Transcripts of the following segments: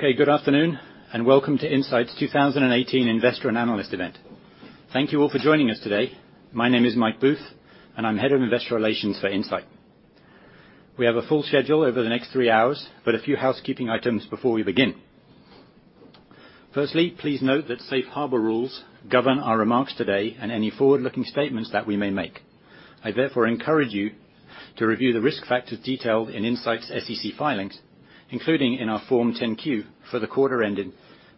Good afternoon, and welcome to Incyte's 2018 Investor and Analyst event. Thank you all for joining us today. My name is Michael Booth, and I am Head of Investor Relations for Incyte. We have a full schedule over the next three hours, a few housekeeping items before we begin. Firstly, please note that safe harbor rules govern our remarks today and any forward-looking statements that we may make. I therefore encourage you to review the risk factors detailed in Incyte's SEC filings, including in our Form 10-Q for the quarter ending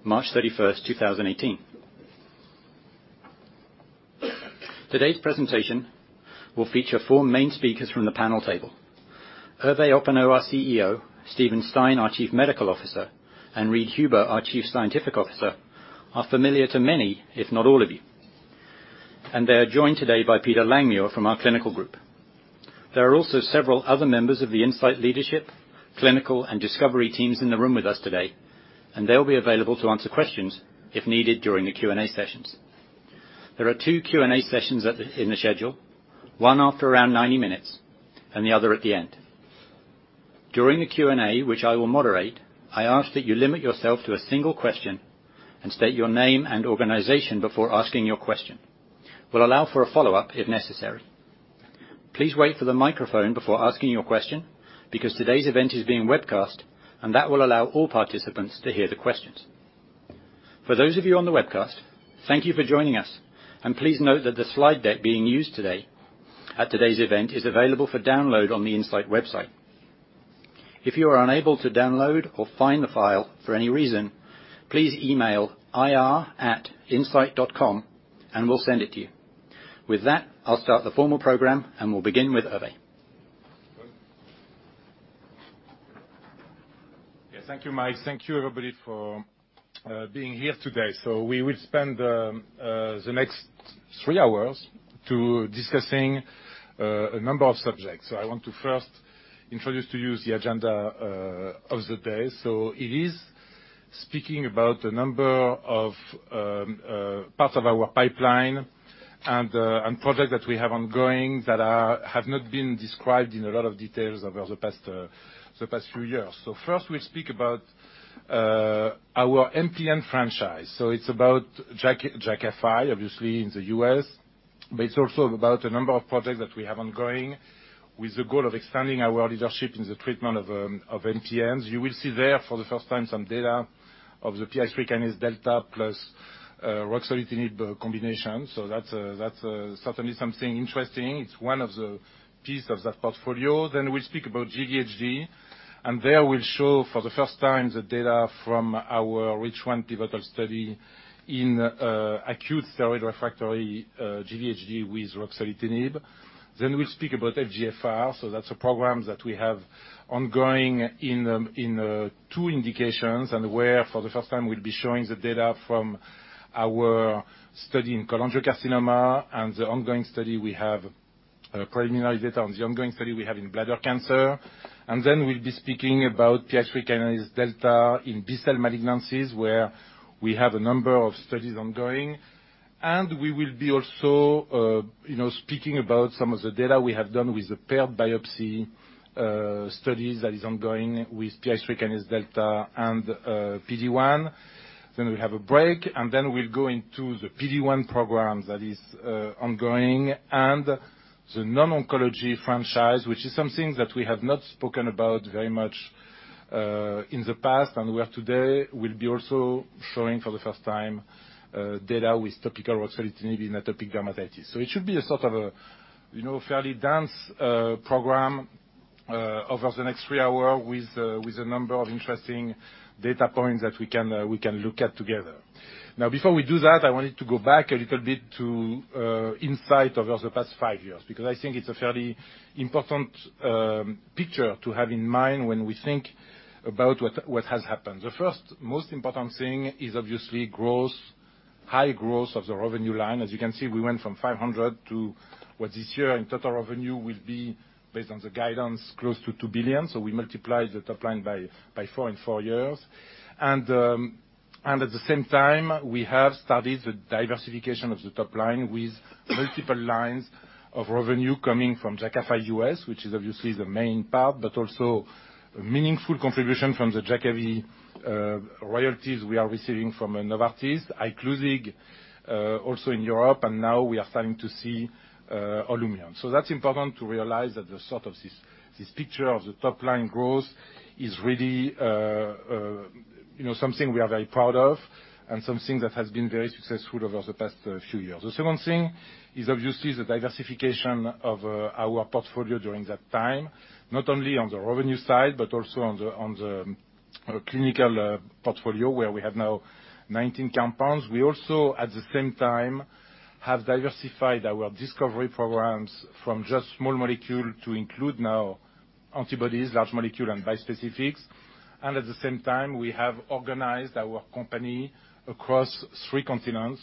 March 31st, 2018. Today's presentation will feature four main speakers from the panel table. Hervé Hoppenot, our CEO, Steven Stein, our Chief Medical Officer, and Reid Huber, our Chief Scientific Officer, are familiar to many, if not all of you. They are joined today by Peter Langmuir from our clinical group. There are also several other members of the Incyte leadership, clinical, and discovery teams in the room with us today, they will be available to answer questions if needed during the Q&A sessions. There are two Q&A sessions in the schedule, one after around 90 minutes and the other at the end. During the Q&A, which I will moderate, I ask that you limit yourself to a single question and state your name and organization before asking your question. We will allow for a follow-up if necessary. Please wait for the microphone before asking your question because today's event is being webcast and that will allow all participants to hear the questions. For those of you on the webcast, thank you for joining us, please note that the slide deck being used today at today's event is available for download on the Incyte website. If you are unable to download or find the file for any reason, please email ir@incyte.com we will send it to you. With that, I will start the formal program, we will begin with Hervé. Yes. Thank you, Mike. Thank you, everybody, for being here today. We will spend the next three hours to discussing a number of subjects. I want to first introduce to you the agenda of the day. It is speaking about a number of parts of our pipeline and project that we have ongoing that have not been described in a lot of details over the past few years. First, we will speak about our MPN franchise. It is about Jakafi, obviously in the U.S., it is also about a number of projects that we have ongoing with the goal of expanding our leadership in the treatment of MPNs. You will see there for the first time some data of the PI3K-delta plus ruxolitinib combination. That is certainly something interesting. It is one of the piece of that portfolio. We'll speak about GVHD, and there we'll show for the first time the data from our REACH1 pivotal study in acute steroid refractory GVHD with ruxolitinib. We'll speak about FGFR. That's a program that we have ongoing in two indications and where for the first time we'll be showing the data from our study in cholangiocarcinoma and the preliminary data on the ongoing study we have in bladder cancer. We'll be speaking about PI3K-delta in B-cell malignancies, where we have a number of studies ongoing, and we will be also speaking about some of the data we have done with the paired biopsy studies that is ongoing with PI3K-delta and PD-1. We have a break, we'll go into the PD-1 program that is ongoing and the non-oncology franchise, which is something that we have not spoken about very much in the past and where today we'll be also showing for the first time data with topical ruxolitinib in atopic dermatitis. It should be a sort of a fairly dense program over the next three hours with a number of interesting data points that we can look at together. Before we do that, I wanted to go back a little bit to Incyte over the past five years, because I think it's a fairly important picture to have in mind when we think about what has happened. The first most important thing is obviously growth, high growth of the revenue line. As you can see, we went from $500 to what this year in total revenue will be based on the guidance close to $2 billion. We multiplied the top line by four in four years. At the same time, we have started the diversification of the top line with multiple lines of revenue coming from Jakafi U.S., which is obviously the main part, but also meaningful contribution from the Jakavi royalties we are receiving from Novartis, ICLUSIG also in Europe, and now we are starting to see Olumiant. That's important to realize that the sort of this picture of the top-line growth is really something we are very proud of and something that has been very successful over the past few years. The second thing is obviously the diversification of our portfolio during that time, not only on the revenue side, but also on the clinical portfolio where we have now 19 compounds. We also, at the same time, have diversified our discovery programs from just small molecule to include now antibodies, large molecule, and bispecifics. At the same time, we have organized our company across three continents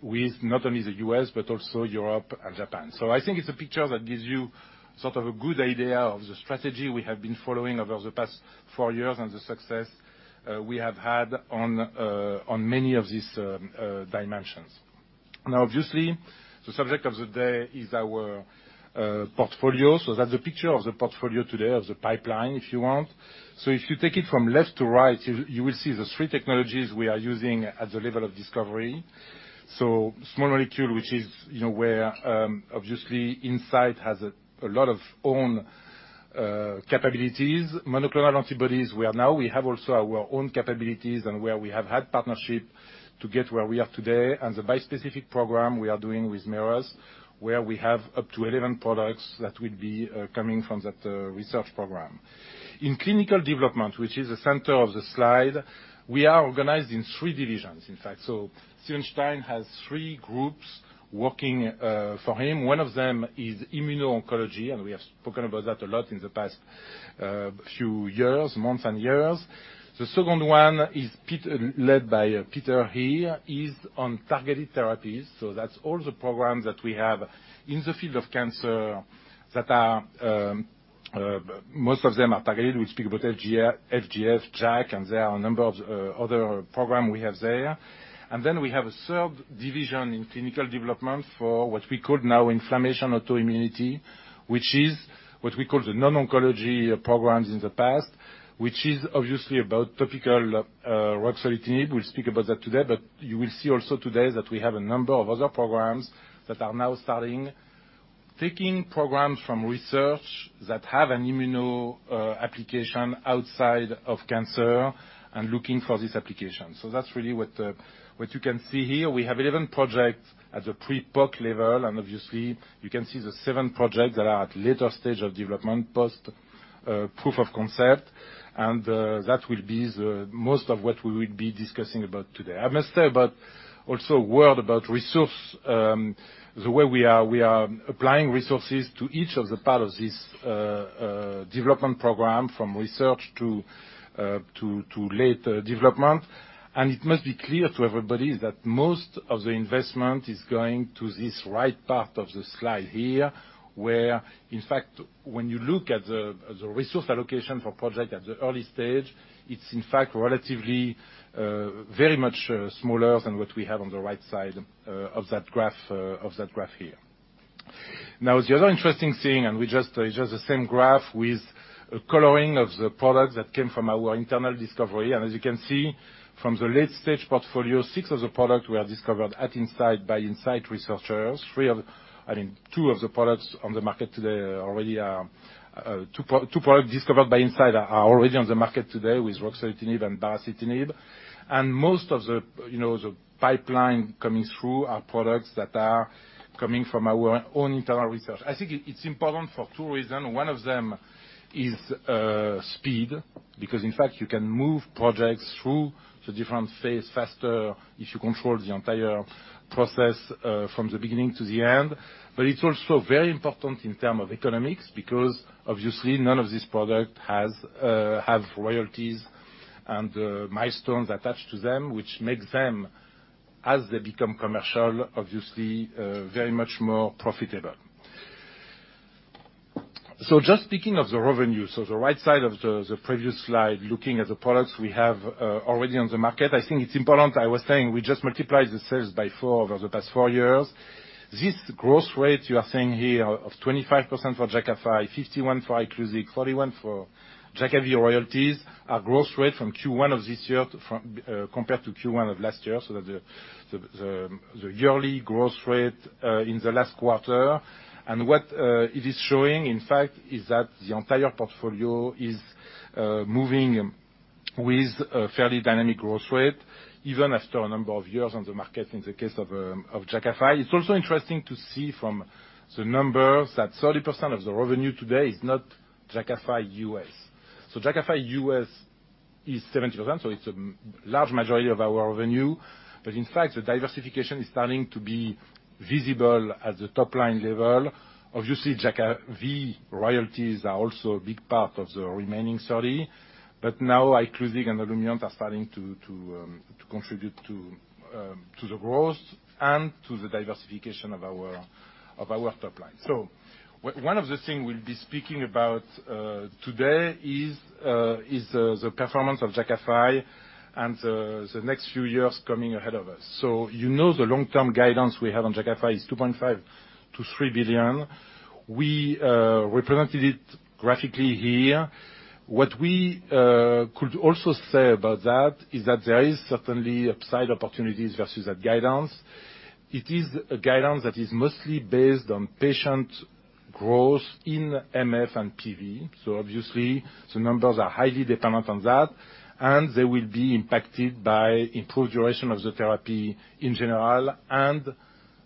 with not only the U.S. but also Europe and Japan. I think it's a picture that gives you sort of a good idea of the strategy we have been following over the past four years and the success we have had on many of these dimensions. Obviously, the subject of the day is our portfolio. That's the picture of the portfolio today, of the pipeline, if you want. If you take it from left to right, you will see the three technologies we are using at the level of discovery. Small molecule, which is where obviously Incyte has a lot of own capabilities. Monoclonal antibodies, we have now also our own capabilities and where we have had partnership to get where we are today. The bispecific program we are doing with Merus, where we have up to 11 products that will be coming from that research program. In clinical development, which is the center of the slide, we are organized in three divisions, in fact. Steven Stein has three groups working for him. One of them is immuno-oncology, and we have spoken about that a lot in the past few months and years. The second one is led by Peter here, is on targeted therapies. That's all the programs that we have in the field of cancer. Most of them are targeted. We'll speak about FGF, JAK, and there are a number of other program we have there. Then we have a third division in clinical development for what we call now inflammation autoimmunity, which is what we call the non-oncology programs in the past, which is obviously about topical ruxolitinib. We'll speak about that today. You will see also today that we have a number of other programs that are now starting, taking programs from research that have an immuno application outside of cancer and looking for this application. That's really what you can see here. We have 11 projects at the pre-POC level, and obviously you can see the seven projects that are at later stage of development, post proof of concept, and that will be the most of what we will be discussing about today. I must say about, also a word about resource, the way we are applying resources to each of the parts of this development program, from research to late development. It must be clear to everybody that most of the investment is going to this right part of the slide here, where, in fact, when you look at the resource allocation for project at the early stage, it's in fact relatively very much smaller than what we have on the right side of that graph here. The other interesting thing, and it's just the same graph with coloring of the product that came from our internal discovery. As you can see from the late-stage portfolio, six of the products were discovered at Incyte by Incyte researchers. Two of the products on the market today already are two products discovered by Incyte are already on the market today with ruxolitinib and baricitinib. Most of the pipeline coming through are products that are coming from our own internal research. I think it's important for two reason. One of them is speed, because in fact, you can move projects through the different phase faster if you control the entire process from the beginning to the end. It's also very important in term of economics because obviously none of this product have royalties and milestones attached to them, which make them, as they become commercial, obviously, very much more profitable. Just speaking of the revenue, the right side of the previous slide, looking at the products we have already on the market, I think it's important, I was saying we just multiplied the sales by four over the past four years. This growth rate you are seeing here of 25% for Jakafi, 51% for Iclusig, 41% for Jakavi royalties, are growth rate from Q1 of this year compared to Q1 of last year. That the yearly growth rate in the last quarter. What it is showing, in fact, is that the entire portfolio is moving with a fairly dynamic growth rate, even after a number of years on the market in the case of Jakafi. It's also interesting to see from the numbers that 30% of the revenue today is not Jakafi U.S. Jakafi U.S. is 70%, it's a large majority of our revenue. In fact, the diversification is starting to be visible at the top-line level. Obviously, Jakavi royalties are also a big part of the remaining 30%, but now Iclusig and Olumiant are starting to contribute to the growth and to the diversification of our top line. One of the thing we'll be speaking about today is the performance of Jakafi and the next few years coming ahead of us. You know the long-term guidance we have on Jakafi is $2.5 billion to $3 billion. We represented it graphically here. What we could also say about that is that there is certainly upside opportunities versus that guidance. It is a guidance that is mostly based on patient growth in MF and PV. Obviously the numbers are highly dependent on that, and they will be impacted by improved duration of the therapy in general, and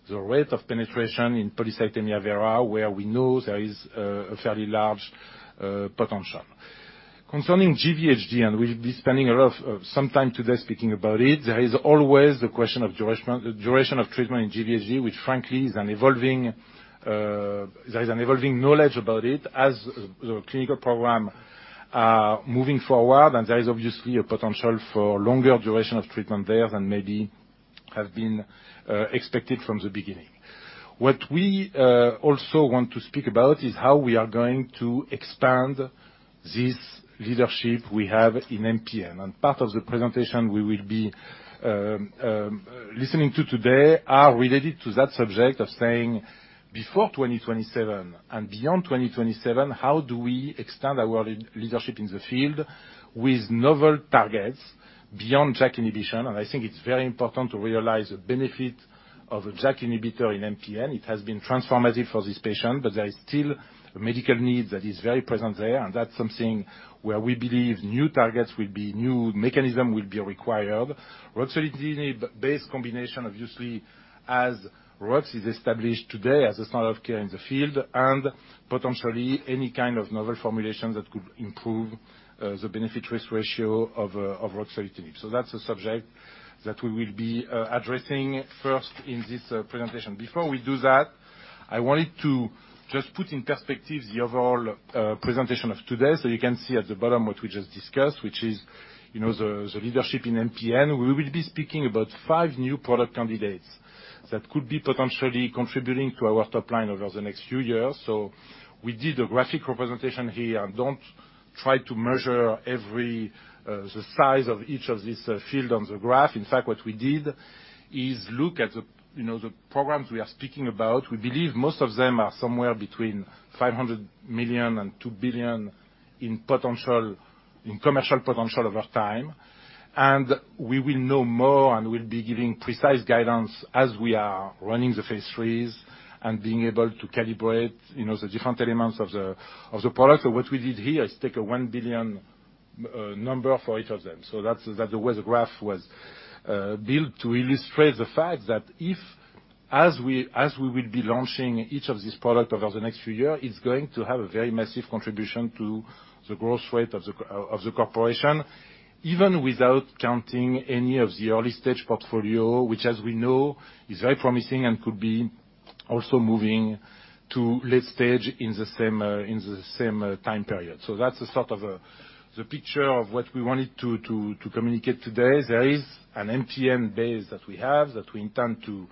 the rate of penetration in polycythemia vera, where we know there is a fairly large potential. Concerning GVHD, and we'll be spending some time today speaking about it, there is always the question of duration of treatment in GVHD, which frankly there is an evolving knowledge about it as the clinical program moving forward, and there is obviously a potential for longer duration of treatment there than maybe have been expected from the beginning. What we also want to speak about is how we are going to expand this leadership we have in MPN. Part of the presentation we will be listening to today are related to that subject of saying, before 2027 and beyond 2027, how do we extend our leadership in the field with novel targets beyond JAK inhibition? I think it's very important to realize the benefit of a JAK inhibitor in MPN. It has been transformative for this patient, but there is still a medical need that is very present there, and that's something where we believe new targets, new mechanism will be required. Ruxolitinib-based combination, obviously, as Rux is established today as a standard of care in the field, and potentially any kind of novel formulation that could improve the benefit risk ratio of ruxolitinib. That's a subject that we will be addressing first in this presentation. Before we do that, I wanted to just put in perspective the overall presentation of today. You can see at the bottom what we just discussed, which is the leadership in MPN. We will be speaking about five new product candidates that could be potentially contributing to our top line over the next few years. We did a graphic representation here, and don't try to measure the size of each of these field on the graph. In fact, what we did is look at the programs we are speaking about. We believe most of them are somewhere between $500 million and $2 billion in commercial potential over time. We will know more, and we'll be giving precise guidance as we are running the phase IIIs and being able to calibrate the different elements of the product. What we did here is take a $1 billion number for each of them. That's the way the graph was built to illustrate the fact that as we will be launching each of these product over the next few year, it's going to have a very massive contribution to the growth rate of the corporation, even without counting any of the early-stage portfolio, which as we know, is very promising and could be also moving to late stage in the same time period. That's the sort of the picture of what we wanted to communicate today. There is an MPN base that we have, that we intend to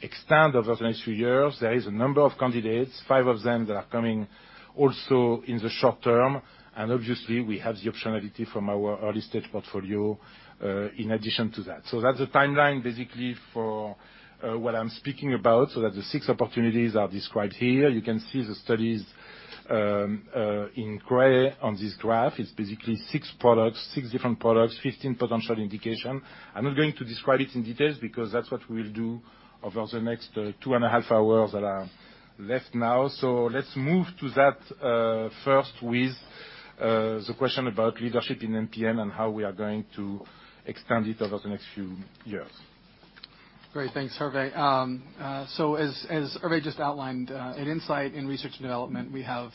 extend over the next few years. There is a number of candidates, five of them that are coming also in the short term. Obviously, we have the optionality from our early-stage portfolio in addition to that. That's the timeline basically for what I'm speaking about. That the six opportunities are described here. You can see the studies in gray on this graph. It's basically six different products, 15 potential indication. I'm not going to describe it in details because that's what we'll do over the next two and a half hours that are left now. Let's move to that first with the question about leadership in MPN and how we are going to extend it over the next few years. Great. Thanks, Hervé. As Hervé just outlined, at Incyte in research and development, we have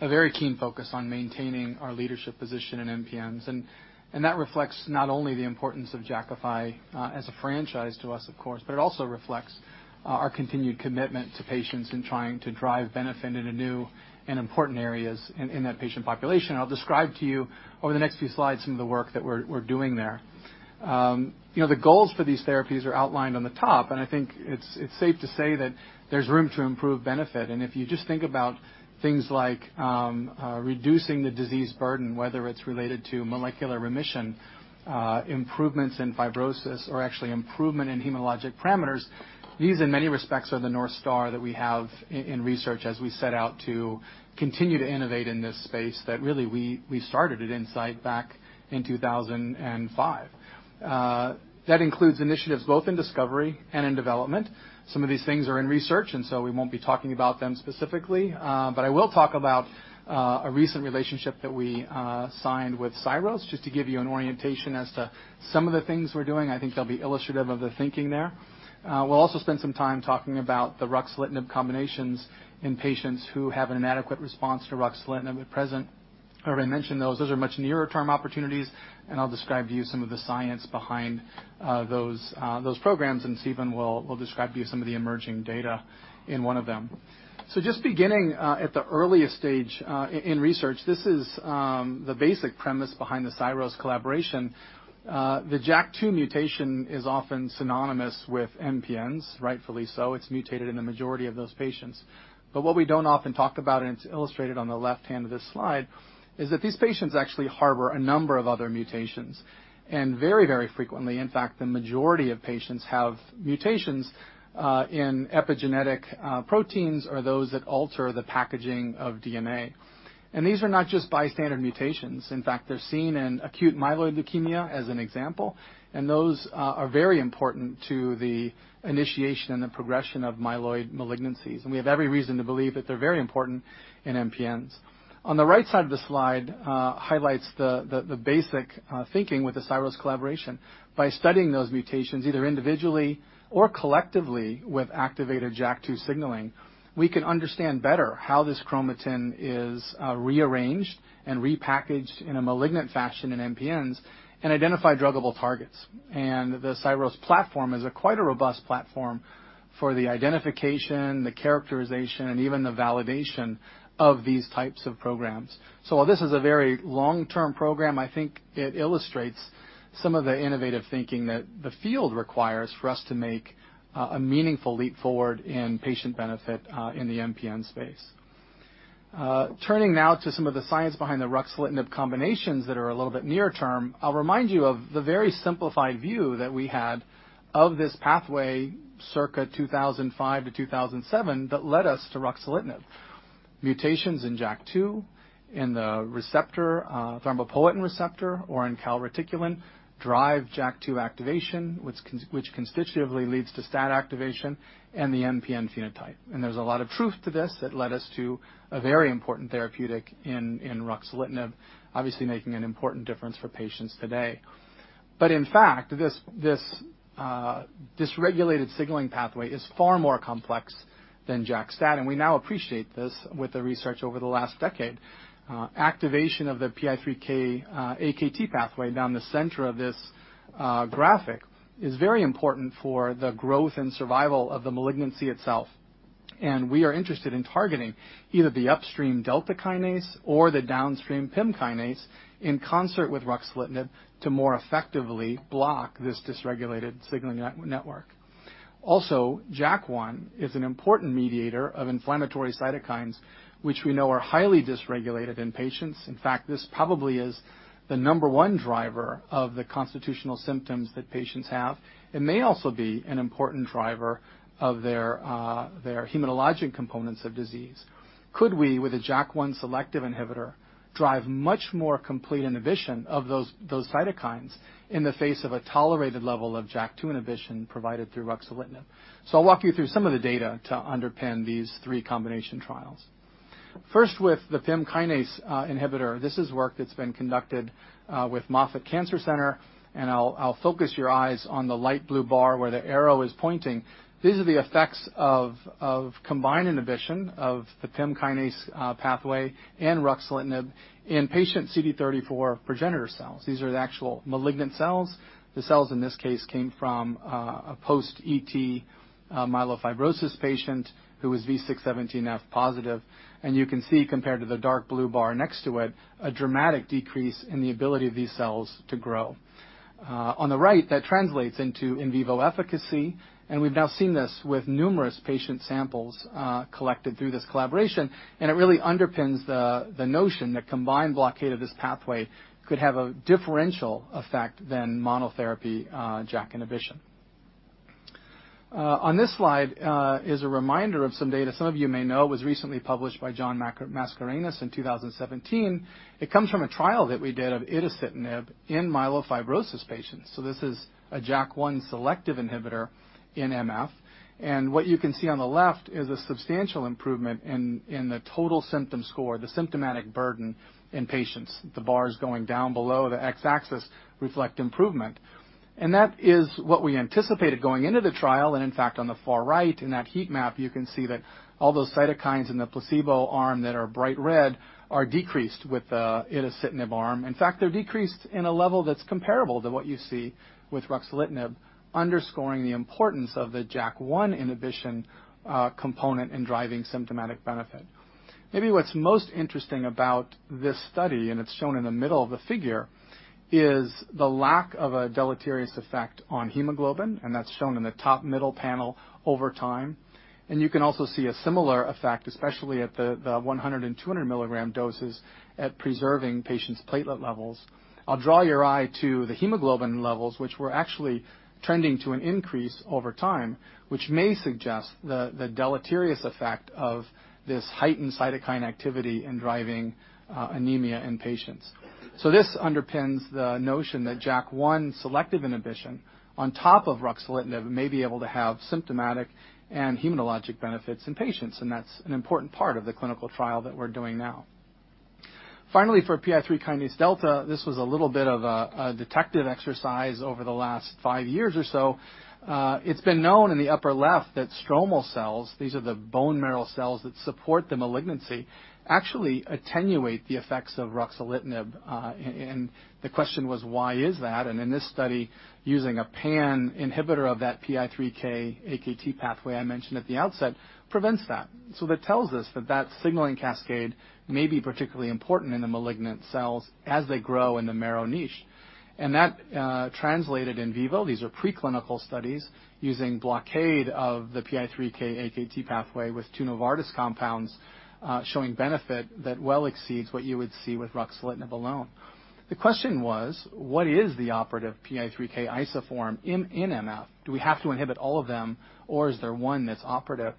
a very keen focus on maintaining our leadership position in MPNs, and that reflects not only the importance of Jakafi as a franchise to us, of course, but it also reflects our continued commitment to patients in trying to drive benefit in a new and important areas in that patient population. I'll describe to you over the next few slides some of the work that we're doing there. The goals for these therapies are outlined on the top, I think it's safe to say that there's room to improve benefit. If you just think about things like reducing the disease burden, whether it is related to molecular remission, improvements in fibrosis, or actually improvement in hematologic parameters, these in many respects are the North Star that we have in research as we set out to continue to innovate in this space that really we started at Incyte back in 2005. That includes initiatives both in discovery and in development. Some of these things are in research, we won't be talking about them specifically. I will talk about a recent relationship that we signed with Syros, just to give you an orientation as to some of the things we are doing. I think they will be illustrative of the thinking there. We will also spend some time talking about the ruxolitinib combinations in patients who have an inadequate response to ruxolitinib at present. Hervé mentioned those. Those are much nearer-term opportunities, I will describe to you some of the science behind those programs, Steven will describe to you some of the emerging data in one of them. Just beginning at the earliest stage in research. This is the basic premise behind the Syros collaboration. The JAK2 mutation is often synonymous with MPNs, rightfully so. It is mutated in the majority of those patients. What we do not often talk about, and it is illustrated on the left-hand of this slide, is that these patients actually harbor a number of other mutations. Very frequently, in fact, the majority of patients have mutations in epigenetic proteins or those that alter the packaging of DNA. These are not just by standard mutations. In fact, they are seen in acute myeloid leukemia as an example, and those are very important to the initiation and the progression of myeloid malignancies. We have every reason to believe that they are very important in MPNs. On the right side of the slide highlights the basic thinking with the Syros collaboration. By studying those mutations, either individually or collectively with activated JAK2 signaling, we can understand better how this chromatin is rearranged and repackaged in a malignant fashion in MPNs and identify druggable targets. The Syros platform is a quite a robust platform for the identification, the characterization, and even the validation of these types of programs. While this is a very long-term program, I think it illustrates some of the innovative thinking that the field requires for us to make a meaningful leap forward in patient benefit in the MPN space. Turning now to some of the science behind the ruxolitinib combinations that are a little bit near term. I will remind you of the very simplified view that we had of this pathway circa 2005 to 2007 that led us to ruxolitinib. Mutations in JAK2, in the receptor, thrombopoietin receptor, or in calreticulin drive JAK2 activation, which constitutively leads to STAT activation and the MPN phenotype. There is a lot of truth to this that led us to a very important therapeutic in ruxolitinib, obviously making an important difference for patients today. In fact, this dysregulated signaling pathway is far more complex than JAK-STAT, and we now appreciate this with the research over the last decade. Activation of the PI3K/AKT pathway down the center of this graphic is very important for the growth and survival of the malignancy itself. We are interested in targeting either the upstream PI3K-delta kinase or the downstream PIM kinase in concert with ruxolitinib to more effectively block this dysregulated signaling network. JAK1 is an important mediator of inflammatory cytokines, which we know are highly dysregulated in patients. In fact, this probably is the number one driver of the constitutional symptoms that patients have, and may also be an important driver of their hematologic components of disease. Could we, with a JAK1 selective inhibitor, drive much more complete inhibition of those cytokines in the face of a tolerated level of JAK2 inhibition provided through ruxolitinib? I'll walk you through some of the data to underpin these three combination trials. First, with the PIM kinase inhibitor, this is work that's been conducted with Moffitt Cancer Center, and I'll focus your eyes on the light blue bar where the arrow is pointing. These are the effects of combined inhibition of the PIM kinase pathway and ruxolitinib in patient CD34 progenitor cells. These are the actual malignant cells. The cells in this case came from a post-ET myelofibrosis patient who was V617F positive. You can see compared to the dark blue bar next to it, a dramatic decrease in the ability of these cells to grow. On the right, that translates into in vivo efficacy, and we've now seen this with numerous patient samples collected through this collaboration. It really underpins the notion that combined blockade of this pathway could have a differential effect than monotherapy JAK inhibition. On this slide is a reminder of some data some of you may know was recently published by John Mascarenhas in 2017. It comes from a trial that we did of itacitinib in myelofibrosis patients. This is a JAK1 selective inhibitor in MF. What you can see on the left is a substantial improvement in the total symptom score, the symptomatic burden in patients. The bars going down below the X-axis reflect improvement. That is what we anticipated going into the trial, and in fact, on the far right in that heat map, you can see that all those cytokines in the placebo arm that are bright red are decreased with the itacitinib arm. In fact, they're decreased in a level that's comparable to what you see with ruxolitinib, underscoring the importance of the JAK1 inhibition component in driving symptomatic benefit. Maybe what's most interesting about this study, and it's shown in the middle of the figure, is the lack of a deleterious effect on hemoglobin, and that's shown in the top middle panel over time. You can also see a similar effect, especially at the 100 and 200 milligram doses at preserving patients' platelet levels. I'll draw your eye to the hemoglobin levels, which were actually trending to an increase over time, which may suggest the deleterious effect of this heightened cytokine activity in driving anemia in patients. This underpins the notion that JAK1 selective inhibition on top of ruxolitinib may be able to have symptomatic and hematologic benefits in patients, and that's an important part of the clinical trial that we're doing now. Finally, for PI3Kδ, this was a little bit of a detective exercise over the last five years or so. It's been known in the upper left that stromal cells, these are the bone marrow cells that support the malignancy, actually attenuate the effects of ruxolitinib. The question was, why is that? In this study, using a pan inhibitor of that PI3K/AKT pathway I mentioned at the outset prevents that. That tells us that signaling cascade may be particularly important in the malignant cells as they grow in the marrow niche. That translated in vivo, these are preclinical studies, using blockade of the PI3K/AKT pathway with two Novartis compounds showing benefit that well exceeds what you would see with ruxolitinib alone. The question was, what is the operative PI3K isoform in MF? Do we have to inhibit all of them, or is there one that's operative?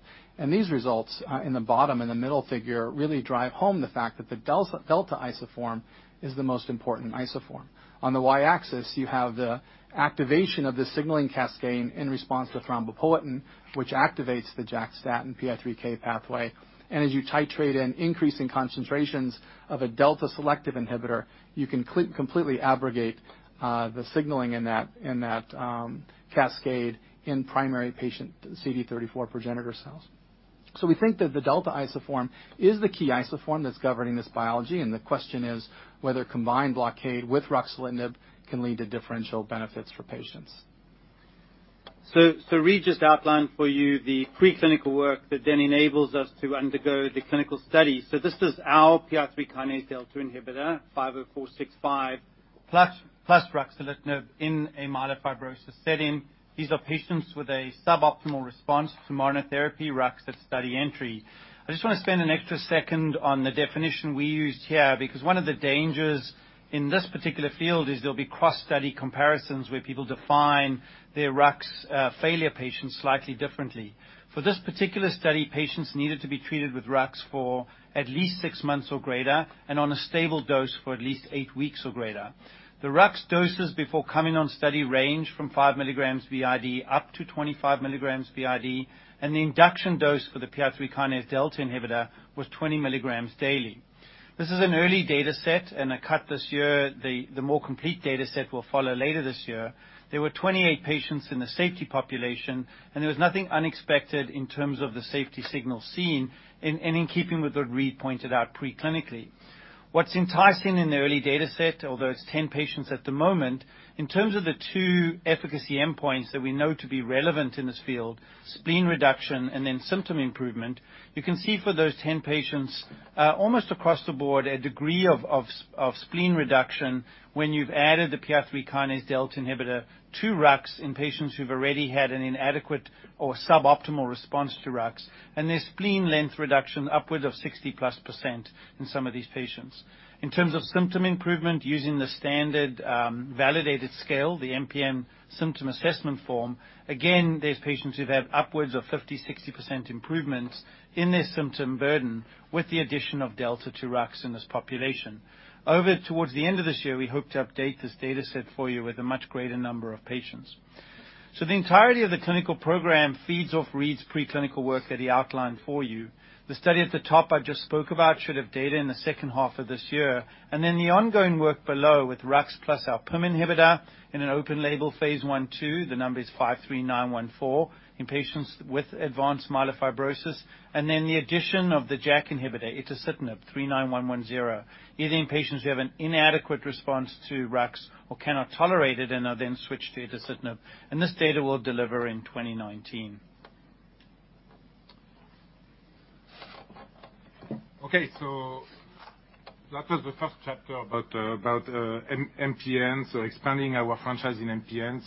These results in the bottom, in the middle figure, really drive home the fact that the delta isoform is the most important isoform. On the Y-axis, you have the activation of the signaling cascade in response to thrombopoietin, which activates the JAK-STAT and PI3K pathway. As you titrate in increasing concentrations of a delta selective inhibitor, you can completely abrogate the signaling in that cascade in primary patient CD34 progenitor cells. We think that the delta isoform is the key isoform that's governing this biology, and the question is whether combined blockade with ruxolitinib can lead to differential benefits for patients. Reid just outlined for you the preclinical work that then enables us to undergo the clinical study. This is our PI3Kδ inhibitor, 50465 Plus ruxolitinib in a myelofibrosis setting. These are patients with a suboptimal response to monotherapy Rux at study entry. I just want to spend an extra second on the definition we used here, because one of the dangers in this particular field is there'll be cross-study comparisons where people define their Rux failure patients slightly differently. For this particular study, patients needed to be treated with Rux for at least six months or greater, and on a stable dose for at least eight weeks or greater. The Rux doses before coming on study range from five milligrams BID up to 25 milligrams BID, and the induction dose for the PI3Kδ inhibitor was 20 milligrams daily. This is an early data set and a cut this year. The more complete data set will follow later this year. There were 28 patients in the safety population, and there was nothing unexpected in terms of the safety signal seen and in keeping with what Reid pointed out preclinically. What's enticing in the early data set, although it's 10 patients at the moment, in terms of the two efficacy endpoints that we know to be relevant in this field, spleen reduction and then symptom improvement, you can see for those 10 patients, almost across the board, a degree of spleen reduction when you've added the PI3Kδ inhibitor to Rux in patients who've already had an inadequate or suboptimal response to Rux. There's spleen length reduction upward of 60-plus % in some of these patients. In terms of symptom improvement, using the standard validated scale, the Myeloproliferative Neoplasm Symptom Assessment Form, again, there's patients who've had upwards of 50%, 60% improvements in their symptom burden with the addition of delta to Rux in this population. Over towards the end of this year, we hope to update this data set for you with a much greater number of patients. The entirety of the clinical program feeds off Reid's preclinical work that he outlined for you. The study at the top I just spoke about should have data in the second half of this year, and then the ongoing work below with Rux plus our PIM inhibitor in an open label phase I/II, the number is 53914, in patients with advanced myelofibrosis. The addition of the JAK inhibitor, itacitinib, 39110, is in patients who have an inadequate response to Rux or cannot tolerate it and are then switched to itacitinib. This data will deliver in 2019. That was the first chapter about MPN, expanding our franchise in MPN.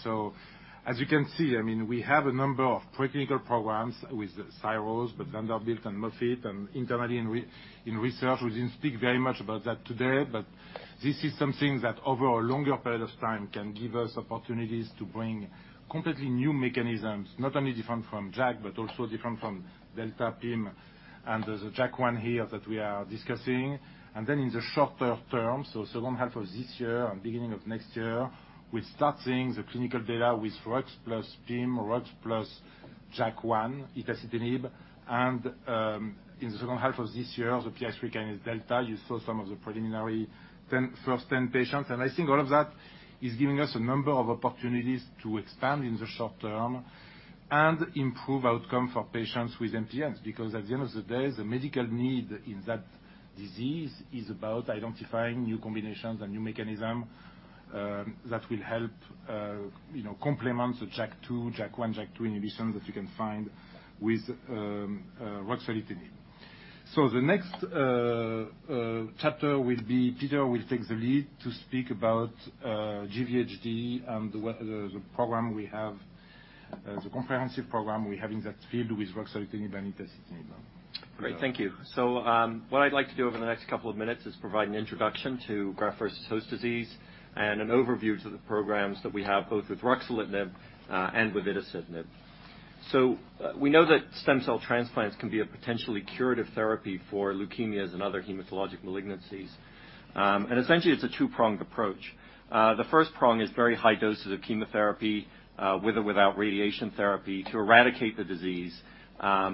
As you can see, we have a number of preclinical programs with Syros, with Vanderbilt and Moffitt, and internally in research. We didn't speak very much about that today, but this is something that over a longer period of time can give us opportunities to bring completely new mechanisms, not only different from JAK, but also different from delta PIM. There's a JAK1 here that we are discussing. In the shorter term, second half of this year and beginning of next year, we're starting the clinical data with Rux plus PIM, Rux plus JAK1 itacitinib. In the second half of this year, the PI3K and delta, you saw some of the preliminary first 10 patients. I think all of that is giving us a number of opportunities to expand in the short term and improve outcome for patients with MPNs. Because at the end of the day, the medical need in that disease is about identifying new combinations and new mechanism that will help complement the JAK2, JAK1, JAK2 inhibitions that you can find with ruxolitinib. The next chapter will be Peter will take the lead to speak about GVHD and the comprehensive program we have in that field with ruxolitinib and itacitinib. Great. Thank you. What I'd like to do over the next couple of minutes is provide an introduction to graft versus host disease and an overview to the programs that we have both with ruxolitinib and with itacitinib. We know that stem cell transplants can be a potentially curative therapy for leukemias and other hematologic malignancies. Essentially, it's a two-pronged approach. The first prong is very high doses of chemotherapy, with or without radiation therapy, to eradicate the disease,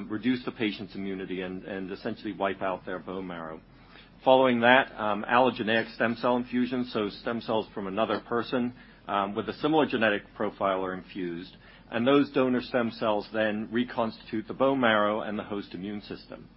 reduce the patient's immunity, and essentially wipe out their bone marrow. Following that, allogeneic stem cell infusion, stem cells from another person with a similar genetic profile are infused, and those donor stem cells then reconstitute the bone marrow and the host immune system.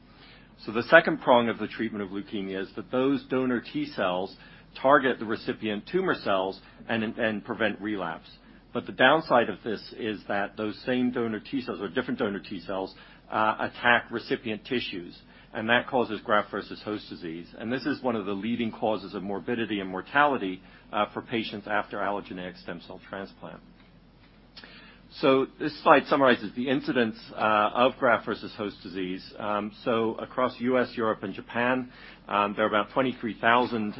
The second prong of the treatment of leukemia is that those donor T-cells target the recipient tumor cells and prevent relapse. The downside of this is that those same donor T-cells, or different donor T-cells, attack recipient tissues, and that causes graft versus host disease. This is one of the leading causes of morbidity and mortality for patients after allogeneic stem cell transplant. This slide summarizes the incidence of graft versus host disease. Across U.S., Europe, and Japan, there are about 23,000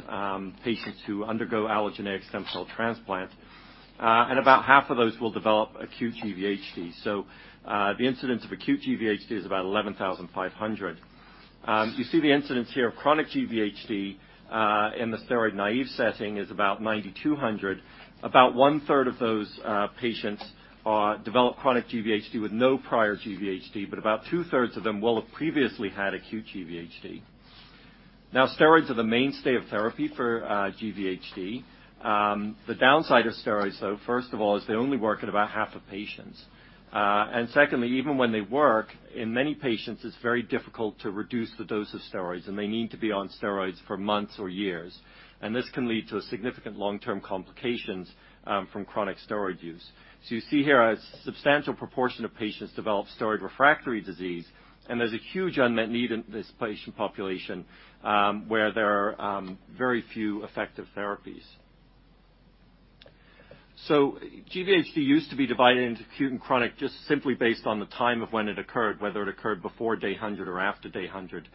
patients who undergo allogeneic stem cell transplant. About half of those will develop acute GVHD. The incidence of acute GVHD is about 11,500. You see the incidence here of chronic GVHD in the steroid-naïve setting is about 9,200. About one-third of those patients develop chronic GVHD with no prior GVHD, but about two-thirds of them will have previously had acute GVHD. Steroids are the mainstay of therapy for GVHD. The downside of steroids, though, first of all, is they only work in about half of patients. Secondly, even when they work, in many patients, it's very difficult to reduce the dose of steroids, and they need to be on steroids for months or years. This can lead to significant long-term complications from chronic steroid use. You see here a substantial proportion of patients develop steroid refractory disease, and there's a huge unmet need in this patient population where there are very few effective therapies. GVHD used to be divided into acute and chronic just simply based on the time of when it occurred, whether it occurred before day 100 or after day 100.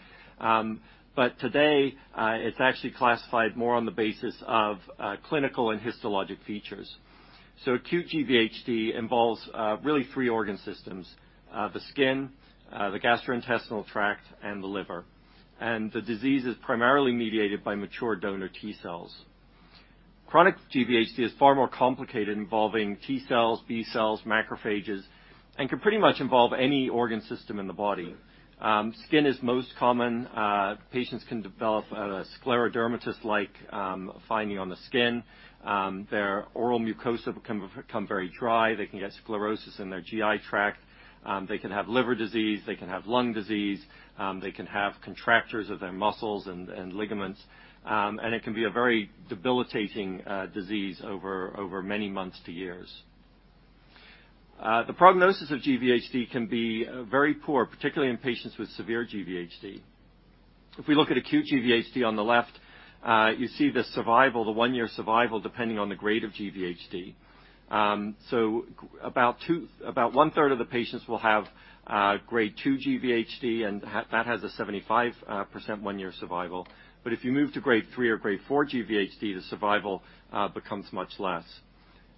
Today, it's actually classified more on the basis of clinical and histologic features. Acute GVHD involves really three organ systems: the skin, the gastrointestinal tract, and the liver. The disease is primarily mediated by mature donor T cells. Chronic GVHD is far more complicated, involving T cells, B cells, macrophages, and can pretty much involve any organ system in the body. Skin is most common. Patients can develop a sclerodermitis-like finding on the skin. Their oral mucosa become very dry. They can get sclerosis in their GI tract. They can have liver disease. They can have lung disease. They can have contractures of their muscles and ligaments. It can be a very debilitating disease over many months to years. The prognosis of GVHD can be very poor, particularly in patients with severe GVHD. If we look at acute GVHD on the left, you see the one-year survival depending on the grade of GVHD. About one-third of the patients will have Grade 2 GVHD, and that has a 75% one-year survival. If you move to Grade 3 or Grade 4 GVHD, the survival becomes much less.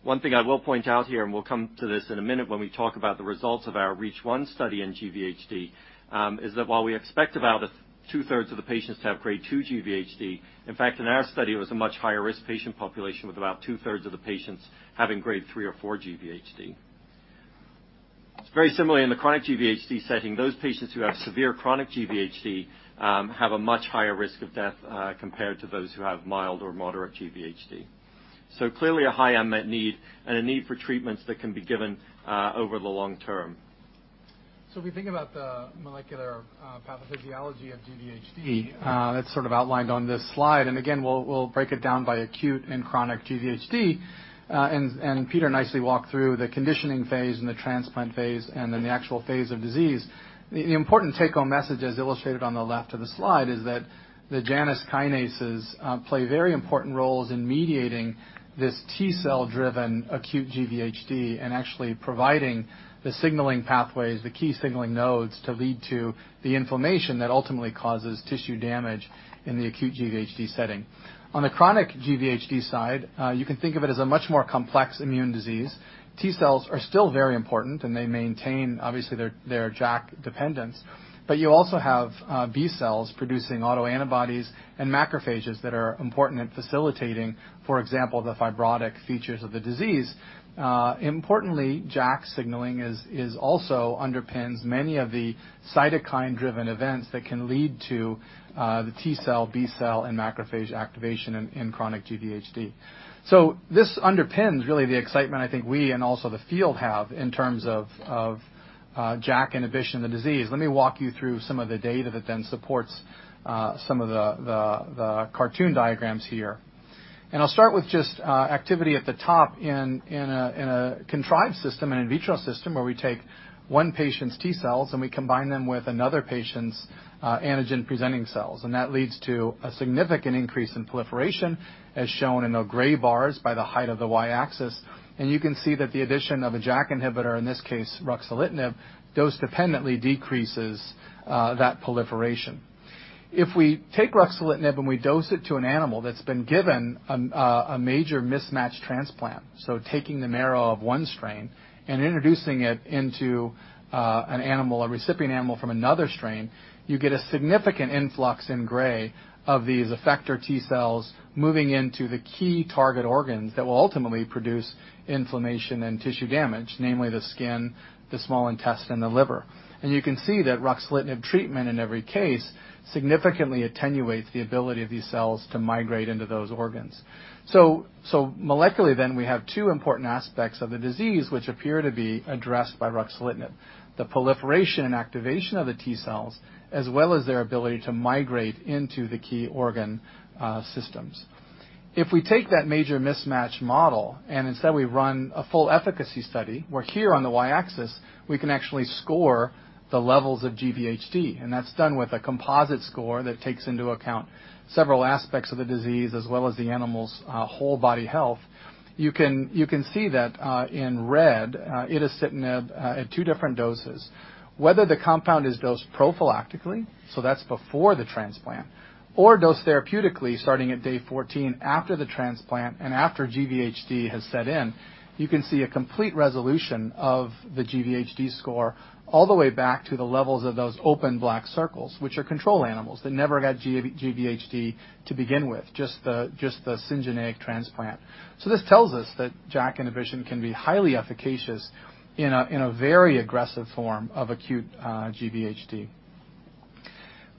One thing I will point out here, and we'll come to this in a minute when we talk about the results of our REACH1 study in GVHD, is that while we expect about two-thirds of the patients to have Grade 2 GVHD, in fact, in our study, it was a much higher-risk patient population with about two-thirds of the patients having Grade 3 or 4 GVHD. Very similarly in the chronic GVHD setting, those patients who have severe chronic GVHD have a much higher risk of death compared to those who have mild or moderate GVHD. Clearly a high unmet need and a need for treatments that can be given over the long term. If we think about the molecular pathophysiology of GVHD, that's sort of outlined on this slide. Again, we'll break it down by acute and chronic GVHD. Peter nicely walked through the conditioning phase and the transplant phase, then the actual phase of disease. The important take-home message, as illustrated on the left of the slide, is that the Janus kinases play very important roles in mediating this T-cell-driven acute GVHD and actually providing the signaling pathways, the key signaling nodes, to lead to the inflammation that ultimately causes tissue damage in the acute GVHD setting. On the chronic GVHD side, you can think of it as a much more complex immune disease. T cells are still very important, and they maintain, obviously, their JAK dependence. You also have B cells producing autoantibodies and macrophages that are important in facilitating, for example, the fibrotic features of the disease. Importantly, JAK signaling also underpins many of the cytokine-driven events that can lead to the T cell, B cell, and macrophage activation in chronic GVHD. This underpins really the excitement I think we and also the field have in terms of JAK inhibition of the disease. Let me walk you through some of the data that then supports some of the cartoon diagrams here. I'll start with just activity at the top in a contrived system, an in vitro system, where we take one patient's T cells, and we combine them with another patient's antigen-presenting cells. That leads to a significant increase in proliferation, as shown in the gray bars by the height of the y-axis. You can see that the addition of a JAK inhibitor, in this case, ruxolitinib, dose-dependently decreases that proliferation. If we take ruxolitinib and we dose it to an animal that's been given a major mismatched transplant, taking the marrow of one strain and introducing it into a recipient animal from another strain, you get a significant influx in gray of these effector T cells moving into the key target organs that will ultimately produce inflammation and tissue damage, namely the skin, the small intestine, and the liver. You can see that ruxolitinib treatment in every case significantly attenuates the ability of these cells to migrate into those organs. Molecularly then, we have two important aspects of the disease which appear to be addressed by ruxolitinib, the proliferation and activation of the T cells, as well as their ability to migrate into the key organ systems. If we take that major mismatched model and instead we run a full efficacy study, where here on the y-axis, we can actually score the levels of GVHD, and that's done with a composite score that takes into account several aspects of the disease, as well as the animal's whole body health. You can see that in red, itacitinib at two different doses. Whether the compound is dosed prophylactically, so that's before the transplant, or dosed therapeutically, starting at day 14 after the transplant and after GVHD has set in, you can see a complete resolution of the GVHD score all the way back to the levels of those open black circles, which are control animals that never got GVHD to begin with, just the syngeneic transplant. This tells us that JAK inhibition can be highly efficacious in a very aggressive form of acute GVHD.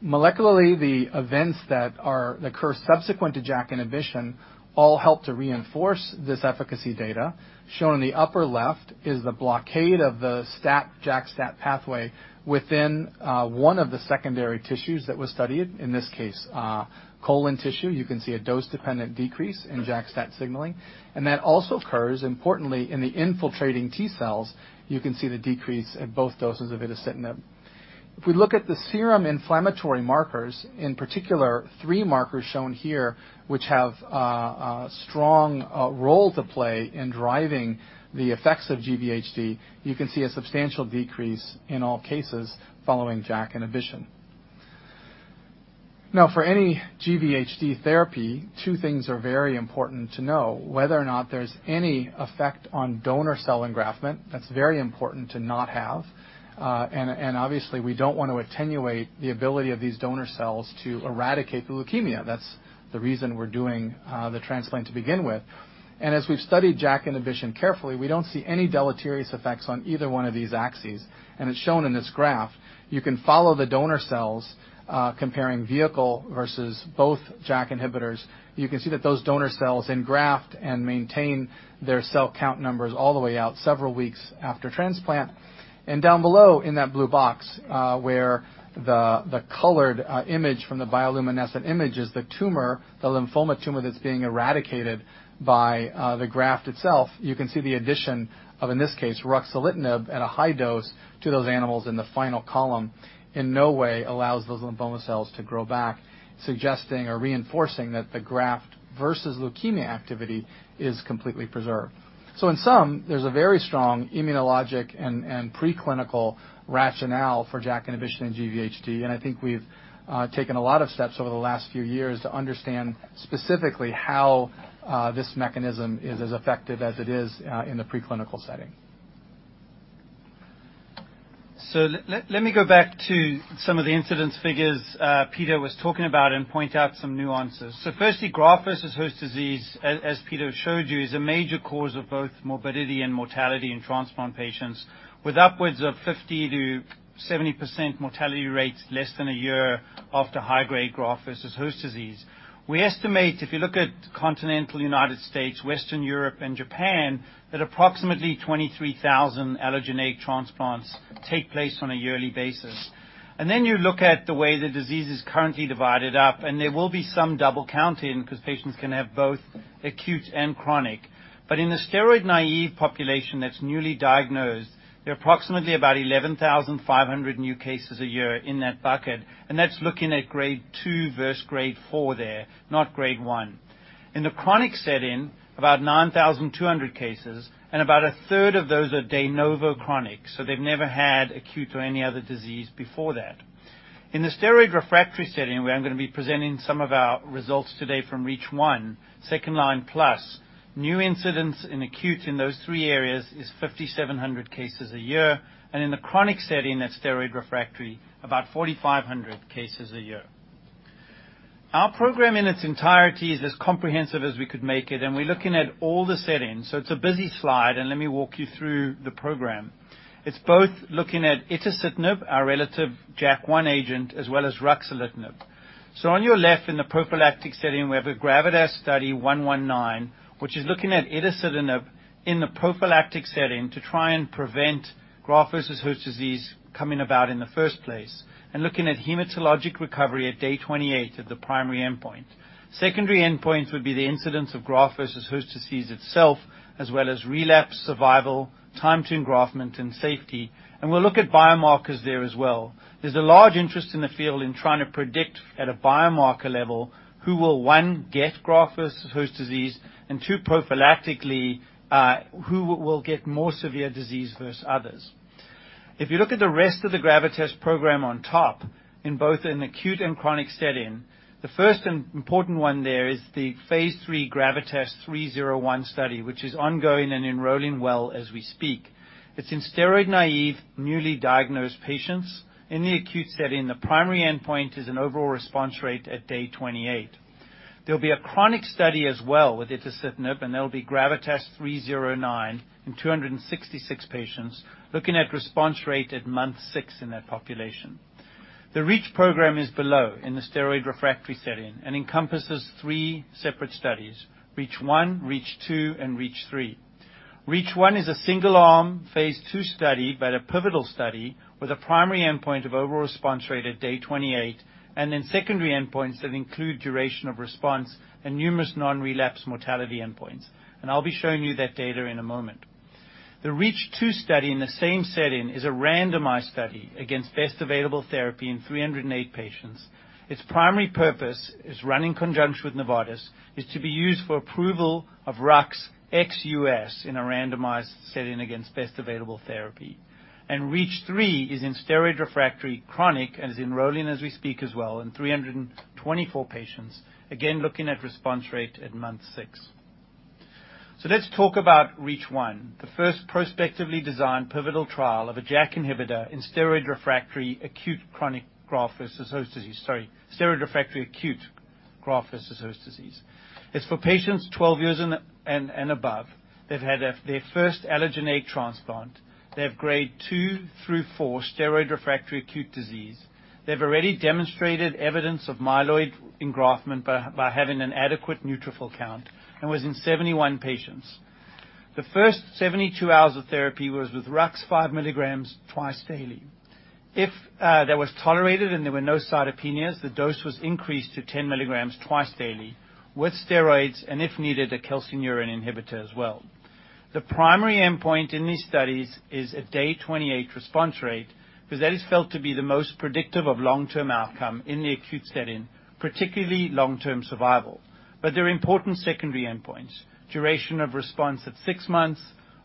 Molecularly, the events that occur subsequent to JAK inhibition all help to reinforce this efficacy data. Shown in the upper left is the blockade of the STAT, JAK-STAT pathway within one of the secondary tissues that was studied. In this case, colon tissue. You can see a dose-dependent decrease in JAK-STAT signaling. That also occurs, importantly, in the infiltrating T cells. You can see the decrease at both doses of itacitinib. If we look at the serum inflammatory markers, in particular three markers shown here, which have a strong role to play in driving the effects of GVHD, you can see a substantial decrease in all cases following JAK inhibition. For any GVHD therapy, two things are very important to know. Whether or not there's any effect on donor cell engraftment, that's very important to not have. Obviously, we don't want to attenuate the ability of these donor cells to eradicate the leukemia. That's the reason we're doing the transplant to begin with. As we've studied JAK inhibition carefully, we don't see any deleterious effects on either one of these axes, and it's shown in this graph. You can follow the donor cells, comparing vehicle versus both JAK inhibitors. You can see that those donor cells engraft and maintain their cell count numbers all the way out, several weeks after transplant. Down below, in that blue box, where the colored image from the bioluminescent image is the tumor, the lymphoma tumor that's being eradicated by the graft itself. You can see the addition of, in this case, ruxolitinib at a high dose to those animals in the final column, in no way allows those lymphoma cells to grow back, suggesting or reinforcing that the graft versus leukemia activity is completely preserved. In sum, there's a very strong immunologic and preclinical rationale for JAK inhibition in GVHD, and I think we've taken a lot of steps over the last few years to understand specifically how this mechanism is as effective as it is in the preclinical setting. Let me go back to some of the incidence figures Peter was talking about and point out some nuances. Firstly, graft-versus-host disease, as Peter showed you, is a major cause of both morbidity and mortality in transplant patients. With upwards of 50%-70% mortality rates less than a year after high-grade graft-versus-host disease. We estimate if you look at continental United States, Western Europe, and Japan, that approximately 23,000 allogeneic transplants take place on a yearly basis. You look at the way the disease is currently divided up, and there will be some double counting because patients can have both acute and chronic. In the steroid-naive population that's newly diagnosed, there are approximately about 11,500 new cases a year in that bucket, and that's looking at Grade 2 versus Grade 4 there, not Grade 1. In the chronic setting, about 9,200 cases and about a third of those are de novo chronic, so they've never had acute or any other disease before that. In the steroid refractory setting, where I'm going to be presenting some of our results today from REACH1, second-line plus, new incidence in acute in those three areas is 5,700 cases a year. In the chronic setting, that's steroid refractory, about 4,500 cases a year. Our program in its entirety is as comprehensive as we could make it, and we're looking at all the settings. It's a busy slide, and let me walk you through the program. It's both looking at itacitinib, our relative JAK1 agent, as well as ruxolitinib. On your left in the prophylactic setting, we have a GRAVITAS study 119, which is looking at itacitinib in the prophylactic setting to try and prevent graft-versus-host disease coming about in the first place and looking at hematologic recovery at day 28 at the primary endpoint. Secondary endpoint would be the incidence of graft-versus-host disease itself, as well as relapse, survival, time to engraftment, and safety. We'll look at biomarkers there as well. There's a large interest in the field in trying to predict at a biomarker level who will, one, get graft-versus-host disease and two, prophylactically, who will get more severe disease versus others. If you look at the rest of the GRAVITAS program on top, in both an acute and chronic setting, the first important one there is the phase III GRAVITAS 301 study, which is ongoing and enrolling well as we speak. It's in steroid-naive, newly diagnosed patients. In the acute setting, the primary endpoint is an overall response rate at day 28. There'll be a chronic study as well with itacitinib, and that'll be GRAVITAS 309 in 266 patients, looking at response rate at month six in that population. The REACH program is below in the steroid refractory setting and encompasses three separate studies: REACH1, REACH2, and REACH3. REACH1 is a single-arm phase II study, a pivotal study with a primary endpoint of overall response rate at day 28, secondary endpoints that include duration of response and numerous non-relapse mortality endpoints. I'll be showing you that data in a moment. The REACH2 study in the same setting is a randomized study against best available therapy in 308 patients. Its primary purpose is run in conjunction with Novartis, is to be used for approval of Rux ex U.S. in a randomized setting against best available therapy. REACH3 is in steroid refractory chronic and is enrolling as we speak as well in 324 patients, again, looking at response rate at month 6. Let's talk about REACH1, the first prospectively designed pivotal trial of a JAK inhibitor in steroid refractory acute graft versus host disease. It's for patients 12 years and above. They've had their first allogeneic transplant. They have Grade 2 through 4 steroid refractory acute disease. They've already demonstrated evidence of myeloid engraftment by having an adequate neutrophil count and was in 71 patients. The first 72 hours of therapy was with Rux five milligrams twice daily. If that was tolerated and there were no cytopenias, the dose was increased to 10 milligrams twice daily with steroids and if needed, a calcineurin inhibitor as well. The primary endpoint in these studies is a day 28 response rate, because that is felt to be the most predictive of long-term outcome in the acute setting, particularly long-term survival. There are important secondary endpoints, duration of response at 6 months,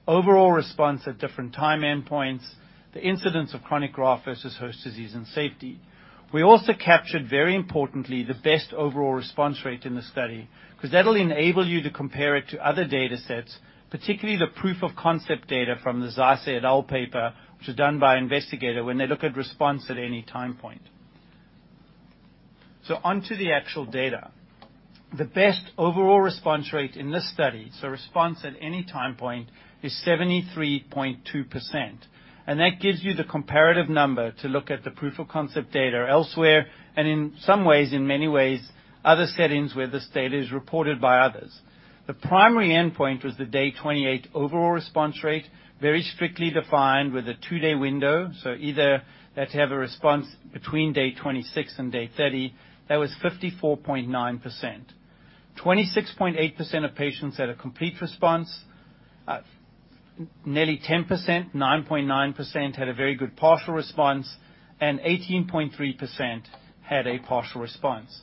overall response at different time endpoints, the incidence of chronic graft versus host disease, and safety. We also captured, very importantly, the best overall response rate in the study, because that'll enable you to compare it to other data sets, particularly the proof of concept data from the Zeiser et al paper, which was done by investigator when they look at response at any time point. On to the actual data. The best overall response rate in this study, so response at any time point, is 73.2%, and that gives you the comparative number to look at the proof of concept data elsewhere, and in some ways, in many ways, other settings where this data is reported by others. The primary endpoint was the day 28 overall response rate, very strictly defined with a 2-day window, so either they had to have a response between day 26 and day 30. That was 54.9%. 26.8% of patients had a complete response. Nearly 10%, 9.9%, had a very good partial response, and 18.3% had a partial response.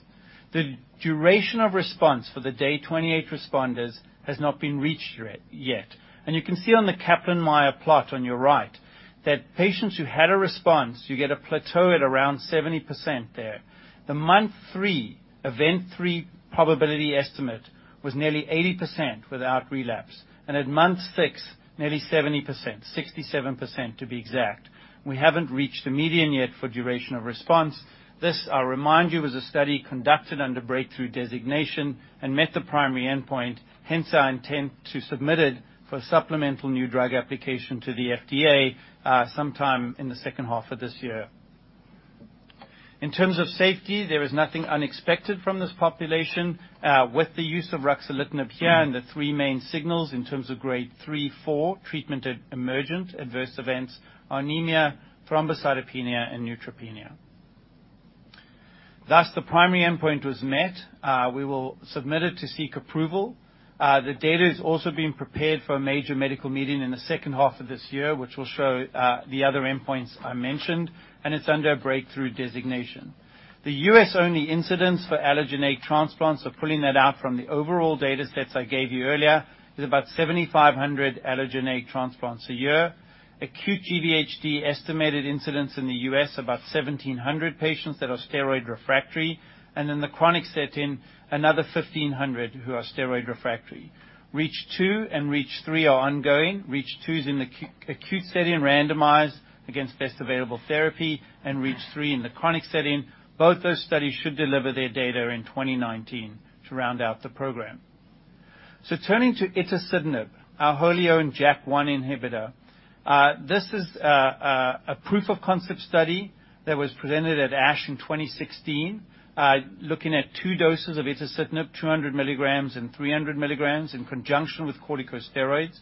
The duration of response for the day 28 responders has not been reached yet. You can see on the Kaplan-Meier plot on your right that patients who had a response, you get a plateau at around 70% there. The month 3, event 3 probability estimate was nearly 80% without relapse. At month 6, nearly 70%, 67% to be exact. We haven't reached the median yet for duration of response. This, I'll remind you, was a study conducted under breakthrough designation and met the primary endpoint. Hence our intent to submit it for supplemental new drug application to the FDA sometime in the second half of this year. In terms of safety, there is nothing unexpected from this population with the use of ruxolitinib here and the three main signals in terms of grade 3/4 treatment emergent adverse events, anemia, thrombocytopenia, and neutropenia. The primary endpoint was met. We will submit it to seek approval. The data is also being prepared for a major medical meeting in the second half of this year, which will show the other endpoints I mentioned. It's under a breakthrough designation. The U.S.-only incidence for allogeneic transplants, pulling that out from the overall data sets I gave you earlier, is about 7,500 allogeneic transplants a year. Acute GVHD estimated incidence in the U.S., about 1,700 patients that are steroid refractory. In the chronic setting, another 1,500 who are steroid refractory. REACH2 and REACH3 are ongoing. REACH2 is in the acute setting, randomized against best available therapy, and REACH3 in the chronic setting. Both those studies should deliver their data in 2019 to round out the program. Turning to itacitinib, our wholly-owned JAK1 inhibitor. This is a proof of concept study that was presented at ASH in 2016, looking at two doses of itacitinib, 200 milligrams and 300 milligrams, in conjunction with corticosteroids.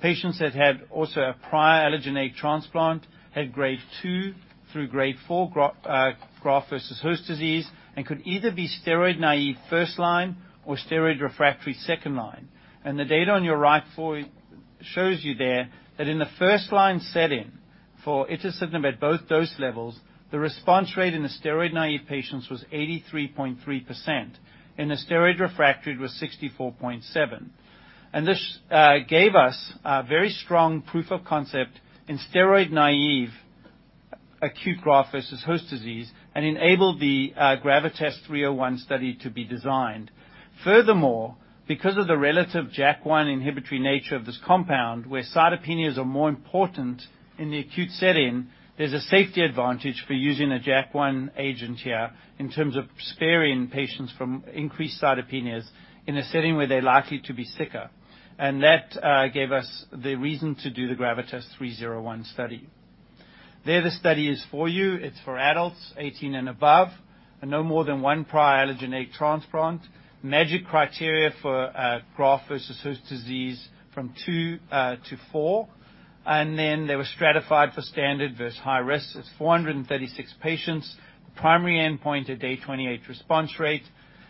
Patients that had also a prior allogeneic transplant had grade 2 through grade 4 GVHD and could either be steroid naive, first-line, or steroid refractory, second-line. The data on your right shows you there that in the first line setting for itacitinib at both dose levels, the response rate in the steroid naive patients was 83.3%. In the steroid refractory, it was 64.7%. This gave us a very strong proof of concept in steroid naive acute GVHD and enabled the GRAVITAS-301 study to be designed. Furthermore, because of the relative JAK1 inhibitory nature of this compound, where cytopenias are more important in the acute setting, there's a safety advantage for using a JAK1 agent here in terms of sparing patients from increased cytopenias in a setting where they're likely to be sicker. That gave us the reason to do the GRAVITAS-301 study. There the study is for you. It's for adults 18 and above and no more than one prior allogeneic transplant. MAGIC criteria for GVHD from 2 to 4. They were stratified for standard versus high risk. It's 436 patients. Primary endpoint at day 28 response rate.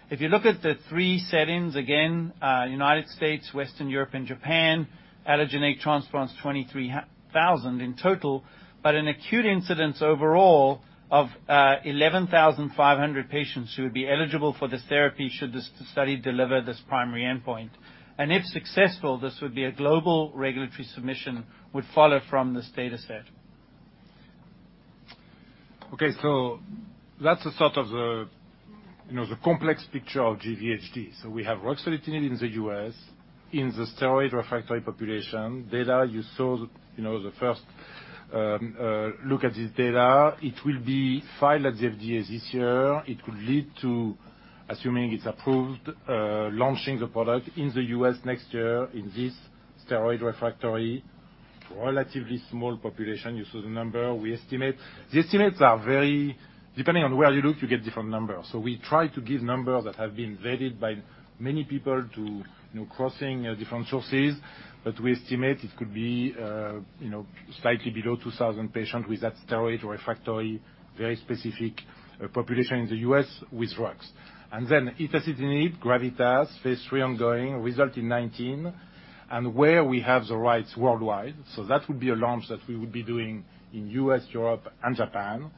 If you look at the three settings again, U.S., Western Europe, and Japan, allogeneic transplants, 23,000 in total, but an acute incidence overall of 11,500 patients who would be eligible for this therapy should this study deliver this primary endpoint. If successful, this would be a global regulatory submission, would follow from this data set. Okay, that's the sort of the complex picture of GVHD. We have ruxolitinib in the U.S. in the steroid refractory population. Data you saw the first look at this data. It will be filed at the FDA this year. It could lead to, assuming it's approved, launching the product in the U.S. next year in this steroid refractory, relatively small population. You saw the number we estimate. The estimates are very. Depending on where you look, you get different numbers. We try to give numbers that have been vetted by many people to crossing different sources. We estimate it could be slightly below 2,000 patients with that steroid refractory, very specific population in the U.S. with drugs. Then itacitinib, GRAVITAS, phase III ongoing, result in 2019, and where we have the rights worldwide. That would be a launch that we would be doing in U.S., Europe, and Japan.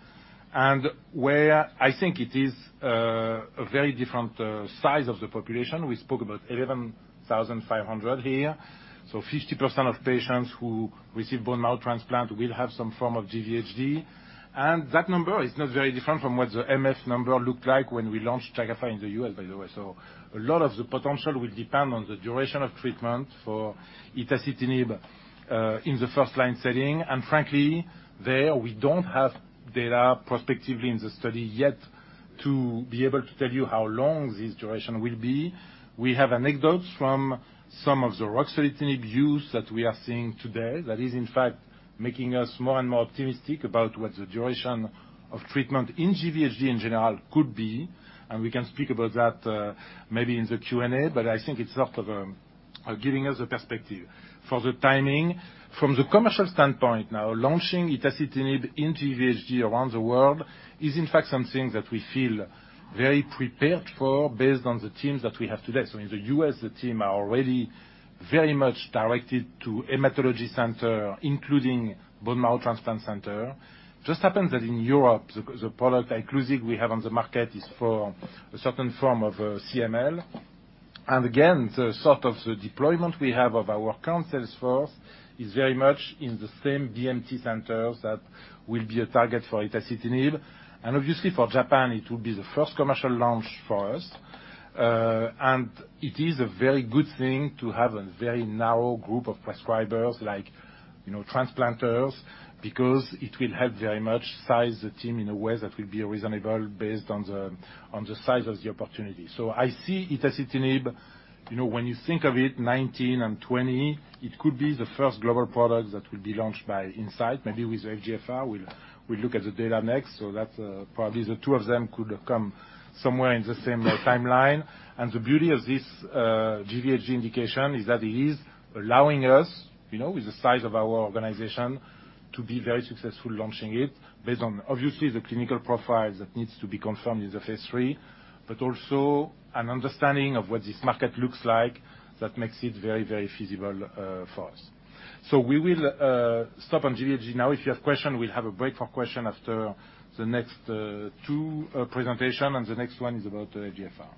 Where I think it is a very different size of the population. We spoke about 11,500 here. 50% of patients who receive bone marrow transplant will have some form of GVHD, and that number is not very different from what the MF number looked like when we launched Jakafi in the U.S., by the way. A lot of the potential will depend on the duration of treatment for itacitinib in the first-line setting. Frankly, there we don't have data prospectively in the study yet to be able to tell you how long this duration will be. We have anecdotes from some of the ruxolitinib use that we are seeing today that is, in fact, making us more and more optimistic about what the duration of treatment in GVHD in general could be, and we can speak about that maybe in the Q&A. I think it's sort of giving us a perspective for the timing. From the commercial standpoint now, launching itacitinib in GVHD around the world is, in fact, something that we feel very prepared for based on the teams that we have today. In the U.S., the team are already very much directed to hematology center, including bone marrow transplant center. Just happens that in Europe, the product, ICLUSIG, we have on the market is for a certain form of CML. Again, the sort of the deployment we have of our account sales force is very much in the same BMT centers that will be a target for itacitinib. Obviously, for Japan, it will be the first commercial launch for us. It is a very good thing to have a very narrow group of prescribers like transplanters, because it will help very much size the team in a way that will be reasonable based on the size of the opportunity. I see itacitinib, when you think of it, 2019 and 2020, it could be the first global product that will be launched by Incyte, maybe with FGFR. We'll look at the data next. That's probably the two of them could come somewhere in the same timeline. The beauty of this GVHD indication is that it is allowing us, with the size of our organization, to be very successful launching it based on, obviously, the clinical profile that needs to be confirmed in the phase III, but also an understanding of what this market looks like that makes it very, very feasible for us. We will stop on GVHD now. If you have question, we'll have a break for question after the next two presentation, the next one is about FGFR.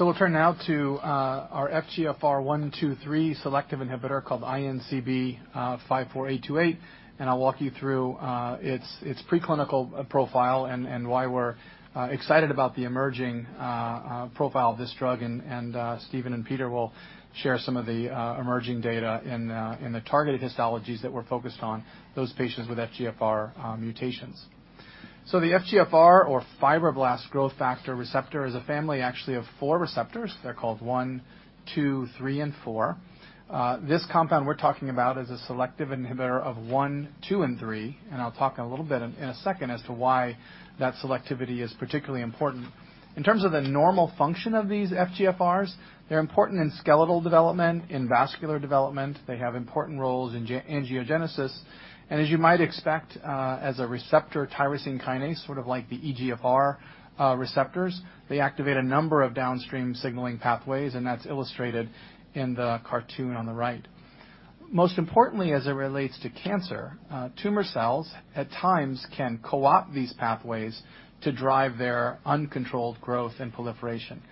We'll turn now to our FGFR one, two, three selective inhibitor called INCB54828. I'll walk you through its pre-clinical profile and why we're excited about the emerging profile of this drug. Steven and Peter will share some of the emerging data in the targeted histologies that we're focused on those patients with FGFR mutations. The FGFR or fibroblast growth factor receptor is a family actually of four receptors. They're called one, two, three, and four. This compound we're talking about is a selective inhibitor of one, two, and three. I'll talk a little bit in a second as to why that selectivity is particularly important. In terms of the normal function of these FGFRs, they're important in skeletal development, in vascular development. They have important roles in angiogenesis. As you might expect, as a receptor tyrosine kinase, sort of like the EGFR receptors, they activate a number of downstream signaling pathways. That's illustrated in the cartoon on the right. Most importantly, as it relates to cancer, tumor cells at times can coopt these pathways to drive their uncontrolled growth and proliferation.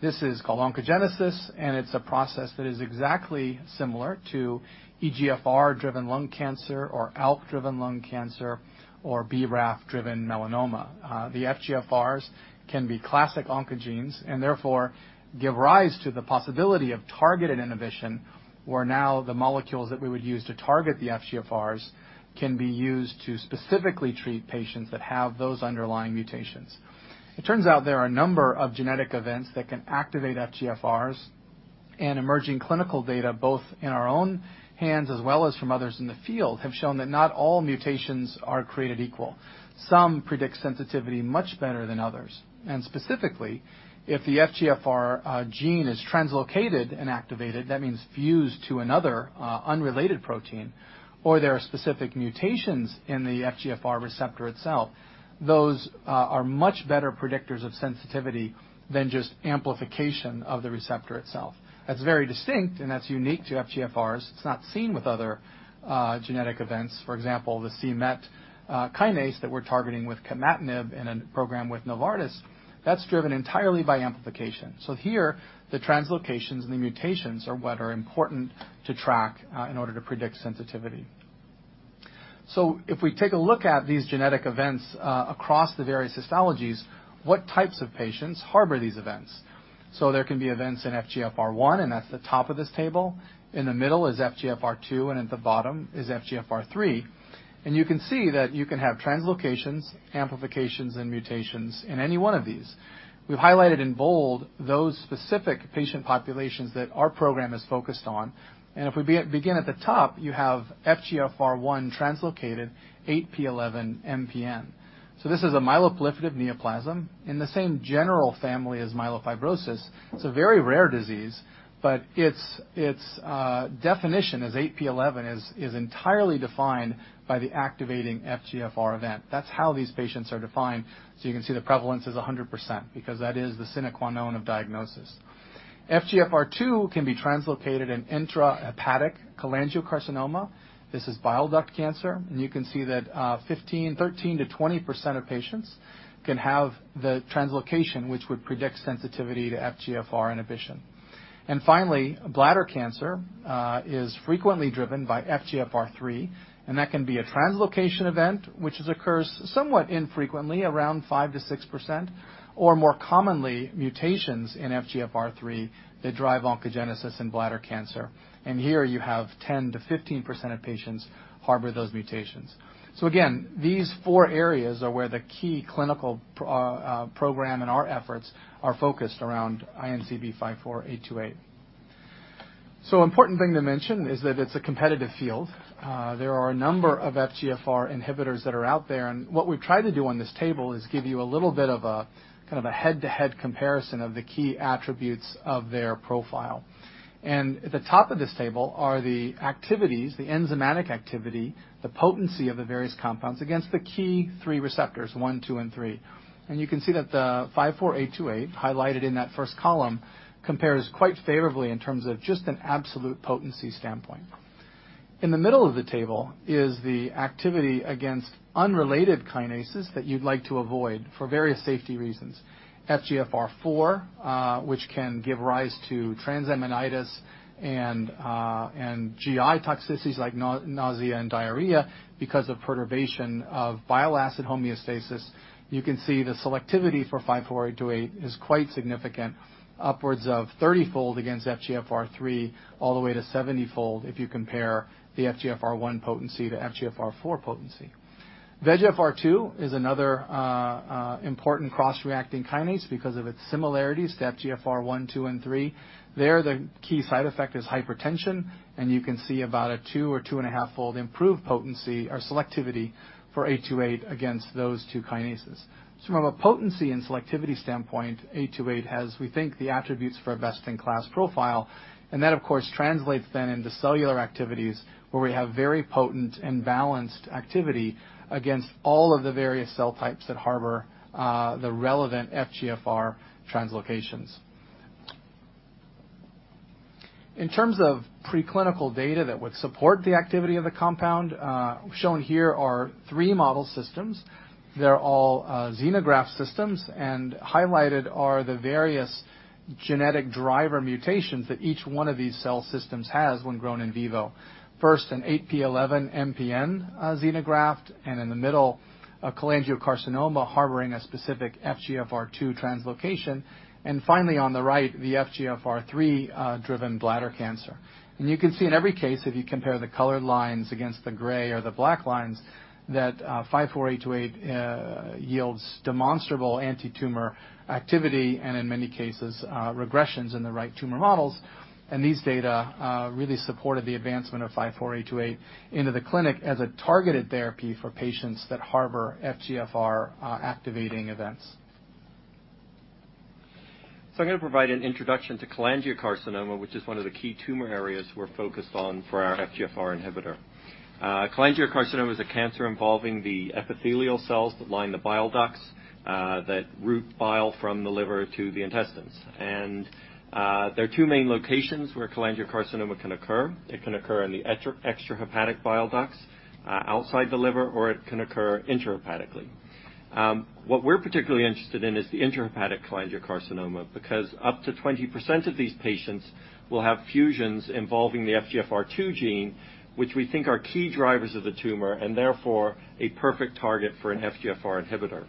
This is called oncogenesis. It's a process that is exactly similar to EGFR-driven lung cancer or ALK-driven lung cancer or BRAF-driven melanoma. The FGFRs can be classic oncogenes and therefore give rise to the possibility of targeted inhibition, where now the molecules that we would use to target the FGFRs can be used to specifically treat patients that have those underlying mutations. It turns out there are a number of genetic events that can activate FGFRs. Emerging clinical data, both in our own hands as well as from others in the field, have shown that not all mutations are created equal. Some predict sensitivity much better than others. Specifically, if the FGFR gene is translocated and activated, that means fused to another unrelated protein, or there are specific mutations in the FGFR receptor itself, those are much better predictors of sensitivity than just amplification of the receptor itself. That's very distinct, and that's unique to FGFRs. It's not seen with other genetic events. For example, the c-MET kinase that we're targeting with capmatinib in a program with Novartis, that's driven entirely by amplification. Here, the translocations and the mutations are what are important to track in order to predict sensitivity. If we take a look at these genetic events across the various histologies, what types of patients harbor these events? There can be events in FGFR1, and that's the top of this table. In the middle is FGFR2, and at the bottom is FGFR3. You can see that you can have translocations, amplifications, and mutations in any one of these. We've highlighted in bold those specific patient populations that our program is focused on. If we begin at the top, you have FGFR1 translocated 8p11 MPN. This is a myeloproliferative neoplasm in the same general family as myelofibrosis. It's a very rare disease, but its definition as 8p11 is entirely defined by the activating FGFR event. That's how these patients are defined. You can see the prevalence is 100% because that is the sine qua non of diagnosis. FGFR2 can be translocated in intrahepatic cholangiocarcinoma. This is bile duct cancer, and you can see that 13%-20% of patients can have the translocation, which would predict sensitivity to FGFR inhibition. Finally, bladder cancer is frequently driven by FGFR3, and that can be a translocation event, which occurs somewhat infrequently, around 5%-6%, or more commonly, mutations in FGFR3 that drive oncogenesis in bladder cancer. Here you have 10%-15% of patients harbor those mutations. Again, these four areas are where the key clinical program and our efforts are focused around INCB54828. Important thing to mention is that it's a competitive field. There are a number of FGFR inhibitors that are out there. What we've tried to do on this table is give you a little bit of a head-to-head comparison of the key attributes of their profile. At the top of this table are the activities, the enzymatic activity, the potency of the various compounds against the key 3 receptors, 1, 2, and 3. You can see that the 54828, highlighted in that first column, compares quite favorably in terms of just an absolute potency standpoint. In the middle of the table is the activity against unrelated kinases that you'd like to avoid for various safety reasons. FGFR4 which can give rise to transaminitis and GI toxicities like nausea and diarrhea because of perturbation of bile acid homeostasis. You can see the selectivity for 54828 is quite significant, upwards of 30-fold against FGFR3 all the way to 70-fold if you compare the FGFR1 potency to FGFR4 potency. VEGFR2 is another important cross-reacting kinase because of its similarities to FGFR 1, 2, and 3. There, the key side effect is hypertension, and you can see about a two or two and a half fold improved potency or selectivity for 828 against those two kinases. From a potency and selectivity standpoint, 828 has, we think, the attributes for a best-in-class profile, and that of course translates then into cellular activities where we have very potent and balanced activity against all of the various cell types that harbor the relevant FGFR translocations. In terms of pre-clinical data that would support the activity of the compound, shown here are 3 model systems. They're all xenograft systems, and highlighted are the various genetic driver mutations that each one of these cell systems has when grown in vivo. First, an 8p11 MPN xenograft, and in the middle, a cholangiocarcinoma harboring a specific FGFR2 translocation, and finally on the right, the FGFR3-driven bladder cancer. You can see in every case, if you compare the colored lines against the gray or the black lines, that 54828 yields demonstrable anti-tumor activity and in many cases, regressions in the right tumor models. These data really supported the advancement of 54828 into the clinic as a targeted therapy for patients that harbor FGFR-activating events. I'm going to provide an introduction to cholangiocarcinoma, which is one of the key tumor areas we're focused on for our FGFR inhibitor. Cholangiocarcinoma is a cancer involving the epithelial cells that line the bile ducts that route bile from the liver to the intestines. There are two main locations where cholangiocarcinoma can occur. It can occur in the extrahepatic bile ducts outside the liver, or it can occur intrahepatically. What we're particularly interested in is the intrahepatic cholangiocarcinoma, because up to 20% of these patients will have fusions involving the FGFR2 gene, which we think are key drivers of the tumor and therefore a perfect target for an FGFR inhibitor.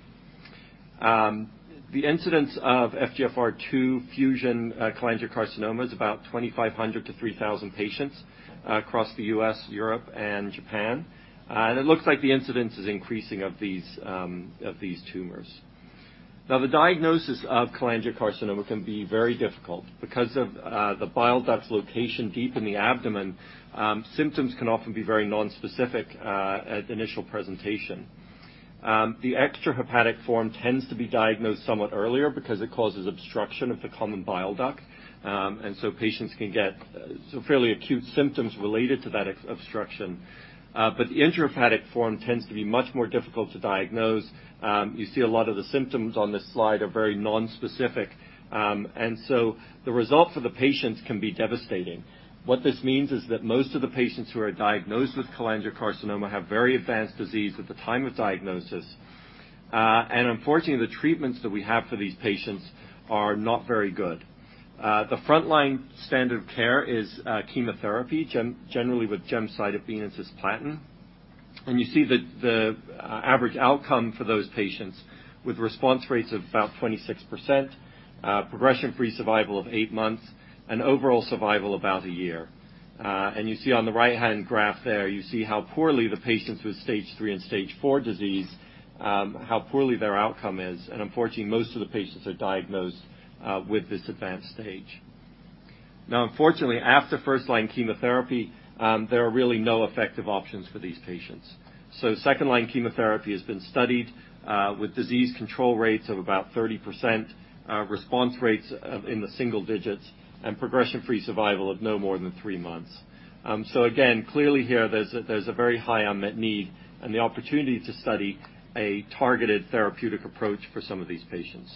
The incidence of FGFR2 fusion cholangiocarcinoma is about 2,500-3,000 patients across the U.S., Europe, and Japan. It looks like the incidence is increasing of these tumors. The diagnosis of cholangiocarcinoma can be very difficult. Because of the bile duct's location deep in the abdomen, symptoms can often be very nonspecific at initial presentation. The extrahepatic form tends to be diagnosed somewhat earlier because it causes obstruction of the common bile duct, patients can get fairly acute symptoms related to that obstruction. The intrahepatic form tends to be much more difficult to diagnose. You see a lot of the symptoms on this slide are very nonspecific, the result for the patients can be devastating. What this means is that most of the patients who are diagnosed with cholangiocarcinoma have very advanced disease at the time of diagnosis. Unfortunately, the treatments that we have for these patients are not very good. The frontline standard of care is chemotherapy, generally with gemcitabine and cisplatin. You see that the average outcome for those patients with response rates of about 26%, progression-free survival of eight months, and overall survival about a year. You see on the right-hand graph there, you see how poorly the patients with stage 3 and stage 4 disease, how poorly their outcome is. Unfortunately, most of the patients are diagnosed with this advanced stage. Unfortunately, after first-line chemotherapy, there are really no effective options for these patients. Second-line chemotherapy has been studied with disease control rates of about 30%, response rates in the single digits, and progression-free survival of no more than three months. Again, clearly here, there's a very high unmet need and the opportunity to study a targeted therapeutic approach for some of these patients.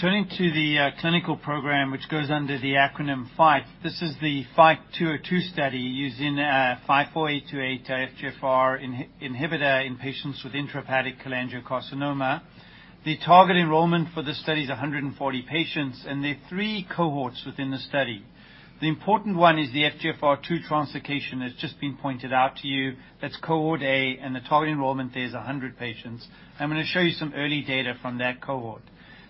Turning to the clinical program, which goes under the acronym FIGHT, this is the FIGHT-202 study using a 54828 FGFR inhibitor in patients with intrahepatic cholangiocarcinoma. The target enrollment for this study is 140 patients, and there are three cohorts within the study. The important one is the FGFR2 translocation that's just been pointed out to you. That's cohort A, and the target enrollment there is 100 patients. I'm going to show you some early data from that cohort.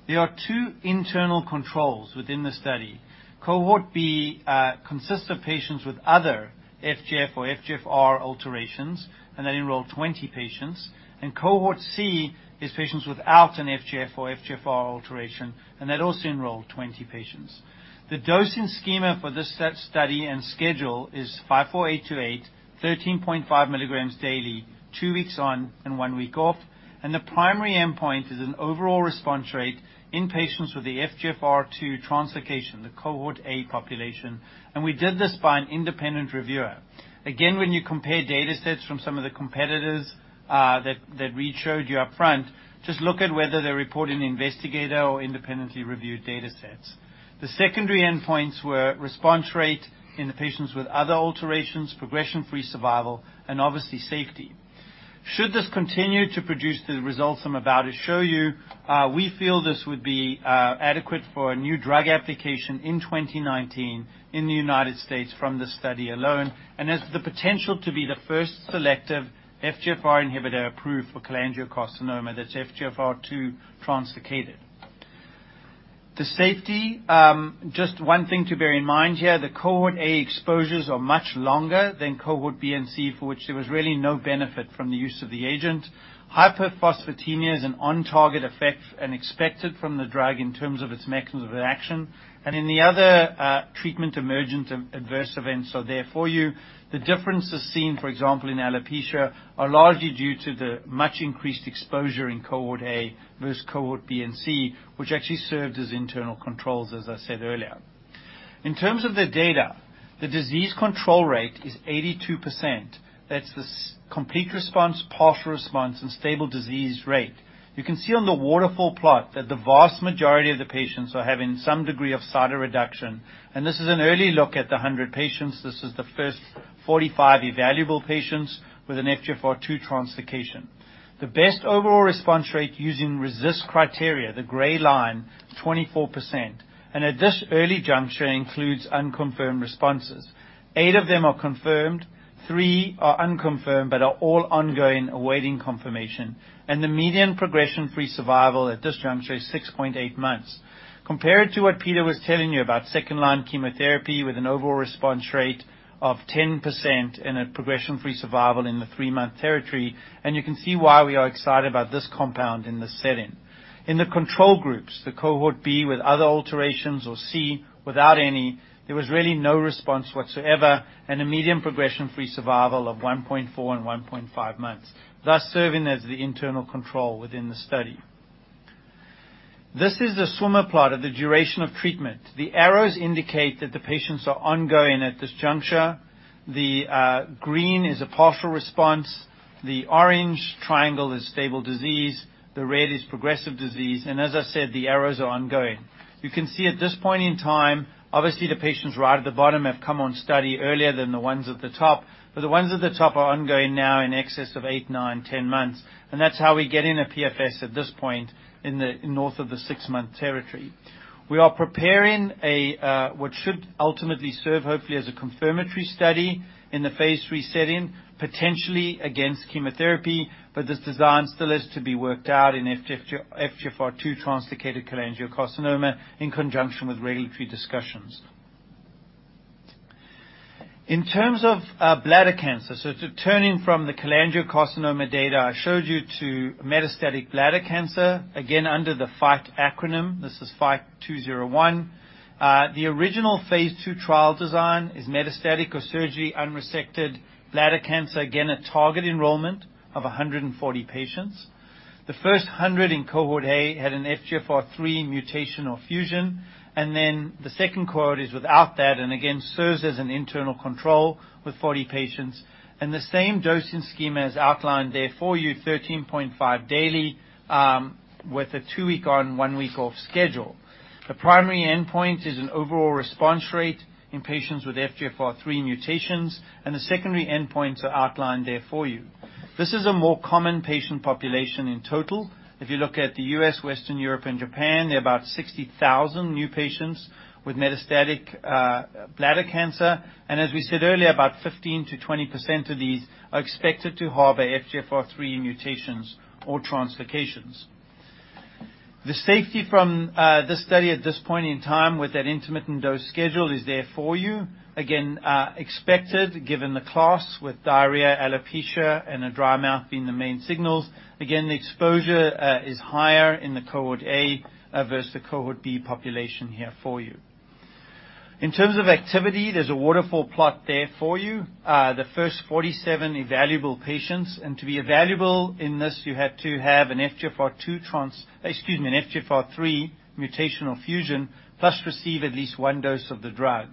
There are two internal controls within the study. Cohort B consists of patients with other FGF or FGFR alterations, and they enroll 20 patients. Cohort C is patients without an FGF or FGFR alteration, and they'd also enroll 20 patients. The dosing schema for this study and schedule is 54828, 13.5 milligrams daily, two weeks on and one week off. The primary endpoint is an overall response rate in patients with the FGFR2 translocation, the cohort A population. We did this by an independent reviewer. Again, when you compare data sets from some of the competitors that we showed you up front, just look at whether they report an investigator or independently reviewed data sets. The secondary endpoints were response rate in the patients with other alterations, progression-free survival, and obviously safety. Should this continue to produce the results I'm about to show you, we feel this would be adequate for a new drug application in 2019 in the U.S. from this study alone, and has the potential to be the first selective FGFR inhibitor approved for cholangiocarcinoma that's FGFR2 translocated. The safety, just one thing to bear in mind here, the cohort A exposures are much longer than cohort B and C, for which there was really no benefit from the use of the agent. Hyperphosphatemia is an on-target effect and expected from the drug in terms of its mechanism of action. The other treatment emergent adverse events are there for you. The differences seen, for example, in alopecia, are largely due to the much increased exposure in cohort A versus cohort B and C, which actually served as internal controls, as I said earlier. In terms of the data, the disease control rate is 82%. That's the complete response, partial response, and stable disease rate. You can see on the waterfall plot that the vast majority of the patients are having some degree of tumor reduction. This is an early look at the 100 patients. This is the first 45 evaluable patients with an FGFR2 translocation. The best overall response rate using RECIST criteria, the gray line, 24%. At this early juncture includes unconfirmed responses. Eight of them are confirmed, three are unconfirmed but are all ongoing awaiting confirmation. The median progression-free survival at this juncture is 6.8 months. Compared to what Peter was telling you about second-line chemotherapy with an overall response rate of 10% and a progression-free survival in the three-month territory, you can see why we are excited about this compound in this setting. In the control groups, the cohort B with other alterations or C without any, there was really no response whatsoever and a median progression-free survival of 1.4 and 1.5 months, thus serving as the internal control within the study. This is the swimmer plot of the duration of treatment. The arrows indicate that the patients are ongoing at this juncture. The green is a partial response, the orange triangle is stable disease, the red is progressive disease, as I said, the arrows are ongoing. You can see at this point in time, obviously, the patients right at the bottom have come on study earlier than the ones at the top. The ones at the top are ongoing now in excess of eight, nine, 10 months. That's how we're getting a PFS at this point in the north of the six-month territory. We are preparing what should ultimately serve hopefully as a confirmatory study in the phase III setting, potentially against chemotherapy, but this design still is to be worked out in FGFR2 translocated cholangiocarcinoma in conjunction with regulatory discussions. In terms of bladder cancer, turning from the cholangiocarcinoma data I showed you to metastatic bladder cancer, again, under the FIGHT acronym. This is FIGHT-201. The original phase II trial design is metastatic or surgery unresected bladder cancer, again, a target enrollment of 140 patients. The first 100 in cohort A had an FGFR3 mutation or fusion, the second cohort is without that, again, serves as an internal control with 40 patients. The same dosing scheme as outlined there for you, 13.5 daily, with a two week on, one week off schedule. The primary endpoint is an overall response rate in patients with FGFR3 mutations, the secondary endpoints are outlined there for you. This is a more common patient population in total. If you look at the U.S., Western Europe, and Japan, there are about 60,000 new patients with metastatic bladder cancer. As we said earlier, about 15%-20% of these are expected to harbor FGFR3 mutations or translocations. The safety from this study at this point in time with that intermittent dose schedule is there for you. Again, expected given the class with diarrhea, alopecia, and a dry mouth being the main signals. Again, the exposure is higher in the Cohort A versus the Cohort B population here for you. In terms of activity, there's a waterfall plot there for you. The first 47 evaluable patients, to be evaluable in this, you had to have an FGFR3 mutational fusion, plus receive at least one dose of the drug.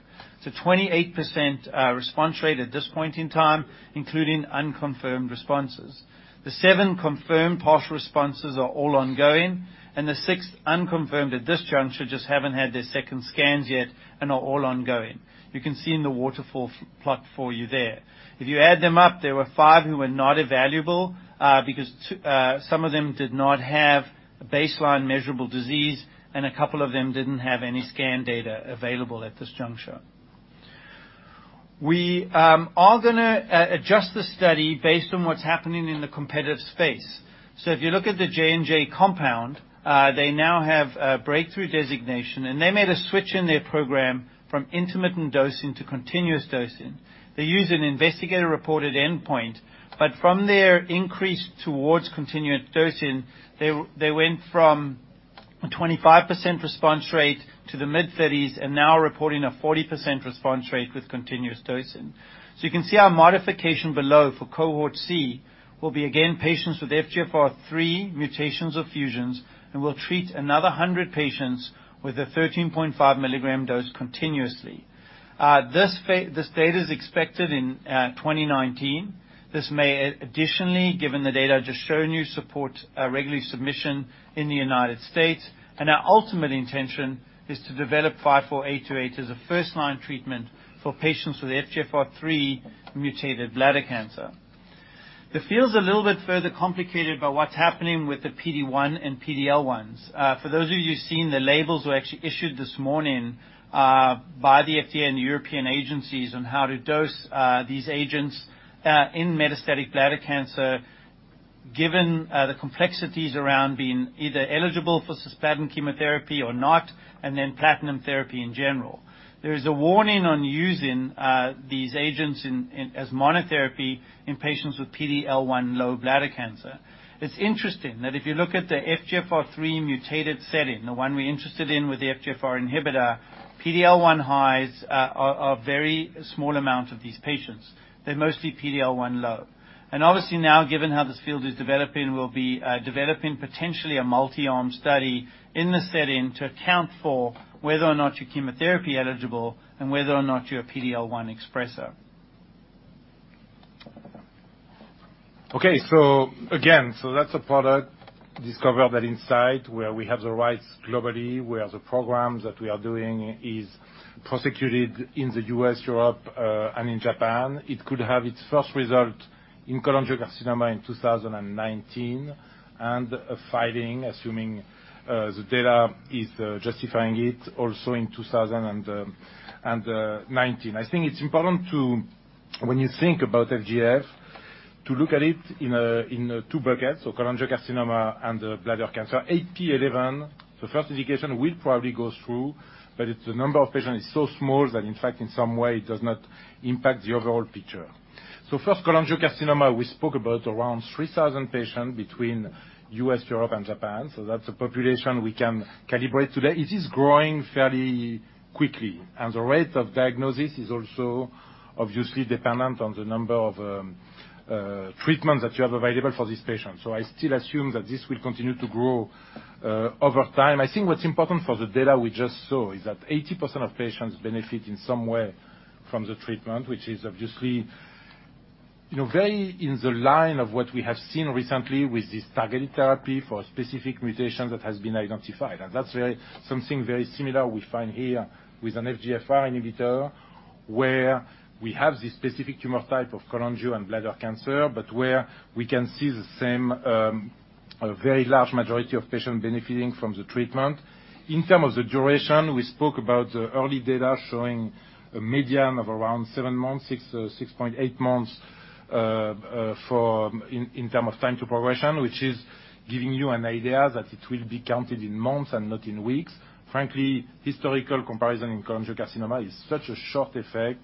28% response rate at this point in time, including unconfirmed responses. The seven confirmed partial responses are all ongoing, the six unconfirmed at this juncture just haven't had their second scans yet and are all ongoing. You can see in the waterfall plot for you there. If you add them up, there were five who were not evaluable, because some of them did not have baseline measurable disease, a couple of them didn't have any scan data available at this juncture. We are going to adjust the study based on what's happening in the competitive space. If you look at the J&J compound, they now have a breakthrough designation, they made a switch in their program from intermittent dosing to continuous dosing. They use an investigator-reported endpoint, from their increase towards continuous dosing, they went from a 25% response rate to the mid-30s and now reporting a 40% response rate with continuous dosing. You can see our modification below for Cohort C will be again patients with FGFR3 mutations or fusions, we'll treat another 100 patients with a 13.5 milligram dose continuously. This data is expected in 2019. This may additionally, given the data I've just shown you, support a regulatory submission in the U.S. Our ultimate intention is to develop 54828 as a first-line treatment for patients with FGFR3 mutated bladder cancer. The field's a little bit further complicated by what's happening with the PD-1 and PD-L1s. For those of you who've seen the labels were actually issued this morning by the FDA and the European agencies on how to dose these agents in metastatic bladder cancer, given the complexities around being either eligible for cisplatin chemotherapy or not, then platinum therapy in general. There is a warning on using these agents as monotherapy in patients with PD-L1 low bladder cancer. It's interesting that if you look at the FGFR3 mutated setting, the one we're interested in with the FGFR inhibitor, PD-L1 highs are a very small amount of these patients. They're mostly PD-L1 low. Obviously now, given how this field is developing, we'll be developing potentially a multi-arm study in this setting to account for whether or not you're chemotherapy eligible and whether or not you're a PD-L1 expressor. Again, that's a product discovered at Incyte where we have the rights globally, where the programs that we are doing is prosecuted in the U.S., Europe, and in Japan. It could have its first result in cholangiocarcinoma in 2019, and a filing, assuming the data is justifying it, also in 2019. When you think about FGF, to look at it in two buckets. Cholangiocarcinoma and bladder cancer. 8p11, the first indication will probably go through, but the number of patients is so small that in fact in some way it does not impact the overall picture. First cholangiocarcinoma, we spoke about around 3,000 patients between U.S., Europe, and Japan. That's a population we can calibrate today. It is growing fairly quickly, and the rate of diagnosis is also obviously dependent on the number of treatments that you have available for these patients. What's important for the data we just saw is that 80% of patients benefit in some way from the treatment, which is obviously very in the line of what we have seen recently with this targeted therapy for a specific mutation that has been identified. That's something very similar we find here with an FGFR inhibitor, where we have this specific tumor type of cholangio and bladder cancer, but where we can see the same very large majority of patients benefiting from the treatment. In terms of the duration, we spoke about the early data showing a median of around seven months, 6.8 months in terms of time to progression, which is giving you an idea that it will be counted in months and not in weeks. Frankly, historical comparison in cholangiocarcinoma is such a short effect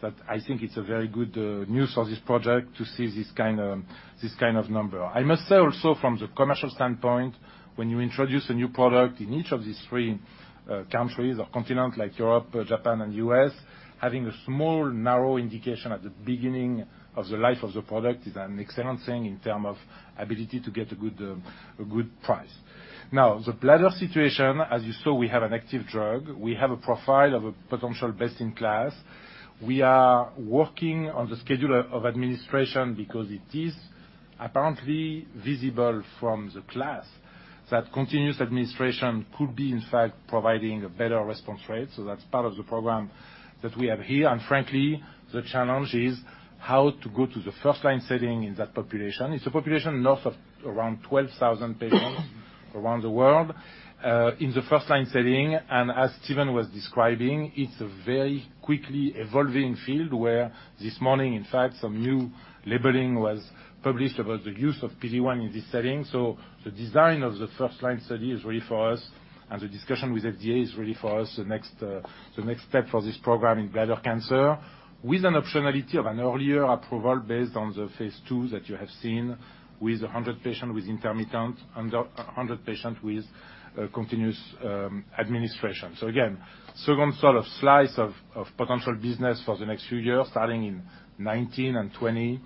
that I think it's a very good news for this project to see this kind of number. I must say also from the commercial standpoint, when you introduce a new product in each of these three countries or continents like Europe, Japan, and the U.S., having a small narrow indication at the beginning of the life of the product is an excellent thing in terms of ability to get a good price. Now, the bladder situation, as you saw, we have an active drug. We have a profile of a potential best-in-class. We are working on the schedule of administration because it is apparently visible from the class that continuous administration could be in fact providing a better response rate. That's part of the program that we have here. Frankly, the challenge is how to go to the first-line setting in that population. It's a population north of around 12,000 patients around the world. In the first-line setting, and as Steven was describing, it's a very quickly evolving field where this morning, in fact, some new labeling was published about the use of PD-1 in this setting. The design of the first-line study is really for us, and the discussion with FDA is really for us, the next step for this program in bladder cancer, with an optionality of an earlier approval based on the phase II that you have seen with 100 patients with intermittent, 100 patients with continuous administration. Again, second sort of slice of potential business for the next few years, starting in 2019 and 2020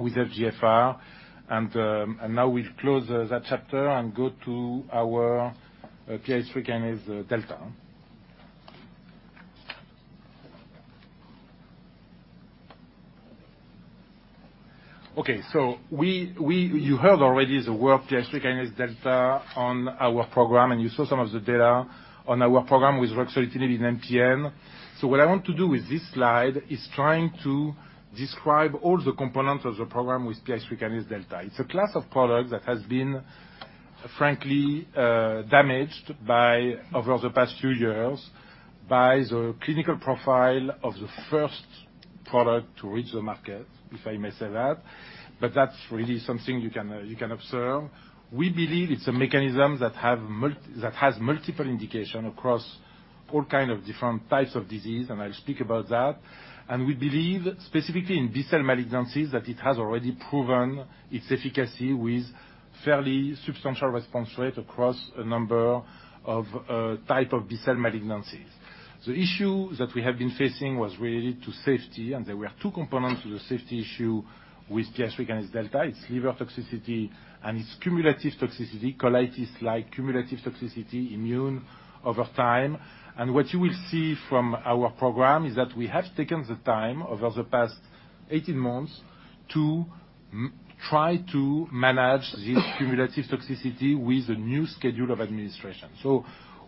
with FGFR. Now we'll close that chapter and go to our PI3Kδ. You heard already the word PI3Kδ on our program, and you saw some of the data on our program with ruxolitinib in MPN. What I want to do with this slide is try to describe all the components of the program with PI3Kδ. It's a class of products that has been, frankly, damaged over the past few years by the clinical profile of the first product to reach the market, if I may say that, but that's really something you can observe. We believe it's a mechanism that has multiple indications across all kinds of different types of disease, I'll speak about that. We believe specifically in B-cell malignancies that it has already proven its efficacy with fairly substantial response rate across a number of type of B-cell malignancies. The issue that we have been facing was related to safety, and there were two components to the safety issue with PI3Kδ. It's liver toxicity and it's cumulative toxicity, colitis-like cumulative toxicity, immune over time. What you will see from our program is that we have taken the time over the past 18 months to try to manage this cumulative toxicity with a new schedule of administration.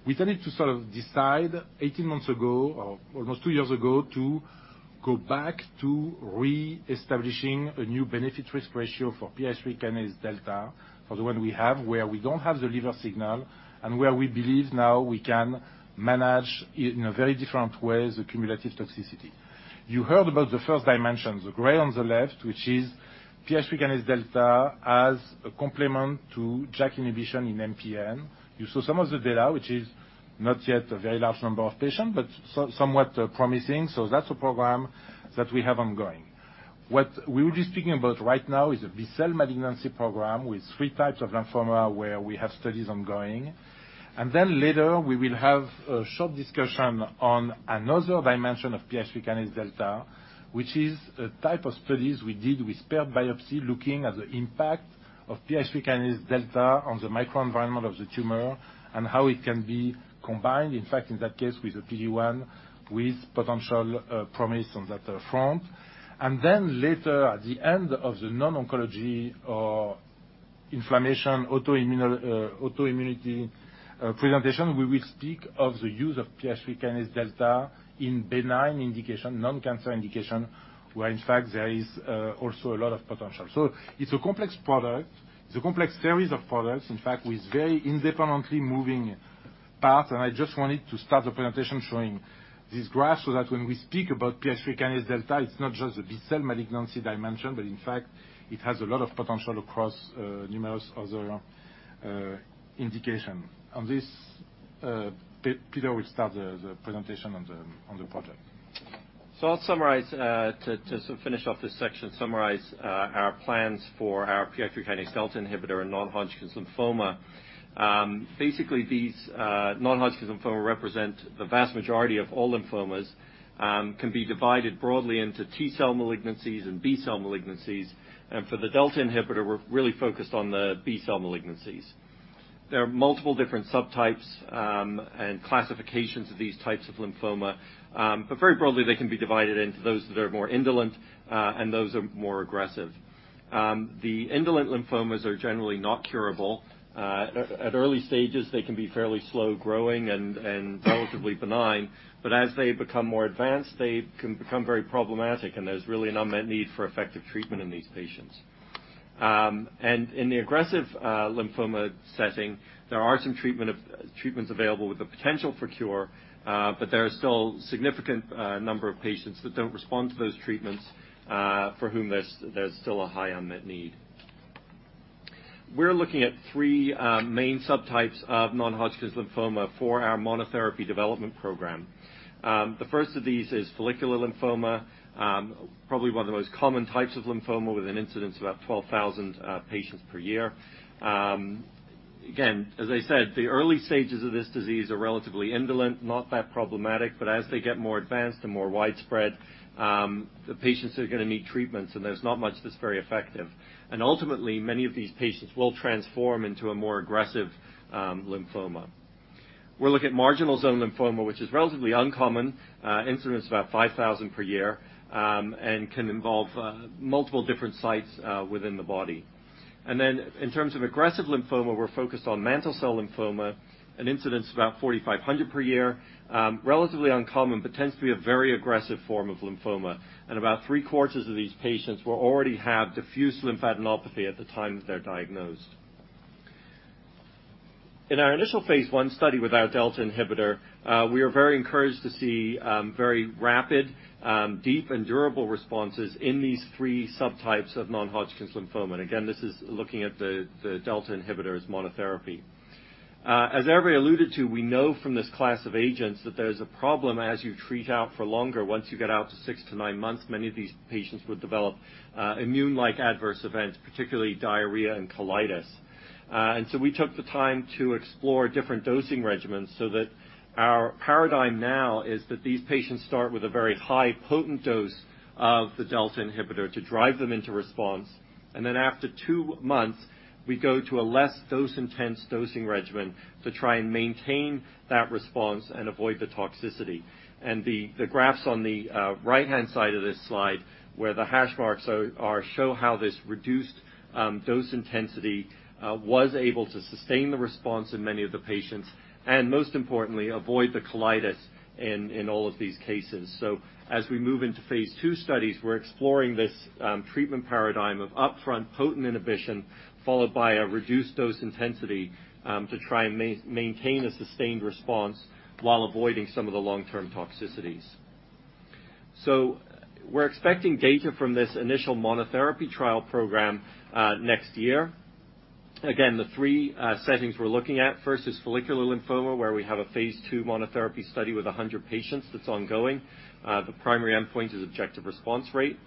We started to sort of decide 18 months ago, or almost two years ago, to go back to reestablishing a new benefit risk ratio for PI3Kδ for the one we have, where we don't have the liver signal and where we believe now we can manage in a very different way the cumulative toxicity. You heard about the first dimension, the gray on the left, which is PI3Kδ as a complement to JAK inhibition in MPN. You saw some of the data, which is not yet a very large number of patients, but somewhat promising. That's a program that we have ongoing. What we will be speaking about right now is a B-cell malignancy program with three types of lymphoma where we have studies ongoing. Later we will have a short discussion on another dimension of PI3Kδ, which is a type of studies we did with paired biopsy, looking at the impact of PI3Kδ on the microenvironment of the tumor and how it can be combined, in fact, in that case, with a PD-1, with potential promise on that front. Later at the end of the non-oncology or inflammation autoimmunity presentation, we will speak of the use of PI3Kδ in benign indication, non-cancer indication, where in fact there is also a lot of potential. It's a complex product. It's a complex series of products, in fact, with very independently moving parts. I just wanted to start the presentation showing this graph so that when we speak about PI3Kδ, it's not just the B-cell malignancy dimension, but in fact it has a lot of potential across numerous other indications. On this, Peter will start the presentation on the project. I'll summarize to sort of finish off this section, summarize our plans for our PI3Kδ inhibitor in non-Hodgkin's lymphoma. These non-Hodgkin's lymphoma represent the vast majority of all lymphomas, can be divided broadly into T-cell malignancies and B-cell malignancies. For the delta inhibitor, we're really focused on the B-cell malignancies. There are multiple different subtypes and classifications of these types of lymphoma. Very broadly, they can be divided into those that are more indolent and those that are more aggressive. The indolent lymphomas are generally not curable. At early stages, they can be fairly slow-growing and relatively benign. As they become more advanced, they can become very problematic, and there's really an unmet need for effective treatment in these patients. In the aggressive lymphoma setting, there are some treatments available with the potential for cure. There are still significant number of patients that don't respond to those treatments, for whom there's still a high unmet need. We're looking at three main subtypes of non-Hodgkin's lymphoma for our monotherapy development program. The first of these is follicular lymphoma, probably one of the most common types of lymphoma with an incidence of about 12,000 patients per year. Again, as I said, the early stages of this disease are relatively indolent, not that problematic, but as they get more advanced and more widespread, the patients are going to need treatments, and there's not much that's very effective. Ultimately, many of these patients will transform into a more aggressive lymphoma. We'll look at marginal zone lymphoma, which is relatively uncommon, incidence about 5,000 per year, and can involve multiple different sites within the body. In terms of aggressive lymphoma, we're focused on mantle cell lymphoma, an incidence of about 4,500 per year. Relatively uncommon, but tends to be a very aggressive form of lymphoma. About three-quarters of these patients will already have diffuse lymphadenopathy at the time that they're diagnosed. In our initial phase I study with our delta inhibitor, we are very encouraged to see very rapid, deep, and durable responses in these three subtypes of non-Hodgkin's lymphoma. Again, this is looking at the delta inhibitor as monotherapy. As Hervé alluded to, we know from this class of agents that there's a problem as you treat out for longer. Once you get out to six to nine months, many of these patients would develop immune-like adverse events, particularly diarrhea and colitis. We took the time to explore different dosing regimens so that our paradigm now is that these patients start with a very high potent dose of the delta inhibitor to drive them into response, then after two months, we go to a less dose-intense dosing regimen to try and maintain that response and avoid the toxicity. The graphs on the right-hand side of this slide where the hash marks are show how this reduced dose intensity was able to sustain the response in many of the patients, and most importantly, avoid the colitis in all of these cases. As we move into phase II studies, we're exploring this treatment paradigm of upfront potent inhibition, followed by a reduced dose intensity, to try and maintain a sustained response while avoiding some of the long-term toxicities. We're expecting data from this initial monotherapy trial program next year. Again, the three settings we're looking at, first is follicular lymphoma, where we have a phase II monotherapy study with 100 patients that's ongoing. The primary endpoint is objective response rate.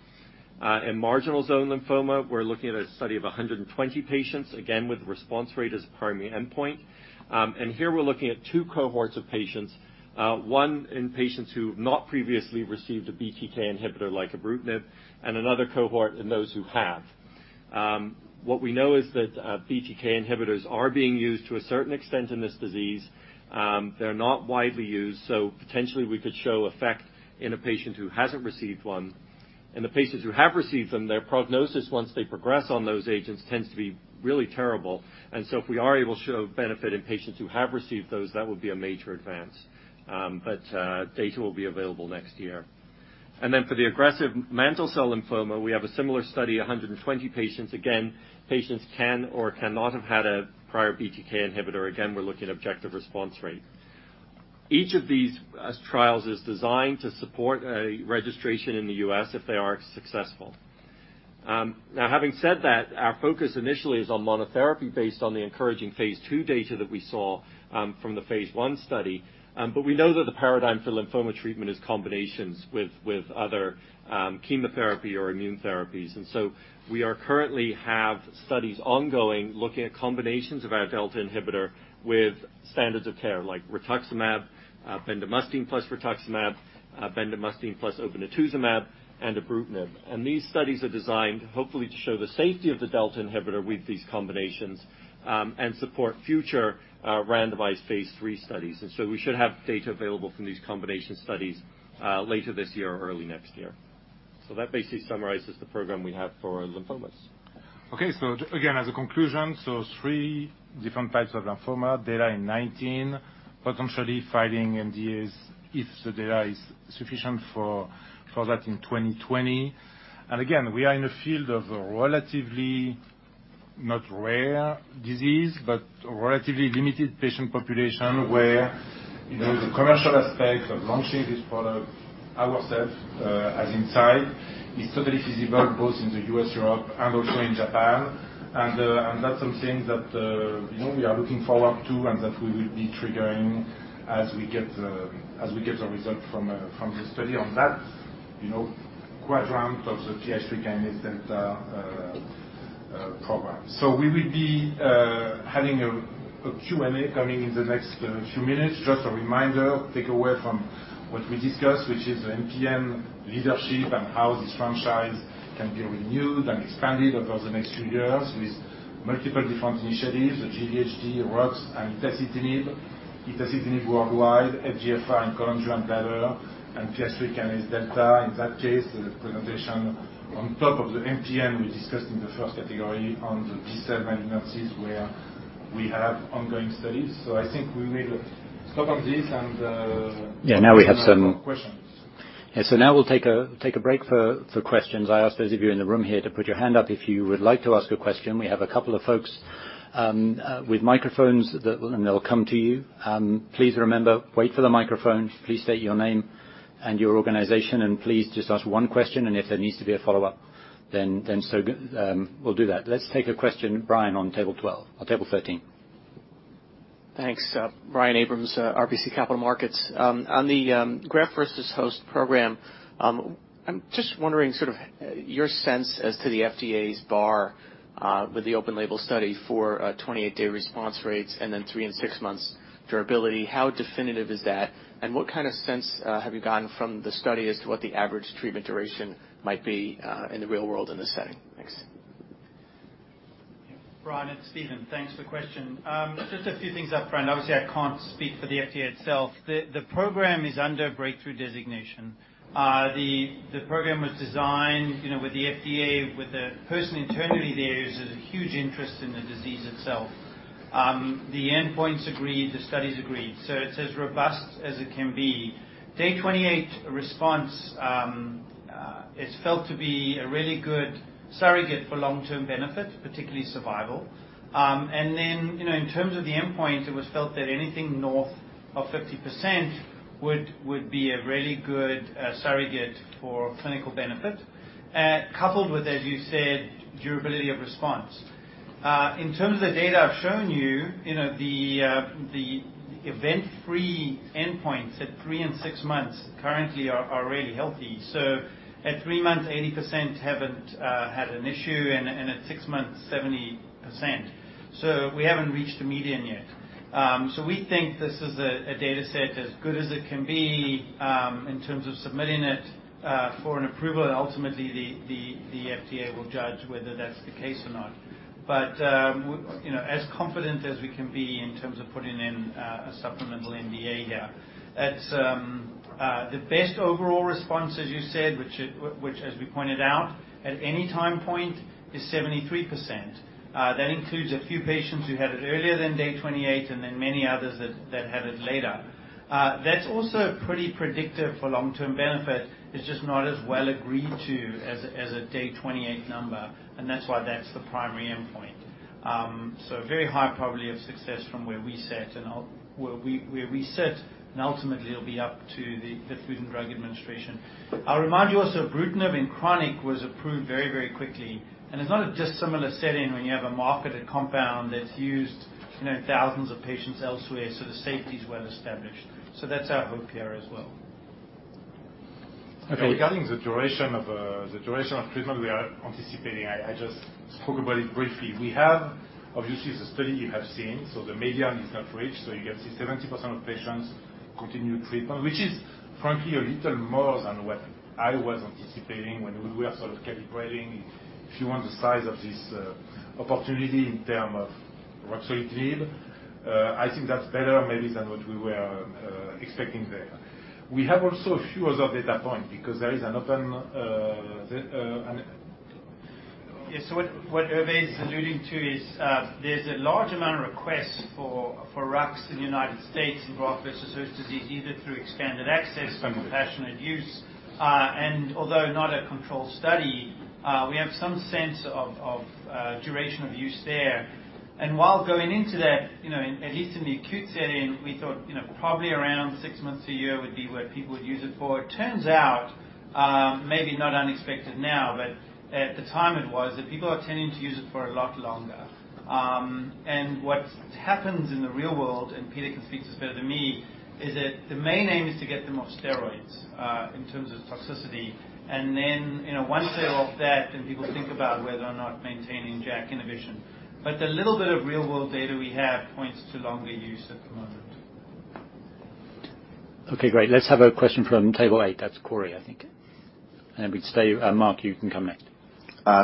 In marginal zone lymphoma, we're looking at a study of 120 patients, again, with response rate as a primary endpoint. Here we're looking at two cohorts of patients, one in patients who've not previously received a BTK inhibitor like ibrutinib, and another cohort in those who have. What we know is that BTK inhibitors are being used to a certain extent in this disease. They're not widely used, so potentially we could show effect in a patient who hasn't received one. In the patients who have received them, their prognosis, once they progress on those agents tends to be really terrible. If we are able to show benefit in patients who have received those, that would be a major advance. Data will be available next year. For the aggressive mantle cell lymphoma, we have a similar study, 120 patients. Again, patients can or cannot have had a prior BTK inhibitor. Again, we are looking at objective response rate. Each of these trials is designed to support a registration in the U.S. if they are successful. Now, having said that, our focus initially is on monotherapy based on the encouraging phase II data that we saw from the phase I study. We know that the paradigm for lymphoma treatment is combinations with other chemotherapy or immune therapies. We currently have studies ongoing looking at combinations of our delta inhibitor with standards of care like rituximab, bendamustine plus rituximab, bendamustine plus obinutuzumab, and ibrutinib. These studies are designed hopefully to show the safety of the delta inhibitor with these combinations, and support future randomized phase III studies. We should have data available from these combination studies later this year or early next year. That basically summarizes the program we have for lymphomas. Okay. Again, as a conclusion, three different types of lymphoma, data in 2019, potentially filing NDAs if the data is sufficient for that in 2020. Again, we are in a field of relatively, not rare disease, but relatively limited patient population where the commercial aspect of launching this product ourself as Incyte is totally feasible both in the U.S., Europe, and also in Japan. That is something that we are looking forward to and that we will be triggering as we get the result from the study on that quadrant of the PI3K delta program. We will be having a Q&A coming in the next few minutes. Just a reminder, take away from what we discussed, which is the MPN leadership and how this franchise can be renewed and expanded over the next few years with multiple different initiatives. The GVHD, Rux, and itacitinib. Itacitinib worldwide, FGFR in cholangiocarcinoma, and PI3K delta. In that case, the presentation on top of the MPN we discussed in the first category on the B-cell lymphomas where we have ongoing studies. I think we will stop on this and- Yeah, now we have. Open up for questions. Yeah, now we'll take a break for questions. I ask those of you in the room here to put your hand up if you would like to ask a question. We have a couple of folks with microphones and they'll come to you. Please remember, wait for the microphone. Please state your name and your organization, and please just ask one question, and if there needs to be a follow-up, then we'll do that. Let's take a question. Brian on table 12, or table 13. Thanks. Brian Abrahams, RBC Capital Markets. On the graft versus host program, I'm just wondering sort of your sense as to the FDA's bar with the open label study for 28-day response rates and then three and six months durability. How definitive is that, and what kind of sense have you gotten from the study as to what the average treatment duration might be in the real world in this setting? Thanks. Brian, it's Steven. Thanks for question. Just a few things up front. Obviously, I can't speak for the FDA itself. The program is under breakthrough designation. The program was designed with the FDA, with a person internally there who has a huge interest in the disease itself. The endpoints agreed, the studies agreed, it's as robust as it can be. day 28 response is felt to be a really good surrogate for long-term benefit, particularly survival. In terms of the endpoint, it was felt that anything north of 50% would be a really good surrogate for clinical benefit. Coupled with, as you said, durability of response. In terms of the data I've shown you, the event-free endpoints at three and six months currently are really healthy. At three months, 80% haven't had an issue, and at six months, 70%. We haven't reached the median yet. We think this is a data set as good as it can be in terms of submitting it for an approval, and ultimately, the FDA will judge whether that's the case or not. As confident as we can be in terms of putting in a supplemental NDA here. The best overall response, as you said, which as we pointed out, at any time point is 73%. That includes a few patients who had it earlier than day 28, and then many others that had it later. That's also pretty predictive for long-term benefit. It's just not as well agreed to as a day 28 number, and that's why that's the primary endpoint. Very high probability of success from where we sit, and ultimately, it'll be up to the Food and Drug Administration. I'll remind you also, ibrutinib in chronic was approved very quickly, it's not a dissimilar setting when you have a marketed compound that's used in thousands of patients elsewhere, the safety is well established. That's our hope here as well. Okay. Regarding the duration of treatment we are anticipating, I just spoke about it briefly. We have, obviously, the study you have seen, the median is not reached. You can see 70% of patients continued treatment, which is frankly, a little more than what I was anticipating when we were sort of calibrating, if you want, the size of this opportunity in term of ruxolitinib. I think that's better maybe than what we were expecting there. We have also a few other data point because there is an open Yeah. What Hervé is alluding to is there's a large amount of requests for Rux in the U.S. in graft-versus-host disease, either through expanded access or compassionate use. Although not a controlled study, we have some sense of duration of use there. While going into that, at least in the acute setting, we thought, probably around six months to a year would be what people would use it for. It turns out, maybe not unexpected now, but at the time it was, that people are tending to use it for a lot longer. What's happened in the real world, and Peter can speak to this better than me, is that the main aim is to get them off steroids, in terms of toxicity. Once they're off that, then people think about whether or not maintaining JAK inhibition. The little bit of real-world data we have points to longer use at the moment. Okay, great. Let's have a question from table eight. That's Cory, I think. We'd stay, Marc, you can come next.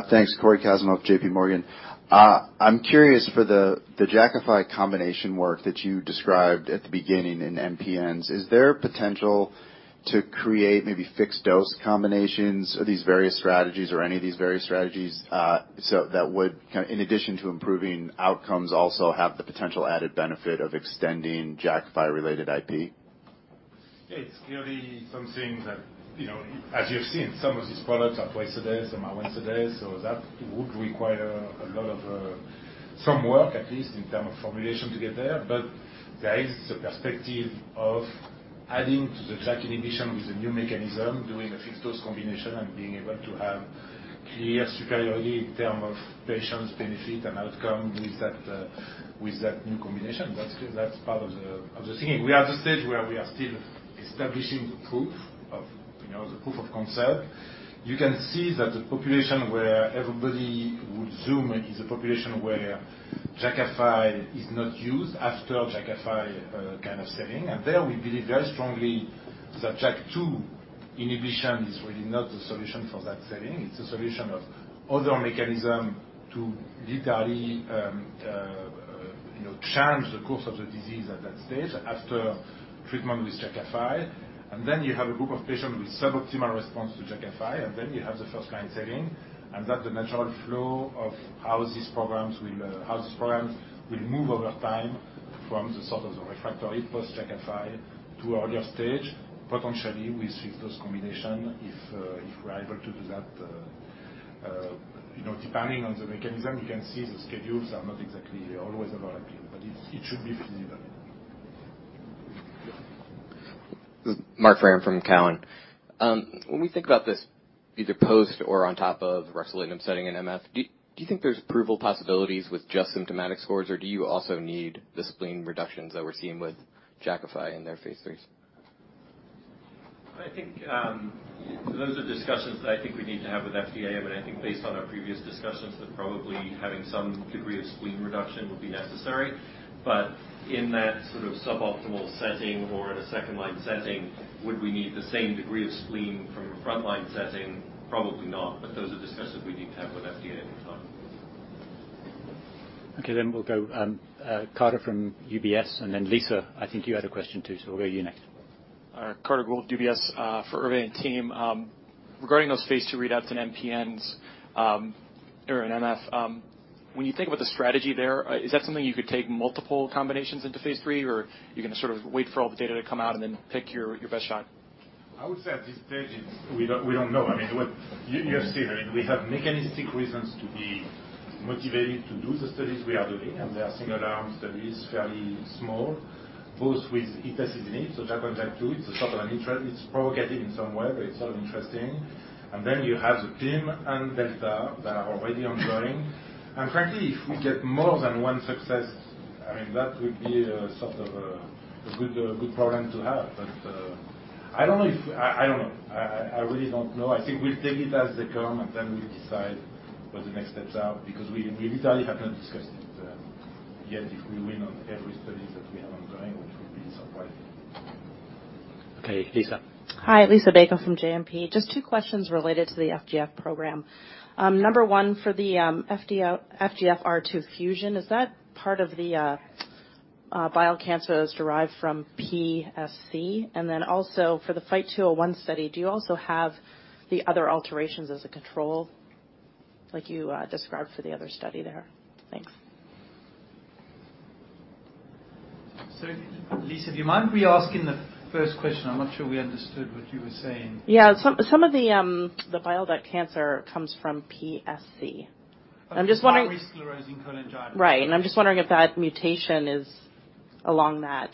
Thanks. Cory Kasimov, JPMorgan. I am curious for the Jakafi combination work that you described at the beginning in MPNs. Is there potential to create maybe fixed-dose combinations of these various strategies or any of these various strategies, so that would, in addition to improving outcomes, also have the potential added benefit of extending Jakafi-related IP? It is clearly something that, as you have seen, some of these products are twice a day, some are once a day, so that would require some work at least in terms of formulation to get there. There is a perspective of adding to the JAK inhibition with a new mechanism, doing a fixed-dose combination, and being able to have clear superiority in terms of patients' benefit and outcome with that new combination. That is part of the thinking. We are at the stage where we are still establishing the proof of concept. You can see that the population where everybody would assume is a population where Jakafi is not used after Jakafi kind of setting. There we believe very strongly that JAK2 inhibition is really not the solution for that setting. It is a solution of other mechanism to literally change the course of the disease at that stage after treatment with Jakafi. You have a group of patients with suboptimal response to Jakafi, then you have the first-line setting, that is the natural flow of how these programs will move over time from the sort of the refractory post Jakafi to earlier stage, potentially with fixed-dose combination if we are able to do that. Depending on the mechanism, you can see the schedules are not exactly always ideal, but it should be feasible. Marc Frahm from Cowen. When we think about this, either post or on top of ruxolitinib setting in MF, do you think there is approval possibilities with just symptomatic scores, or do you also need the spleen reductions that we are seeing with Jakafi in their phase III? I think those are discussions that I think we need to have with FDA. I think based on our previous discussions that probably having some degree of spleen reduction will be necessary. In that sort of suboptimal setting or in a second-line setting, would we need the same degree of spleen from a frontline setting? Probably not, but those are discussions we need to have with FDA at the time. We'll go Carter from UBS, and then Lisa, I think you had a question too, so we'll go to you next. Carter Gould, UBS for Hervé and team. Regarding those phase II readouts in MPNs or in MF, when you think about the strategy there, is that something you could take multiple combinations into phase III, or you're going to sort of wait for all the data to come out and then pick your best shot? I would say at this stage we don't know. You have seen we have mechanistic reasons to be motivated to do the studies we are doing, and they are single-arm studies, fairly small, both with itacitinib. JAK1/JAK2, it's a sort of an interest. It's provocative in some way, but it's sort of interesting. You have the PIM and Delta that are already ongoing. Frankly, if we get more than one success, that would be a sort of a good problem to have. I don't know. I really don't know. I think we'll take it as they come, and then we decide what the next steps are because we literally have not discussed it yet if we win on every study that we have ongoing, which would be surprising. Lisa. Hi, Lisa Bayko from JMP. Just 2 questions related to the FGF program. Number 1, for the FGFR2 fusion, is that part of the bile cancer that was derived from PSC? Also for the FIGHT-201 study, do you also have the other alterations as a control like you described for the other study there? Thanks. Lisa, do you mind re-asking the first question? I'm not sure we understood what you were saying. Yeah. Some of the bile duct cancer comes from PSC. I'm just wondering- Primary sclerosing cholangitis. Right. I'm just wondering if that mutation is along that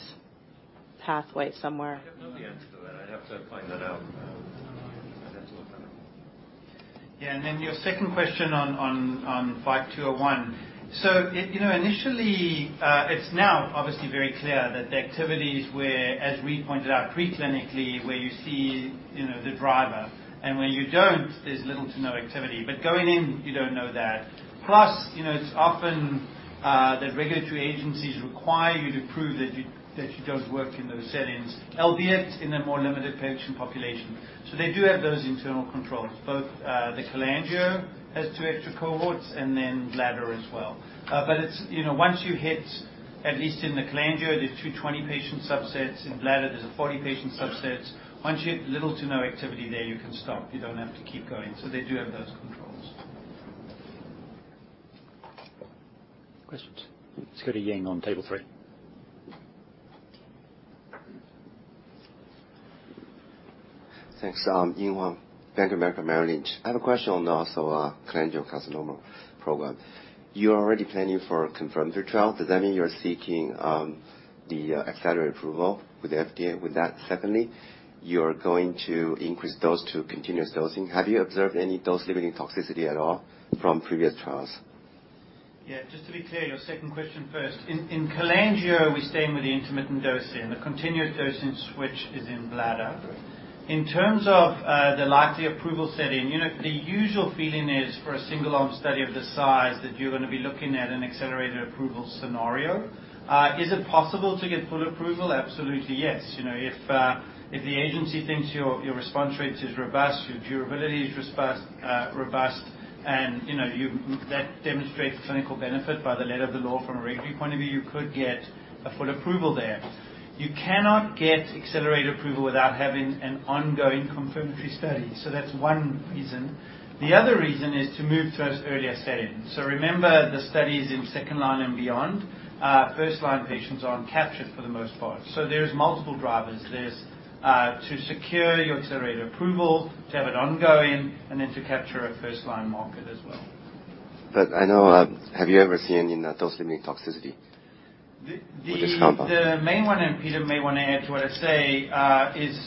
pathway somewhere. I don't know the answer to that. I'd have to find that out. I'd have to look that up. Then your second question on FIGHT-201. Initially, it's now obviously very clear that the activities where, as we pointed out pre-clinically, where you see the driver and where you don't, there's little to no activity. Going in, you don't know that. Plus, it's often that regulatory agencies require you to prove that you don't work in those settings, albeit in a more limited patient population. They do have those internal controls. Both the cholangio has two extra cohorts and then bladder as well. Once you hit, at least in the cholangio, the 220-patient subsets, in bladder there's a 40-patient subset. Once you have little to no activity there, you can stop. You don't have to keep going. They do have those controls. Questions. Let's go to Ying on table three. Thanks. Ying Huang, Bank of America Merrill Lynch. I have a question on also cholangiocarcinoma program. You are already planning for confirmatory trial. Does that mean you're seeking the accelerated approval with the FDA? Secondly, you're going to increase dose to continuous dosing. Have you observed any dose-limiting toxicity at all from previous trials? Yeah. Just to be clear, your second question first. In cholangio, we're staying with the intermittent dosing. The continuous dosing switch is in bladder. Right. In terms of the likely approval setting, the usual feeling is for a single-arm study of this size that you're going to be looking at an accelerated approval scenario. Is it possible to get full approval? Absolutely yes. If the agency thinks your response rates is robust, your durability is robust, and that demonstrates clinical benefit by the letter of the law from a regulatory point of view, you could get a full approval there. You cannot get accelerated approval without having an ongoing confirmatory study. That's one reason. The other reason is to move first earlier settings. Remember the studies in second-line and beyond. First-line patients aren't captured for the most part. There's multiple drivers. There's to secure your accelerated approval, to have it ongoing, and then to capture a first-line market as well. Have you ever seen any dose-limiting toxicity with this compound? The main one, and Peter may want to add to what I say, is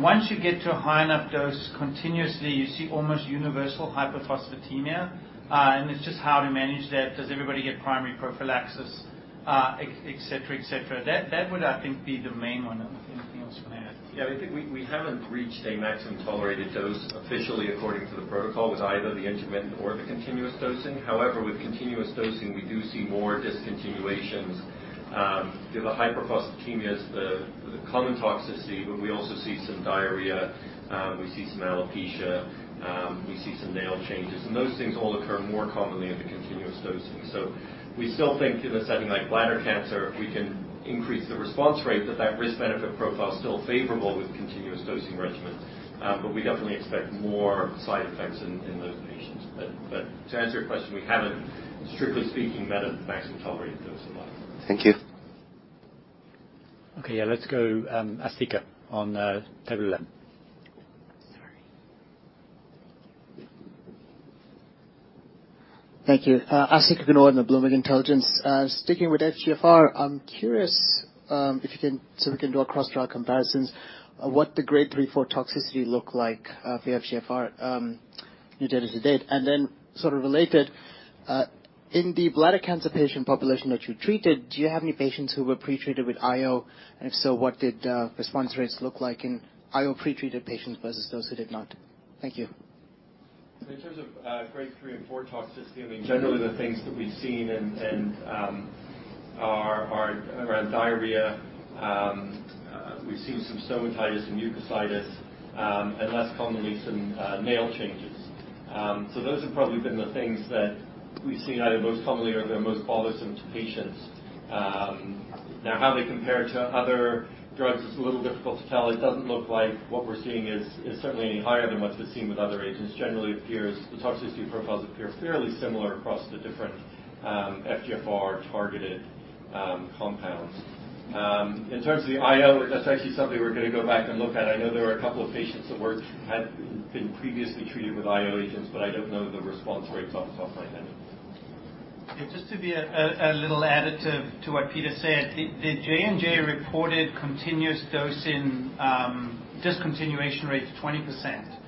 once you get to a high enough dose continuously, you see almost universal hypophosphatemia, and it's just how to manage that. Does everybody get primary prophylaxis, et cetera? That would, I think, be the main one, unless anything else you want to add. I think we haven't reached a maximum tolerated dose officially according to the protocol with either the intermittent or the continuous dosing. However, with continuous dosing, we do see more discontinuations. The hypophosphatemia is the common toxicity, but we also see some diarrhea. We see some alopecia. We see some nail changes. Those things all occur more commonly in the continuous dosing. We still think in a setting like bladder cancer, we can increase the response rate, that that risk-benefit profile is still favorable with continuous dosing regimen. We definitely expect more side effects in those patients. To answer your question, we haven't, strictly speaking, met a maximum tolerated dose in life. Thank you. Let's go Asthika on table 11. Sorry. Thank you. Asthika Goonewardene on the Bloomberg Intelligence. Sticking with FGFR, I'm curious if we can do a cross-drug comparisons of what the grade 3/4 toxicity look like for FGFR inhibitor to date. Sort of related, in the bladder cancer patient population that you treated, do you have any patients who were pre-treated with IO? If so, what did response rates look like in IO pre-treated patients versus those who did not? Thank you. In terms of grade 3 and 4 toxicity, I mean, generally the things that we've seen are around diarrhea. We've seen some stomatitis and mucositis, and less commonly, some nail changes. Those have probably been the things that we've seen either most commonly or they're most bothersome to patients. How they compare to other drugs is a little difficult to tell. It doesn't look like what we're seeing is certainly any higher than what's been seen with other agents. Generally, the toxicity profiles appear fairly similar across the different FGFR-targeted compounds. In terms of the IO, that's actually something we're going to go back and look at. I know there are a couple of patients that had been previously treated with IO agents, but I don't know the response rates off the top of my head. Yeah, just to be a little additive to what Peter said, the J&J reported continuous dose in discontinuation rate is 20%.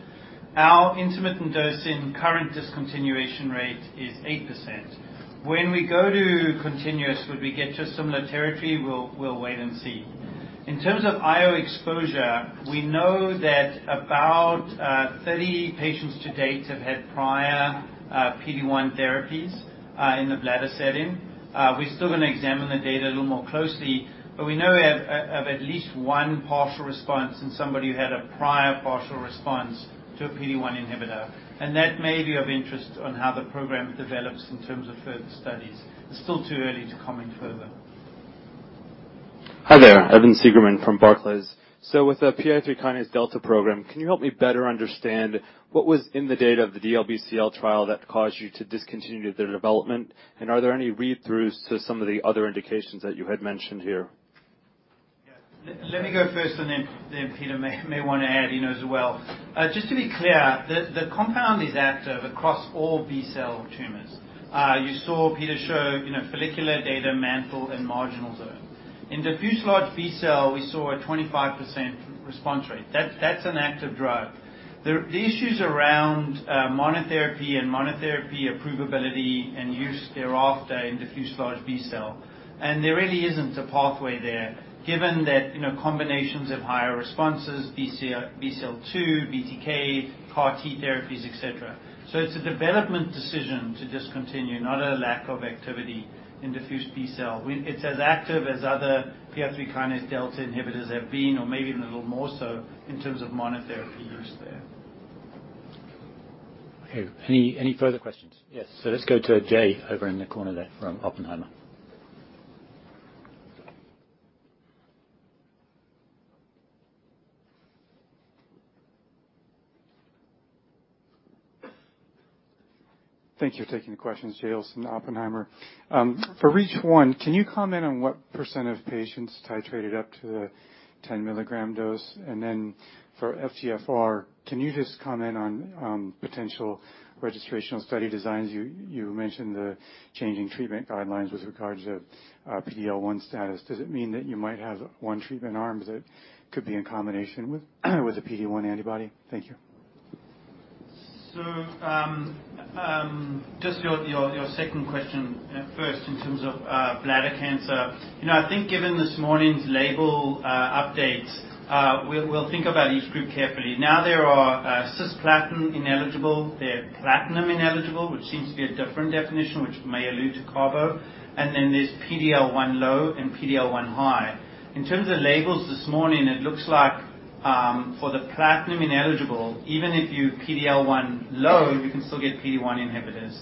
Our intermittent dose in current discontinuation rate is 8%. When we go to continuous, would we get to similar territory? We'll wait and see. In terms of IO exposure, we know that about 30 patients to date have had prior PD-1 therapies in the bladder setting. We're still going to examine the data a little more closely, but we know of at least one partial response in somebody who had a prior partial response to a PD-1 inhibitor. That may be of interest on how the program develops in terms of further studies. It's still too early to comment further. Hi there. Evan Seigerman from Barclays. With the PI3Kδ program, can you help me better understand what was in the data of the DLBCL trial that caused you to discontinue their development? Are there any read-throughs to some of the other indications that you had mentioned here? Yeah. Let me go first, and then Peter may want to add. He knows well. Just to be clear, the compound is active across all B-cell tumors. You saw Peter show follicular, data, mantle, and marginal zone. In diffuse large B-cell, we saw a 25% response rate. That's an active drug. The issue is around monotherapy and monotherapy approvability and use thereafter in diffuse large B-cell. There really isn't a pathway there given that combinations of higher responses, BCL-2, BTK, CAR T therapies, et cetera. It's a development decision to discontinue, not a lack of activity in diffuse B-cell. It's as active as other PI3Kδ inhibitors have been or maybe even a little more so in terms of monotherapy use there. Okay. Any further questions? Yes. Let's go to Jay over in the corner there from Oppenheimer. Thank you for taking the questions. Jay Olson, Oppenheimer. For REACH1, can you comment on what percent of patients titrated up to the 10-milligram dose? And then for FGFR, can you just comment on potential registrational study designs? You mentioned the changing treatment guidelines with regards to PD-L1 status. Does it mean that you might have one treatment arm that could be in combination with a PD-1 antibody? Thank you. Just your second question first in terms of bladder cancer. I think given this morning's label updates, we'll think about each group carefully. Now there are cisplatin ineligible, there are platinum ineligible, which seems to be a different definition, which may allude to carboplatin, and then there's PD-L1 low and PD-L1 high. In terms of labels this morning, it looks like for the platinum ineligible, even if you're PD-L1 low, you can still get PD-1 inhibitors.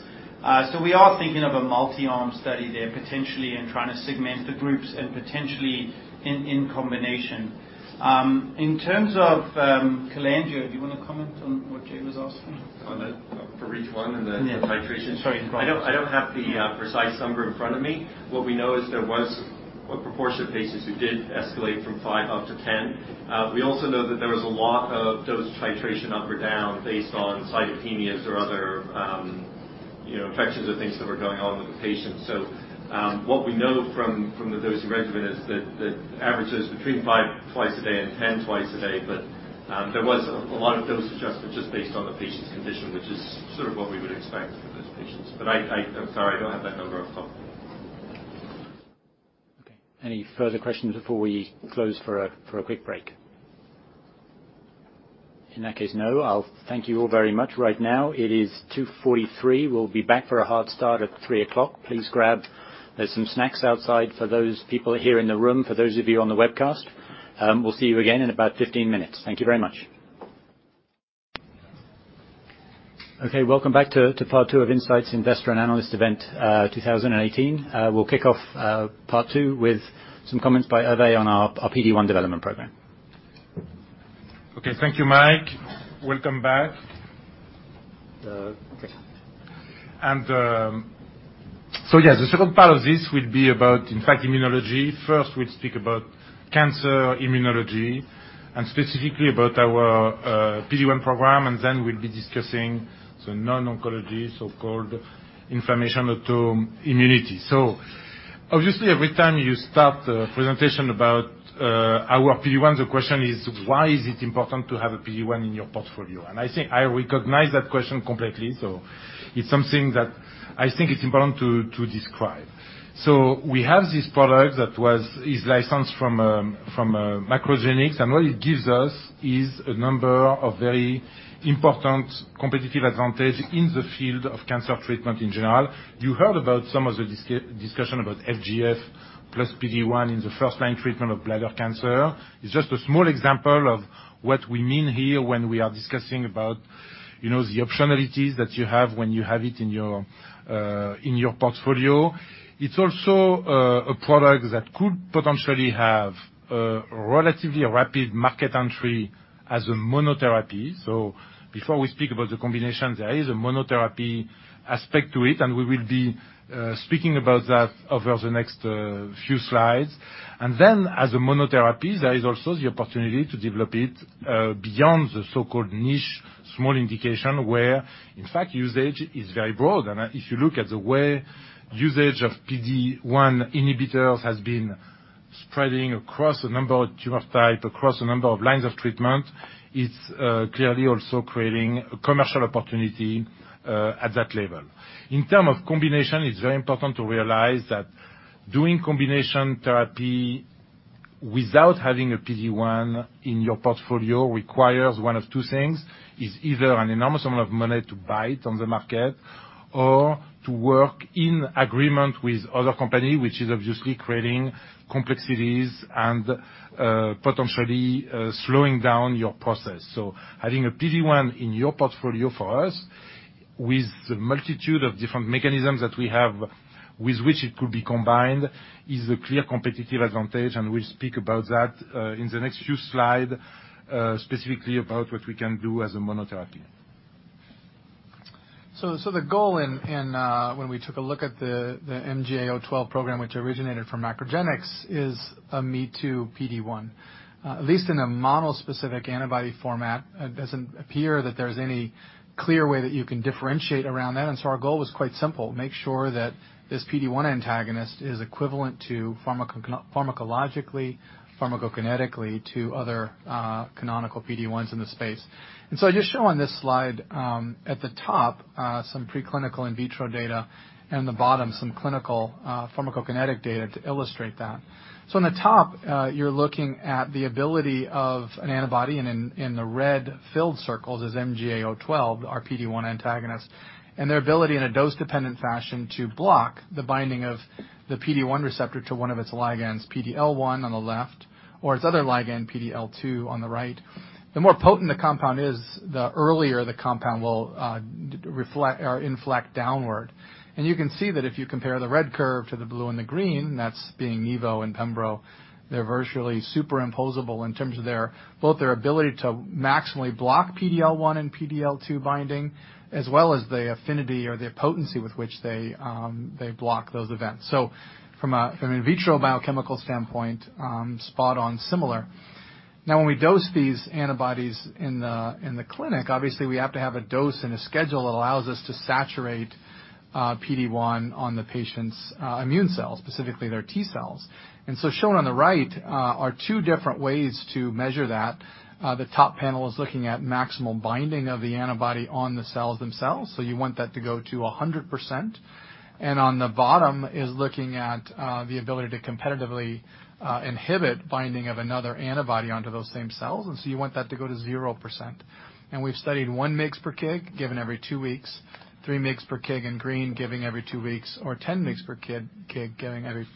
We are thinking of a multi-arm study there potentially and trying to segment the groups and potentially in combination. In terms of cholangiocarcinoma, do you want to comment on what Jay was asking? For REACH1 and the titration? Yeah. Sorry. I don't have the precise number in front of me. What we know is there was a proportion of patients who did escalate from five up to 10. We also know that there was a lot of dose titration up or down based on cytopenias or other infections or things that were going on with the patient. What we know from the dosing regimen is that the average is between five twice a day and 10 twice a day. There was a lot of dose adjustment just based on the patient's condition, which is sort of what we would expect for those patients. I'm sorry, I don't have that number off the top of my head. Okay. Any further questions before we close for a quick break? In that case, no. I'll thank you all very much. Right now it is 2:43 P.M. We'll be back for a hard start at 3:00 P.M. Please grab, there's some snacks outside for those people here in the room. For those of you on the webcast, we'll see you again in about 15 minutes. Thank you very much. Okay. Welcome back to part two of Incyte's Investor and Analyst Event 2018. We'll kick off part two with some comments by Hervé on our PD-1 development program. Okay. Thank you, Mike. Welcome back. Okay. Yes, the second part of this will be about, in fact, immunology. First, we'll speak about cancer immunology, and specifically about our PD-1 program. We'll be discussing the non-oncology, so-called inflammation, autoimmunity. Obviously, every time you start a presentation about our PD-1, the question is why is it important to have a PD-1 in your portfolio? I think I recognize that question completely. It's something that I think is important to describe. We have this product that is licensed from MacroGenics, and what it gives us is a number of very important competitive advantage in the field of cancer treatment in general. You heard about some of the discussion about FGF plus PD-1 in the first-line treatment of bladder cancer. It's just a small example of what we mean here when we are discussing about the optionalities that you have when you have it in your portfolio. It's also a product that could potentially have a relatively rapid market entry as a monotherapy. Before we speak about the combination, there is a monotherapy aspect to it, and we will be speaking about that over the next few slides. As a monotherapy, there is also the opportunity to develop it beyond the so-called niche small indication, where in fact usage is very broad. If you look at the way usage of PD-1 inhibitors has been spreading across a number of tumor types, across a number of lines of treatment, it's clearly also creating a commercial opportunity at that level. In terms of combination, it's very important to realize that doing combination therapy without having a PD-1 in your portfolio requires one of two things. It's either an enormous amount of money to buy it on the market or to work in agreement with other company, which is obviously creating complexities and potentially slowing down your process. Having a PD-1 in your portfolio for us, with the multitude of different mechanisms that we have with which it could be combined, is a clear competitive advantage, and we'll speak about that in the next few slides, specifically about what we can do as a monotherapy. The goal when we took a look at the MGA012 program, which originated from MacroGenics, is a me-too PD-1. At least in a monospecific antibody format, it doesn't appear that there's any clear way that you can differentiate around that. Our goal was quite simple. Make sure that this PD-1 antagonist is equivalent to pharmacologically, pharmacokinetically to other canonical PD-1s in the space. I just show on this slide, at the top, some preclinical in vitro data, and the bottom some clinical pharmacokinetic data to illustrate that. On the top, you're looking at the ability of an antibody, and in the red-filled circles is MGA012, our PD-1 antagonist, and their ability in a dose-dependent fashion to block the binding of the PD-1 receptor to one of its ligands, PD-L1 on the left, or its other ligand, PD-L2, on the right. The more potent the compound is, the earlier the compound will inflect downward. You can see that if you compare the red curve to the blue and the green, that's being evo and pembro, they're virtually superimposable in terms of both their ability to maximally block PD-L1 and PD-L2 binding, as well as the affinity or the potency with which they block those events. From an in vitro biochemical standpoint, spot on similar. When we dose these antibodies in the clinic, obviously we have to have a dose and a schedule that allows us to saturate PD-1 on the patient's immune cells, specifically their T cells. Shown on the right are two different ways to measure that. The top panel is looking at maximal binding of the antibody on the cells themselves. You want that to go to 100%. On the bottom is looking at the ability to competitively inhibit binding of another antibody onto those same cells. You want that to go to 0%. We've studied 1 mg/kg given every two weeks, 3 mg/kg in green given every two weeks, or 10 mg/kg given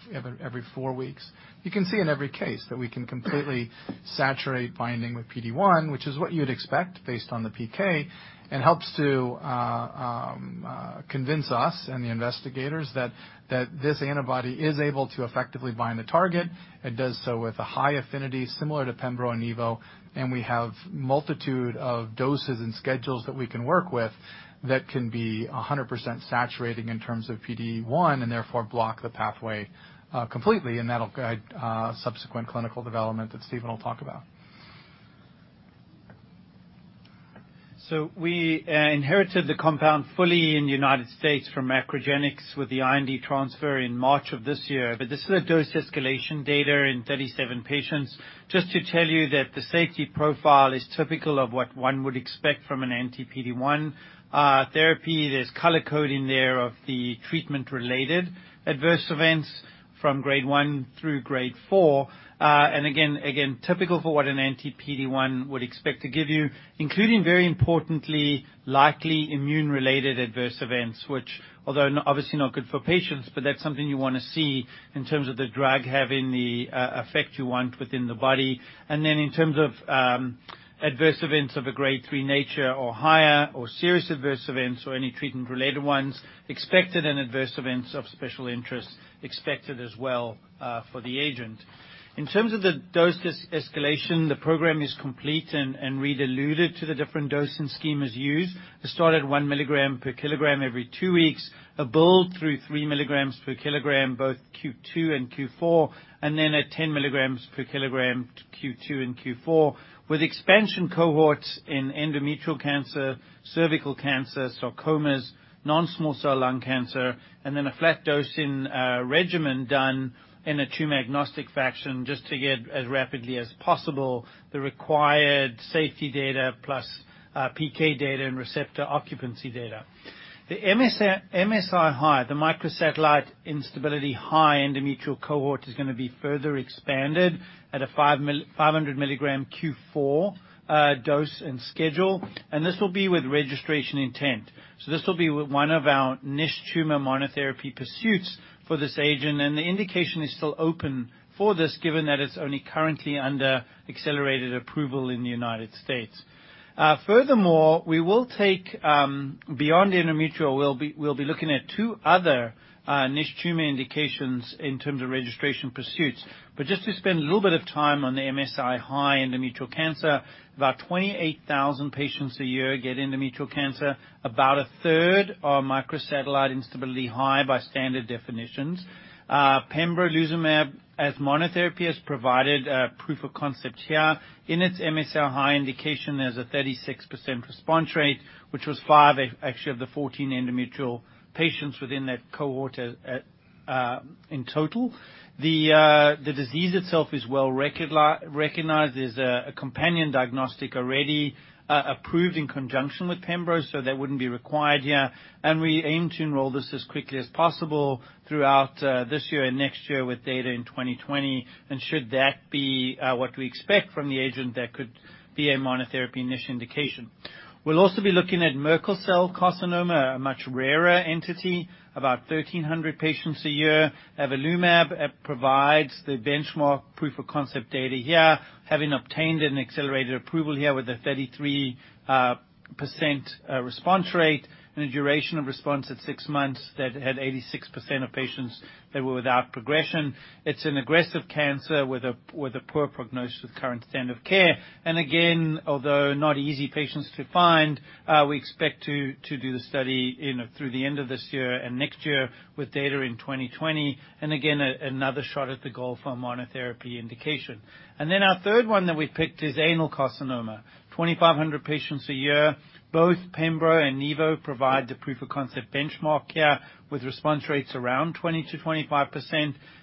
every four weeks. You can see in every case that we can completely saturate binding with PD-1, which is what you'd expect based on the PK. It helps to convince us and the investigators that this antibody is able to effectively bind the target and does so with a high affinity similar to pembro and epacadostat. We have multitude of doses and schedules that we can work with that can be 100% saturating in terms of PD-1 and therefore block the pathway completely, and that'll guide subsequent clinical development that Steven will talk about. We inherited the compound fully in the U.S. from MacroGenics with the IND transfer in March of this year. This is a dose escalation data in 37 patients. Just to tell you that the safety profile is typical of what one would expect from an anti-PD-1 therapy. There's color coding there of the treatment-related adverse events from grade 1 through grade 4. Again, typical for what an anti-PD-1 would expect to give you, including, very importantly, likely immune-related adverse events, which although obviously not good for patients, that's something you want to see in terms of the drug having the effect you want within the body. In terms of adverse events of a grade 3 nature or higher, or serious adverse events or any treatment-related ones expected, and adverse events of special interest expected as well for the agent. In terms of the dose escalation, the program is complete. Reid alluded to the different dosing schemes used. It started 1 milligram per kilogram every 2 weeks, a build through 3 milligrams per kilogram, both Q2 and Q4, then at 10 milligrams per kilogram, Q2 and Q4. With expansion cohorts in endometrial cancer, cervical cancer, sarcomas, non-small cell lung cancer, a flat dosing regimen done in a tumor-agnostic fashion just to get as rapidly as possible the required safety data plus PK data and receptor occupancy data. The MSI-H, the microsatellite instability high endometrial cohort is going to be further expanded at a 500 milligram Q4 dose and schedule. This will be with registration intent. This will be one of our niche tumor monotherapy pursuits for this agent, and the indication is still open for this, given that it's only currently under accelerated approval in the U.S. Furthermore, we will take beyond endometrial, we'll be looking at two other niche tumor indications in terms of registration pursuits. Just to spend a little bit of time on the MSI-H endometrial cancer. About 28,000 patients a year get endometrial cancer. About a third are microsatellite instability high by standard definitions. Pembrolizumab as monotherapy has provided proof of concept here. In its MSI-H indication, there's a 36% response rate, which was five actually of the 14 endometrial patients within that cohort in total. The disease itself is well-recognized as a companion diagnostic already approved in conjunction with Pembro, that wouldn't be required here. We aim to enroll this as quickly as possible throughout this year and next year with data in 2020. Should that be what we expect from the agent, that could be a monotherapy niche indication. We'll also be looking at Merkel cell carcinoma, a much rarer entity, about 1,300 patients a year. Avelumab provides the benchmark proof of concept data here, having obtained an accelerated approval here with a 33% response rate and a duration of response at 6 months that had 86% of patients that were without progression. It's an aggressive cancer with a poor prognosis with current standard care. Although not easy patients to find, we expect to do the study through the end of this year and next year with data in 2020, again, another shot at the goal for monotherapy indication. Then our third one that we have picked is anal carcinoma. 2,500 patients a year. Both Pembro and Nivo provide the proof of concept benchmark here with response rates around 20%-25%.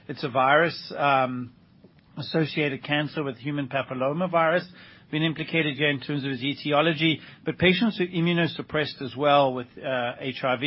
It is a virus-associated cancer with human papillomavirus being implicated here in terms of its etiology. Patients who immunosuppressed as well with HIV,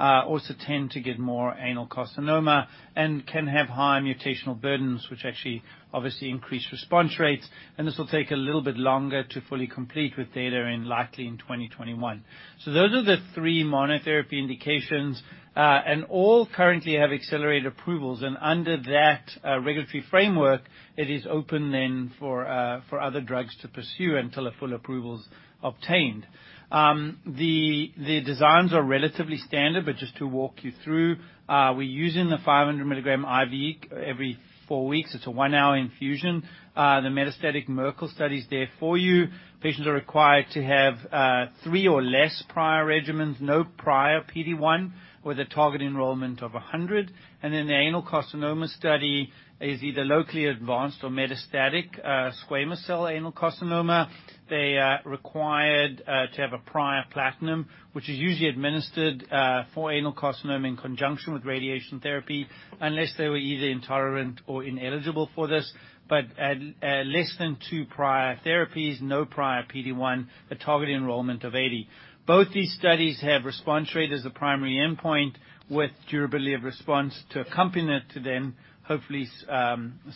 also tend to get more anal carcinoma and can have high mutational burdens, which actually obviously increase response rates, and this will take a little bit longer to fully complete with data likely in 2021. Those are the three monotherapy indications, and all currently have accelerated approvals. Under that regulatory framework, it is open then for other drugs to pursue until a full approval is obtained. The designs are relatively standard, but just to walk you through, we are using the 500 milligram IV every four weeks. It is a one-hour infusion. The metastatic Merkel study is there for you. Patients are required to have three or less prior regimens, no prior PD-1, with a target enrollment of 100. Then the anal carcinoma study is either locally advanced or metastatic squamous cell anal carcinoma. They are required to have a prior platinum, which is usually administered for anal carcinoma in conjunction with radiation therapy, unless they were either intolerant or ineligible for this, but at less than two prior therapies, no prior PD-1, a target enrollment of 80. Both these studies have response rate as a primary endpoint with durability of response to accompany it to then hopefully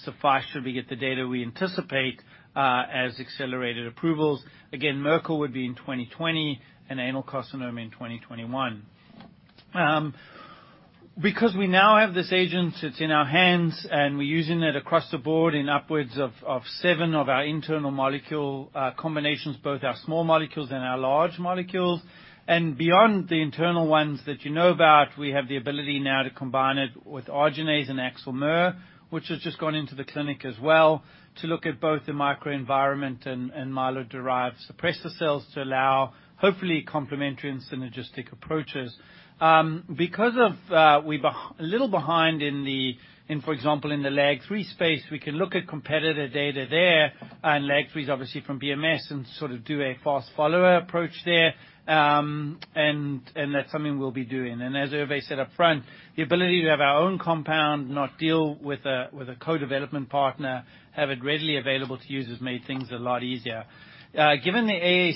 suffice should we get the data we anticipate, as accelerated approvals. Merkel would be in 2020 and anal carcinoma in 2021. We now have this agent, it is in our hands and we are using it across the board in upwards of seven of our internal molecule combinations, both our small molecules and our large molecules. Beyond the internal ones that you know about, we have the ability now to combine it with arginase and AXL/MER, which has just gone into the clinic as well to look at both the microenvironment and myeloid-derived suppressor cells to allow hopefully complementary and synergistic approaches. We are a little behind in, for example, in the LAG-3 space, we can look at competitor data there, and LAG-3 is obviously from BMS and sort of do a fast follower approach there, and that is something we will be doing. As Hervé said upfront, the ability to have our own compound, not deal with a co-development partner, have it readily available to use has made things a lot easier. Given the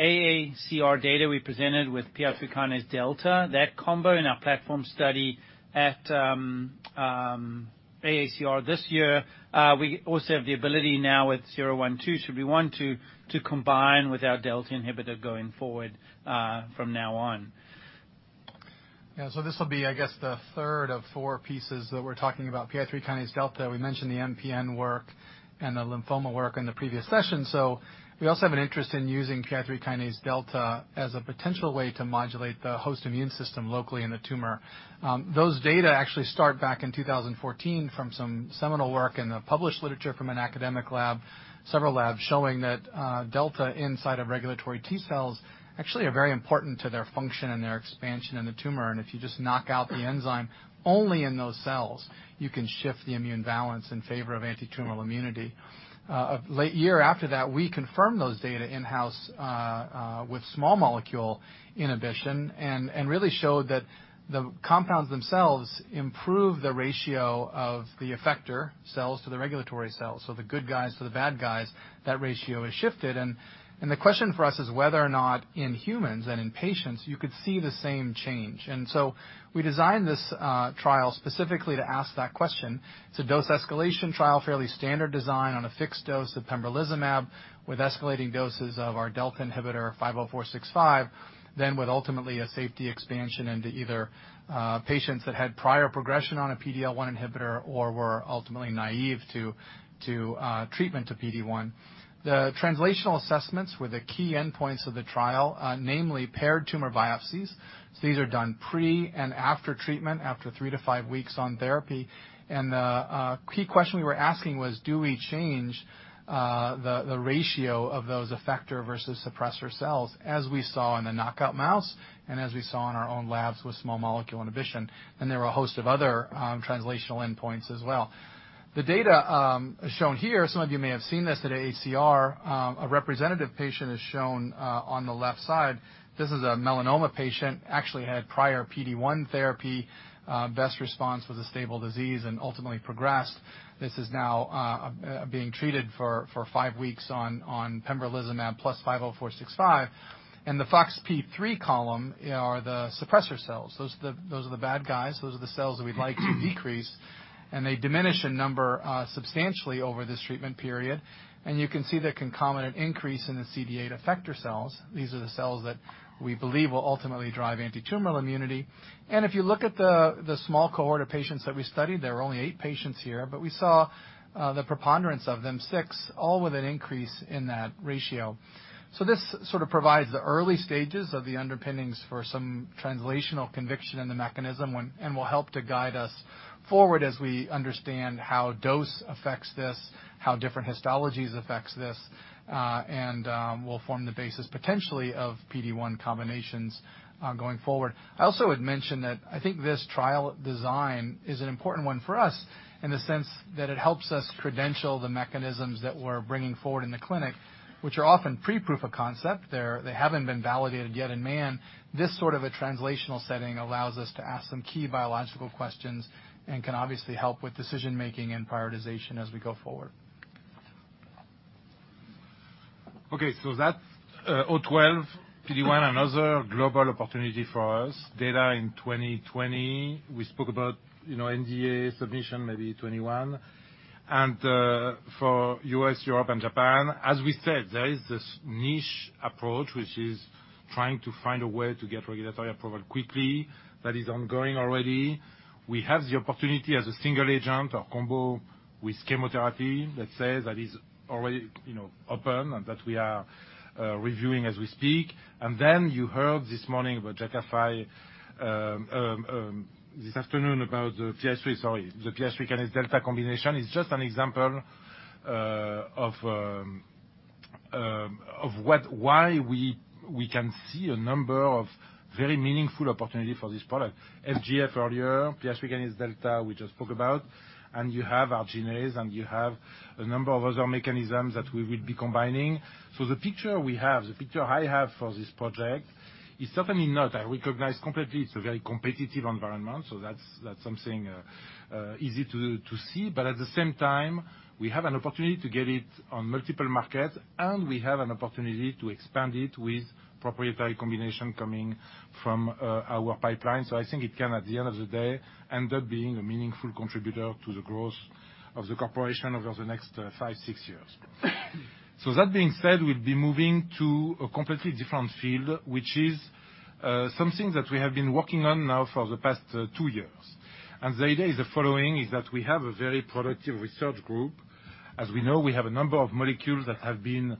AACR data we presented with PI3Kδ, that combo in our platform study at AACR this year, we also have the ability now with 012, should we want to combine with our delta inhibitor going forward from now on. Yeah. This will be, I guess, the third of 4 pieces that we're talking about PI3Kδ. We mentioned the MPN work and the lymphoma work in the previous session. We also have an interest in using PI3Kδ as a potential way to modulate the host immune system locally in the tumor. Those data actually start back in 2014 from some seminal work in the published literature from an academic lab, several labs, showing that, delta inside of regulatory T cells actually are very important to their function and their expansion in the tumor. If you just knock out the enzyme only in those cells, you can shift the immune balance in favor of antitumor immunity. A late year after that, we confirmed those data in-house with small molecule inhibition and really showed that the compounds themselves improve the ratio of the effector cells to the regulatory cells. The good guys to the bad guys, that ratio is shifted. The question for us is whether or not in humans and in patients, you could see the same change. We designed this trial specifically to ask that question. It's a dose escalation trial, fairly standard design on a fixed dose of pembrolizumab, with escalating doses of our delta inhibitor INCB050465, then with ultimately a safety expansion into either patients that had prior progression on a PD-L1 inhibitor or were ultimately naive to treatment to PD-1. The translational assessments were the key endpoints of the trial, namely paired tumor biopsies. These are done pre and after treatment, after 3 to 5 weeks on therapy. The key question we were asking was: Do we change the ratio of those effector versus suppressor cells, as we saw in the knockout mouse and as we saw in our own labs with small molecule inhibition? There were a host of other translational endpoints as well. The data shown here, some of you may have seen this at AACR, a representative patient is shown on the left side. This is a melanoma patient, actually had prior PD-1 therapy. Best response was a stable disease and ultimately progressed. This is now being treated for 5 weeks on pembrolizumab plus INCB050465. The FoxP3 column are the suppressor cells. Those are the bad guys. Those are the cells that we'd like to decrease, and they diminish in number substantially over this treatment period. You can see the concomitant increase in the CD8 effector cells. These are the cells that we believe will ultimately drive antitumor immunity. If you look at the small cohort of patients that we studied, there were only eight patients here. We saw the preponderance of them, six, all with an increase in that ratio. This sort of provides the early stages of the underpinnings for some translational conviction in the mechanism and will help to guide us forward as we understand how dose affects this, how different histologies affects this, and will form the basis potentially of PD-1 combinations going forward. I also would mention that I think this trial design is an important one for us in the sense that it helps us credential the mechanisms that we're bringing forward in the clinic, which are often pre-proof of concept. They haven't been validated yet in man. This sort of a translational setting allows us to ask some key biological questions and can obviously help with decision-making and prioritization as we go forward. Okay, MGA012, PD-1, another global opportunity for us. Data in 2020. We spoke about NDA submission maybe 2021. For U.S., Europe, and Japan, as we said, there is this niche approach, which is trying to find a way to get regulatory approval quickly. That is ongoing already. We have the opportunity as a single agent or combo with chemotherapy, let's say, that is already open and that we are reviewing as we speak. You heard this afternoon about the PI3, sorry, the PI3Kδ combination. It's just an example of why we can see a number of very meaningful opportunity for this product. FGF earlier, PI3Kδ we just spoke about, and you have arginase, and you have a number of other mechanisms that we will be combining. The picture we have, the picture I have for this project is certainly not I recognize completely it's a very competitive environment, so that's something easy to see. At the same time, we have an opportunity to get it on multiple markets, and we have an opportunity to expand it with proprietary combination coming from our pipeline. I think it can, at the end of the day, end up being a meaningful contributor to the growth of the corporation over the next five, six years. That being said, we'll be moving to a completely different field, which is something that we have been working on now for the past two years. The idea is the following, is that we have a very productive research group. As we know, we have a number of molecules that have been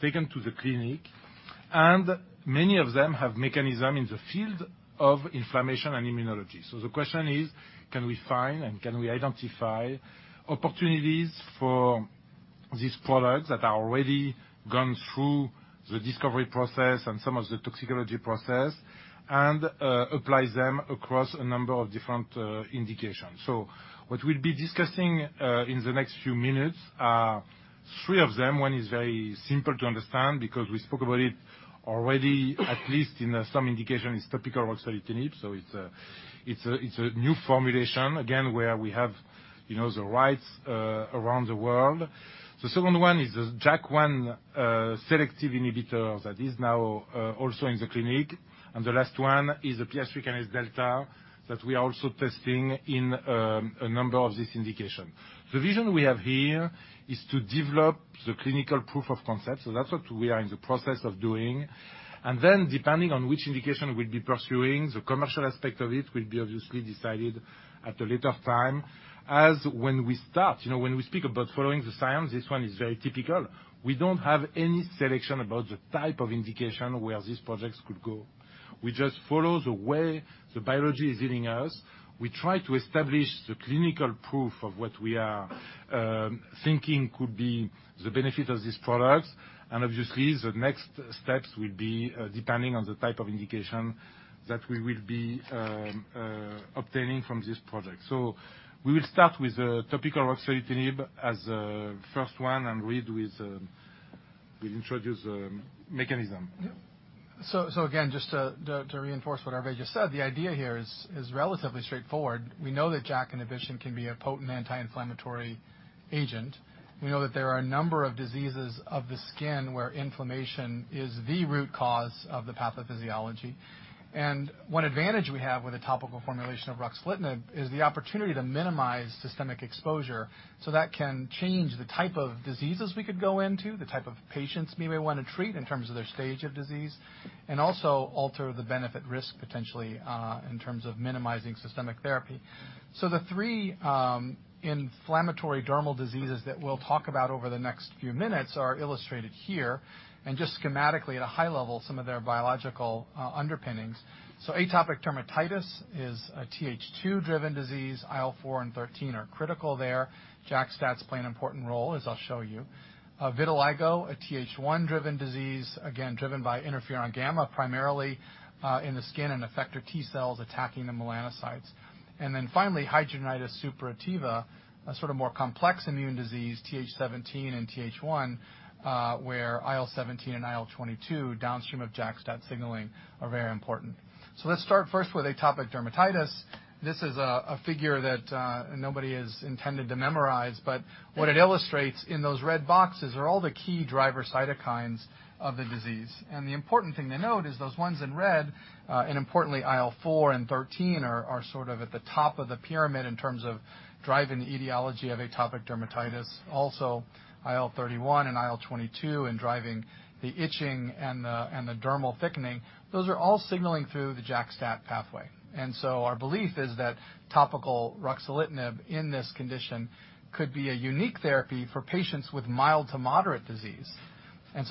taken to the clinic, and many of them have mechanism in the field of inflammation and immunology. The question is: Can we find and can we identify opportunities for these products that are already gone through the discovery process and some of the toxicology process, and apply them across a number of different indications. What we'll be discussing in the next few minutes are three of them. One is very simple to understand because we spoke about it already, at least in some indication, is topical ruxolitinib. It's a new formulation, again, where we have the rights around the world. The second one is a JAK1 selective inhibitor that is now also in the clinic. The last one is the PI3Kδ that we are also testing in a number of these indication. The vision we have here is to develop the clinical proof of concept. That's what we are in the process of doing. Depending on which indication we'll be pursuing, the commercial aspect of it will be obviously decided at a later time. When we start, when we speak about following the science, this one is very typical. We don't have any selection about the type of indication where these projects could go. We just follow the way the biology is leading us. We try to establish the clinical proof of what we are thinking could be the benefit of these products. Obviously, the next steps will be depending on the type of indication that we will be obtaining from this project. We will start with the topical ruxolitinib as a first one, and we'll introduce mechanism. Again, just to reinforce what Hervé just said, the idea here is relatively straightforward. We know that JAK inhibition can be a potent anti-inflammatory agent. We know that there are a number of diseases of the skin where inflammation is the root cause of the pathophysiology. One advantage we have with a topical formulation of ruxolitinib is the opportunity to minimize systemic exposure. That can change the type of diseases we could go into, the type of patients we may want to treat in terms of their stage of disease, and also alter the benefit risk potentially, in terms of minimizing systemic therapy. The three inflammatory dermal diseases that we'll talk about over the next few minutes are illustrated here, and just schematically at a high level, some of their biological underpinnings. Atopic dermatitis is a Th2 driven disease. IL-4 and 13 are critical there. JAK-STATs play an important role, as I'll show you. Vitiligo, a Th1 driven disease, again, driven by interferon gamma, primarily, in the skin and effector T cells attacking the melanocytes. Finally, hidradenitis suppurativa, a sort of more complex immune disease, Th17 and Th1, where IL-17 and IL-22 downstream of JAK-STAT signaling are very important. Let's start first with atopic dermatitis. This is a figure that nobody is intended to memorize, but what it illustrates in those red boxes are all the key driver cytokines of the disease. The important thing to note is those ones in red, and importantly IL-4 and 13 are sort of at the top of the pyramid in terms of driving the etiology of atopic dermatitis. Also, IL-31 and IL-22 in driving the itching and the dermal thickening. Those are all signaling through the JAK-STAT pathway. Our belief is that topical ruxolitinib in this condition could be a unique therapy for patients with mild to moderate disease.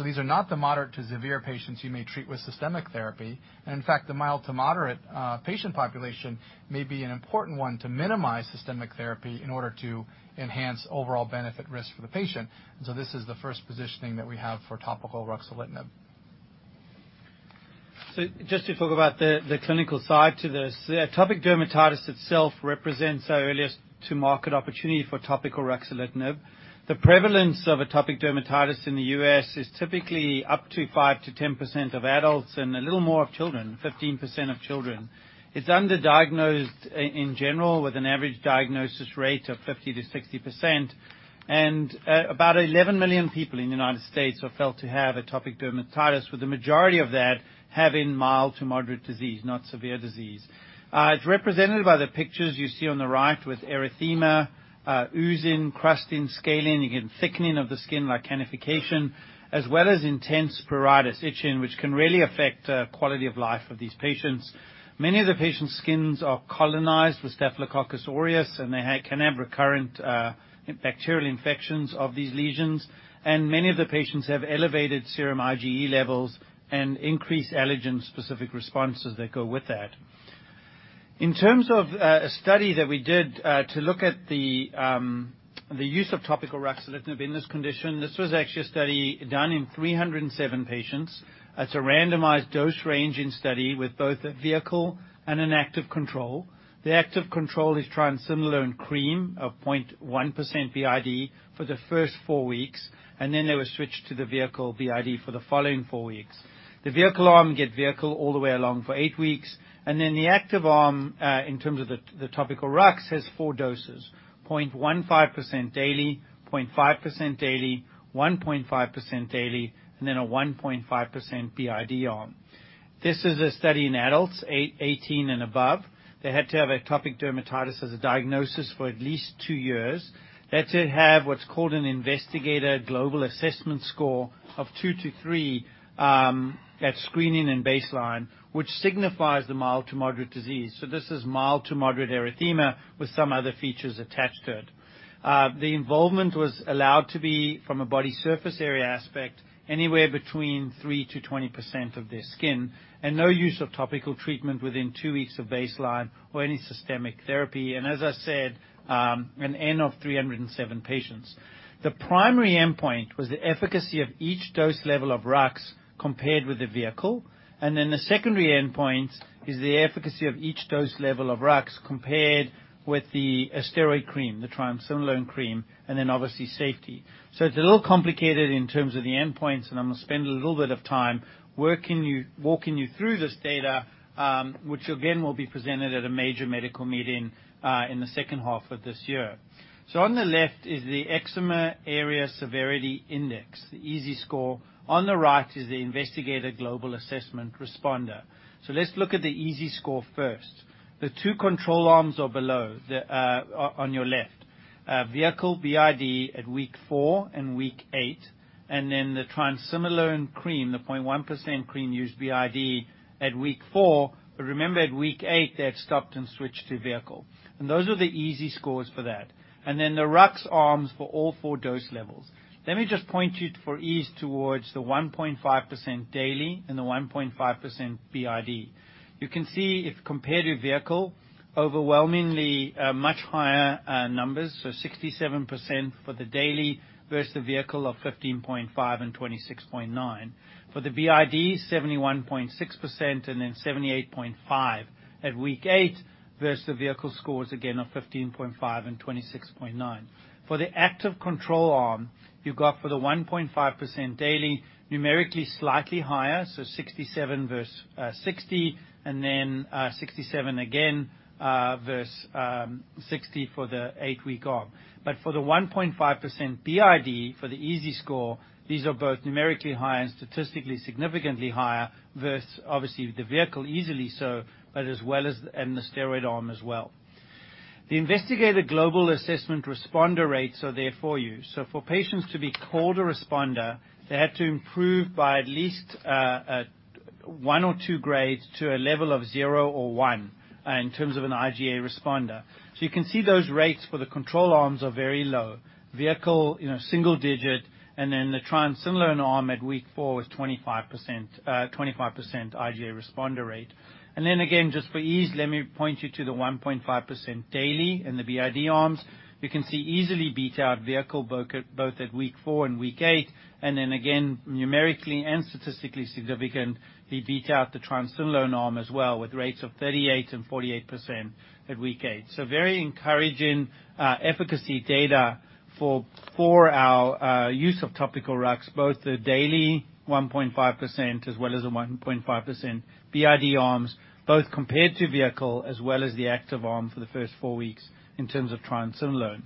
These are not the moderate to severe patients you may treat with systemic therapy. In fact, the mild to moderate patient population may be an important one to minimize systemic therapy in order to enhance overall benefit risk for the patient. This is the first positioning that we have for topical ruxolitinib. Just to talk about the clinical side to this. Atopic dermatitis itself represents our earliest to market opportunity for topical ruxolitinib. The prevalence of atopic dermatitis in the U.S. is typically up to 5%-10% of adults and a little more of children, 15% of children. It's underdiagnosed in general, with an average diagnosis rate of 50%-60%. About 11 million people in the U.S. are felt to have atopic dermatitis, with the majority of that having mild to moderate disease, not severe disease. It's represented by the pictures you see on the right with erythema, oozing, crusting, scaling. You get thickening of the skin like lichenification, as well as intense pruritus, itching, which can really affect quality of life of these patients. Many of the patients' skins are colonized with Staphylococcus aureus. They can have recurrent bacterial infections of these lesions. Many of the patients have elevated serum IgE levels and increased allergen specific responses that go with that. In terms of a study that we did to look at the use of topical ruxolitinib in this condition, this was actually a study done in 307 patients. It's a randomized dose ranging study with both a vehicle and an active control. The active control is triamcinolone cream of 0.1% BID for the first four weeks. Then they were switched to the vehicle BID for the following four weeks. The vehicle arm get vehicle all the way along for eight weeks. Then the active arm, in terms of the topical rux has four doses, 0.15% daily, 0.5% daily, 1.5% daily, and then a 1.5% BID arm. This is a study in adults 18 and above. They had to have atopic dermatitis as a diagnosis for at least two years. They had to have what's called an investigator global assessment score of 2 to 3 at screening and baseline, which signifies the mild to moderate disease. This is mild to moderate erythema with some other features attached to it. The involvement was allowed to be from a body surface area aspect, anywhere between 3%-20% of their skin, and no use of topical treatment within two weeks of baseline or any systemic therapy. As I said, an N of 307 patients. The primary endpoint was the efficacy of each dose level of rux compared with the vehicle. The secondary endpoint is the efficacy of each dose level of rux compared with the steroid cream, the triamcinolone cream, obviously safety. It's a little complicated in terms of the endpoints. I'm going to spend a little bit of time walking you through this data, which again, will be presented at a major medical meeting in the second half of this year. On the left is the Eczema Area Severity Index, the EASI score. On the right is the Investigator Global Assessment Responder. Let's look at the EASI score first. The two control arms are below, on your left. Vehicle BID at week four and week eight. The triamcinolone cream, the 0.1% cream used BID at week four. Remember at week eight, they had stopped and switched to vehicle. Those are the EASI scores for that. The RUX arms for all four dose levels. Let me just point you for ease towards the 1.5% daily and the 1.5% BID. You can see if compared to vehicle, overwhelmingly much higher numbers, so 67% for the daily versus the vehicle of 15.5 and 26.9. For the BID, 71.6% and then 78.5 at week 8 versus the vehicle scores again of 15.5 and 26.9. For the active control arm, you've got for the 1.5% daily numerically slightly higher, so 67 versus 60, and then 67 again versus 60 for the 8-week arm. For the 1.5% BID, for the EASI score, these are both numerically higher and statistically significantly higher versus obviously the vehicle easily so, but as well as in the steroid arm as well. The investigator global assessment responder rates are there for you. For patients to be called a responder, they had to improve by at least 1 or 2 grades to a level of 0 or 1 in terms of an IGA responder. You can see those rates for the control arms are very low. Vehicle, single digit, and then the triamcinolone arm at week 4 was 25% IGA responder rate. Then again, just for ease, let me point you to the 1.5% daily and the BID arms. You can see easily beat out vehicle both at week 4 and week 8. Then again, numerically and statistically significant, they beat out the triamcinolone arm as well with rates of 38 and 48% at week 8. Very encouraging efficacy data for our use of topical RUX. Both the daily 1.5% as well as the 1.5% BID arms, both compared to vehicle as well as the active arm for the first 4 weeks in terms of triamcinolone.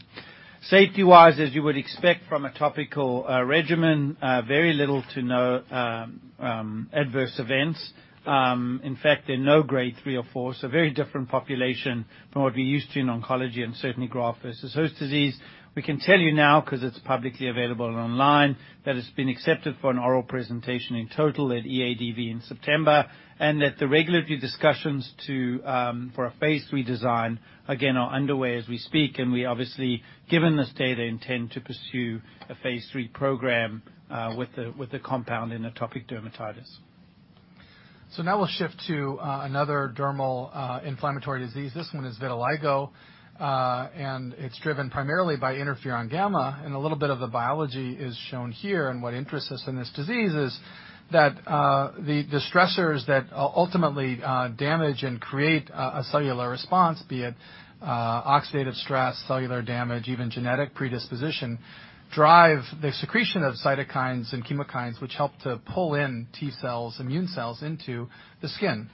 Safety-wise, as you would expect from a topical regimen, very little to no adverse events. In fact, there are no grade 3 or 4, so very different population from what we're used to in oncology and certainly graft-versus-host disease. We can tell you now because it's publicly available online, that it's been accepted for an oral presentation in total at EADV in September, and that the regulatory discussions for a phase III design again are underway as we speak, and we obviously given this data intend to pursue a phase III program with the compound in atopic dermatitis. Now we'll shift to another dermal inflammatory disease. This one is vitiligo. It's driven primarily by interferon gamma and a little bit of the biology is shown here and what interests us in this disease is that the stressors that ultimately damage and create a cellular response be it oxidative stress, cellular damage, even genetic predisposition, drive the secretion of cytokines and chemokines which help to pull in T cells, immune cells into the skin.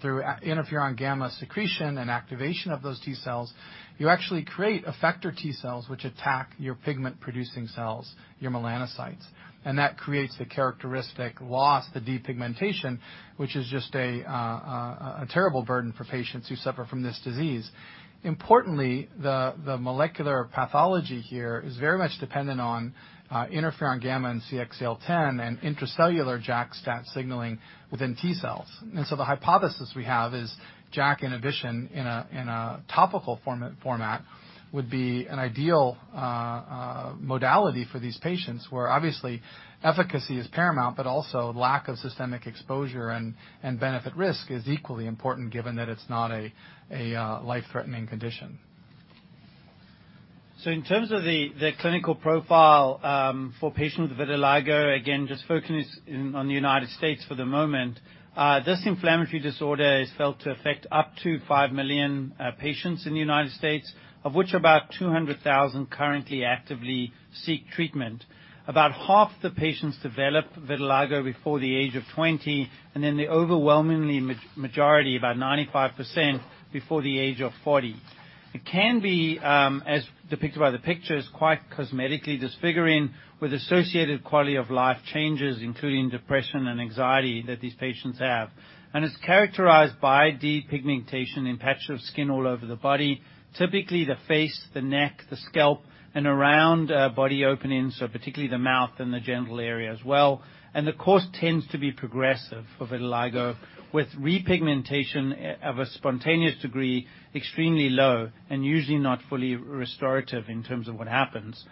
Through interferon gamma secretion and activation of those T cells, you actually create effector T cells which attack your pigment producing cells, your melanocytes. That creates the characteristic loss, the depigmentation, which is just a terrible burden for patients who suffer from this disease. Importantly, the molecular pathology here is very much dependent on interferon gamma and CXCL10 and intracellular JAK-STAT signaling within T cells. The hypothesis we have is JAK inhibition in a topical format would be an ideal modality for these patients where obviously efficacy is paramount, but also lack of systemic exposure and benefit risk is equally important given that it's not a life-threatening condition. In terms of the clinical profile for patients with vitiligo, again, just focusing on the United States for the moment. This inflammatory disorder is felt to affect up to 5 million patients in the United States, of which about 200,000 currently actively seek treatment. About half the patients develop vitiligo before the age of 20, then the overwhelming majority, about 95% before the age of 40. It can be, as depicted by the pictures, quite cosmetically disfiguring with associated quality of life changes, including depression and anxiety that these patients have. It's characterized by depigmentation in patches of skin all over the body, typically the face, the neck, the scalp, and around body openings, so particularly the mouth and the genital area as well. The course tends to be progressive for vitiligo with repigmentation of a spontaneous degree extremely low and usually not fully restorative in terms of what happens.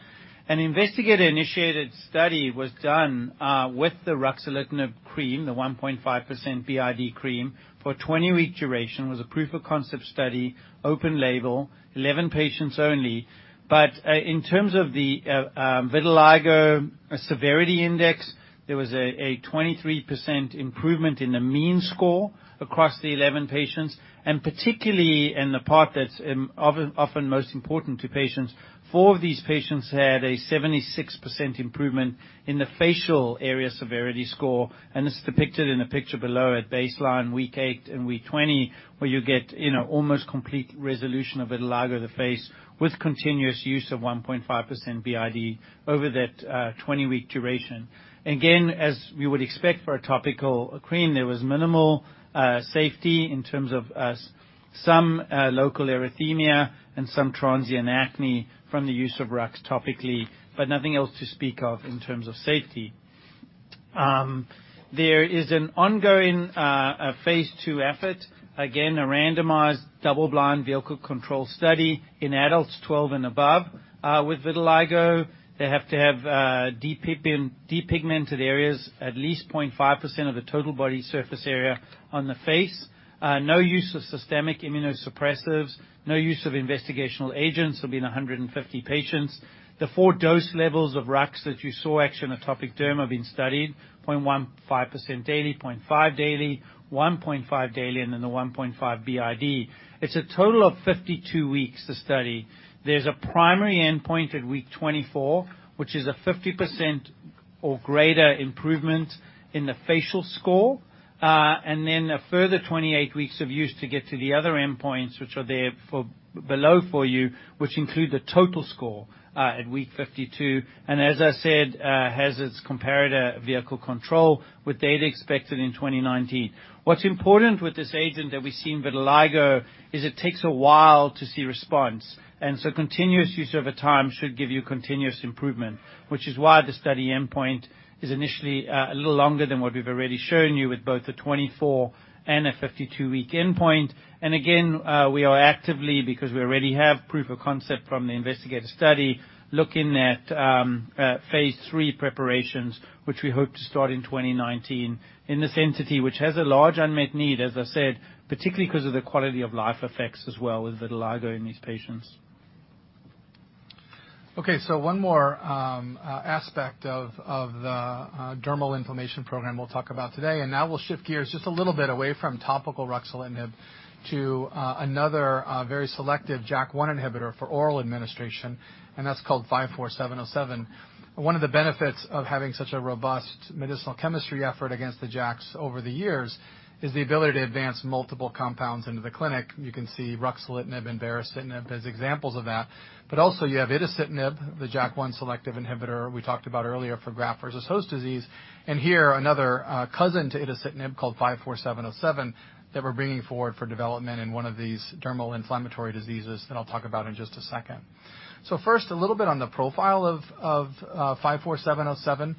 An investigator-initiated study was done with the ruxolitinib cream, the 1.5% BID cream, for a 20-week duration. It was a proof of concept study, open label, 11 patients only. In terms of the vitiligo severity index, there was a 23% improvement in the mean score across the 11 patients, particularly in the part that's often most important to patients, four of these patients had a 76% improvement in the facial area severity score, and this is depicted in the picture below at baseline week eight and week 20, where you get almost complete resolution of vitiligo of the face with continuous use of 1.5% BID over that 20-week duration. Again, as we would expect for a topical cream, there was minimal safety in terms of some local erythema and some transient acne from the use of RUX topically, but nothing else to speak of in terms of safety. There is an ongoing phase II effort, again, a randomized double-blind vehicle control study in adults 12 and above with vitiligo. They have to have depigmented areas, at least 0.5% of the total body surface area on the face. No use of systemic immunosuppressives, no use of investigational agents. There will be 150 patients. The four dose levels of Rux that you saw actually in atopic derma have been studied, 0.15% daily, 0.5 daily, 1.5 daily, and then the 1.5 BID. It's a total of 52 weeks to study. There's a primary endpoint at week 24, which is a 50% or greater improvement in the facial score. A further 28 weeks of use to get to the other endpoints, which are there below for you, which include the total score at week 52, and as I said, has its comparator vehicle control with data expected in 2019. What's important with this agent that we see in vitiligo is it takes a while to see response, and so continuous use over time should give you continuous improvement, which is why the study endpoint is initially a little longer than what we've already shown you with both the 24 and a 52-week endpoint. We are actively, because we already have proof of concept from the investigative study, looking at phase III preparations, which we hope to start in 2019 in this entity, which has a large unmet need, as I said, particularly because of the quality of life effects as well with vitiligo in these patients. One more aspect of the dermal inflammation program we'll talk about today, and now we'll shift gears just a little bit away from topical ruxolitinib to another very selective JAK1 inhibitor for oral administration, and that's called INCB054707. One of the benefits of having such a robust medicinal chemistry effort against the JAKs over the years is the ability to advance multiple compounds into the clinic. You can see ruxolitinib and baricitinib as examples of that. Also you have itacitinib, the JAK1 selective inhibitor we talked about earlier for graft-versus-host disease, and here, another cousin to itacitinib called INCB054707 that we're bringing forward for development in one of these dermal inflammatory diseases that I'll talk about in just a second. First, a little bit on the profile of INCB054707,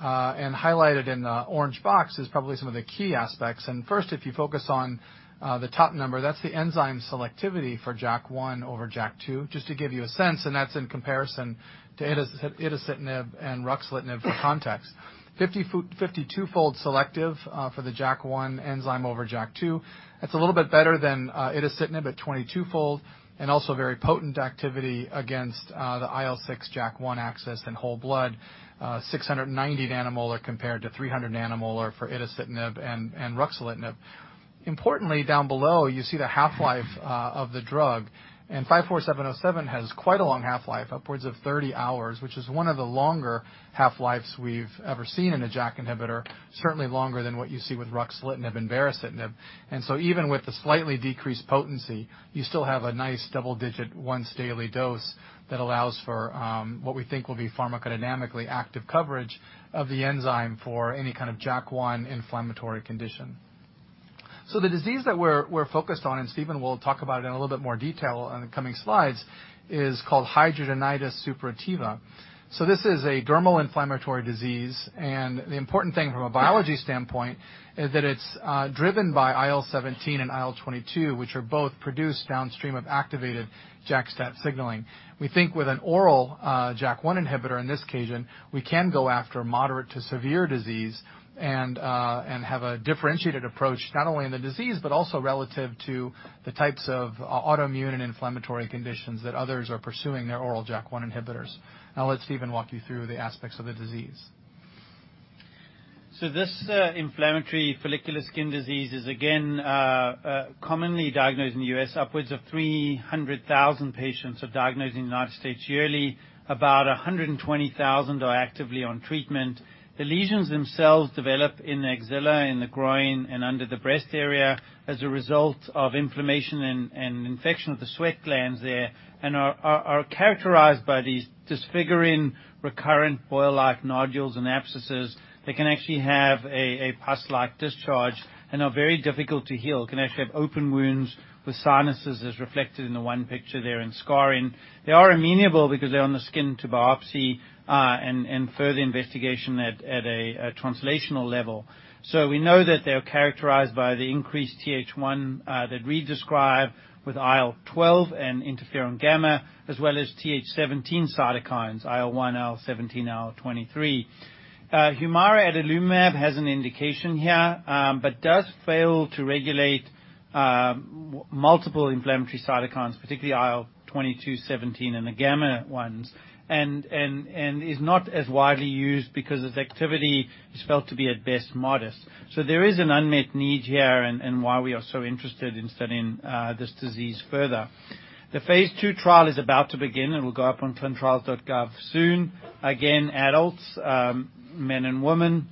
and highlighted in the orange box is probably some of the key aspects. First, if you focus on the top number, that's the enzyme selectivity for JAK1 over JAK2, just to give you a sense, and that's in comparison to itacitinib and ruxolitinib for context. 52-fold selective for the JAK1 enzyme over JAK2. That's a little bit better than itacitinib at 22-fold, and also very potent activity against the IL6/JAK1 axis in whole blood. 690 nanomolar compared to 300 nanomolar for itacitinib and ruxolitinib. Importantly, down below, you see the half-life of the drug, and INCB054707 has quite a long half-life, upwards of 30 hours, which is one of the longer half-lives we've ever seen in a JAK inhibitor, certainly longer than what you see with ruxolitinib and baricitinib. Even with the slightly decreased potency, you still have a nice double-digit once-daily dose that allows for what we think will be pharmacodynamically active coverage of the enzyme for any kind of JAK1 inflammatory condition. The disease that we're focused on, and Steven will talk about it in a little bit more detail on the coming slides, is called hidradenitis suppurativa. This is a dermal inflammatory disease, and the important thing from a biology standpoint is that it's driven by IL-17 and IL-22, which are both produced downstream of activated JAK-STAT signaling. We think with an oral JAK1 inhibitor in this occasion, we can go after moderate to severe disease and have a differentiated approach, not only in the disease, but also relative to the types of autoimmune and inflammatory conditions that others are pursuing their oral JAK1 inhibitors. Let Steven walk you through the aspects of the disease. This inflammatory follicular skin disease is again commonly diagnosed in the U.S. Upwards of 300,000 patients are diagnosed in the United States yearly. About 120,000 are actively on treatment. The lesions themselves develop in the axilla, in the groin, and under the breast area as a result of inflammation and infection of the sweat glands there and are characterized by these disfiguring, recurrent boil-like nodules and abscesses that can actually have a pus-like discharge and are very difficult to heal, can actually have open wounds with sinuses, as reflected in the one picture there, and scarring. They are amenable because they're on the skin to biopsy and further investigation at a translational level. We know that they are characterized by the increased Th1 that we describe with IL-12 and interferon gamma, as well as Th17 cytokines, IL-1, IL-17, IL-23. Humira adalimumab has an indication here but does fail to regulate multiple inflammatory cytokines, particularly IL-22, IL-17, and the gamma ones, and is not as widely used because its activity is felt to be at best modest. There is an unmet need here and why we are so interested in studying this disease further. The phase II trial is about to begin, and will go up on ClinicalTrials.gov soon. Again, adults, men and women.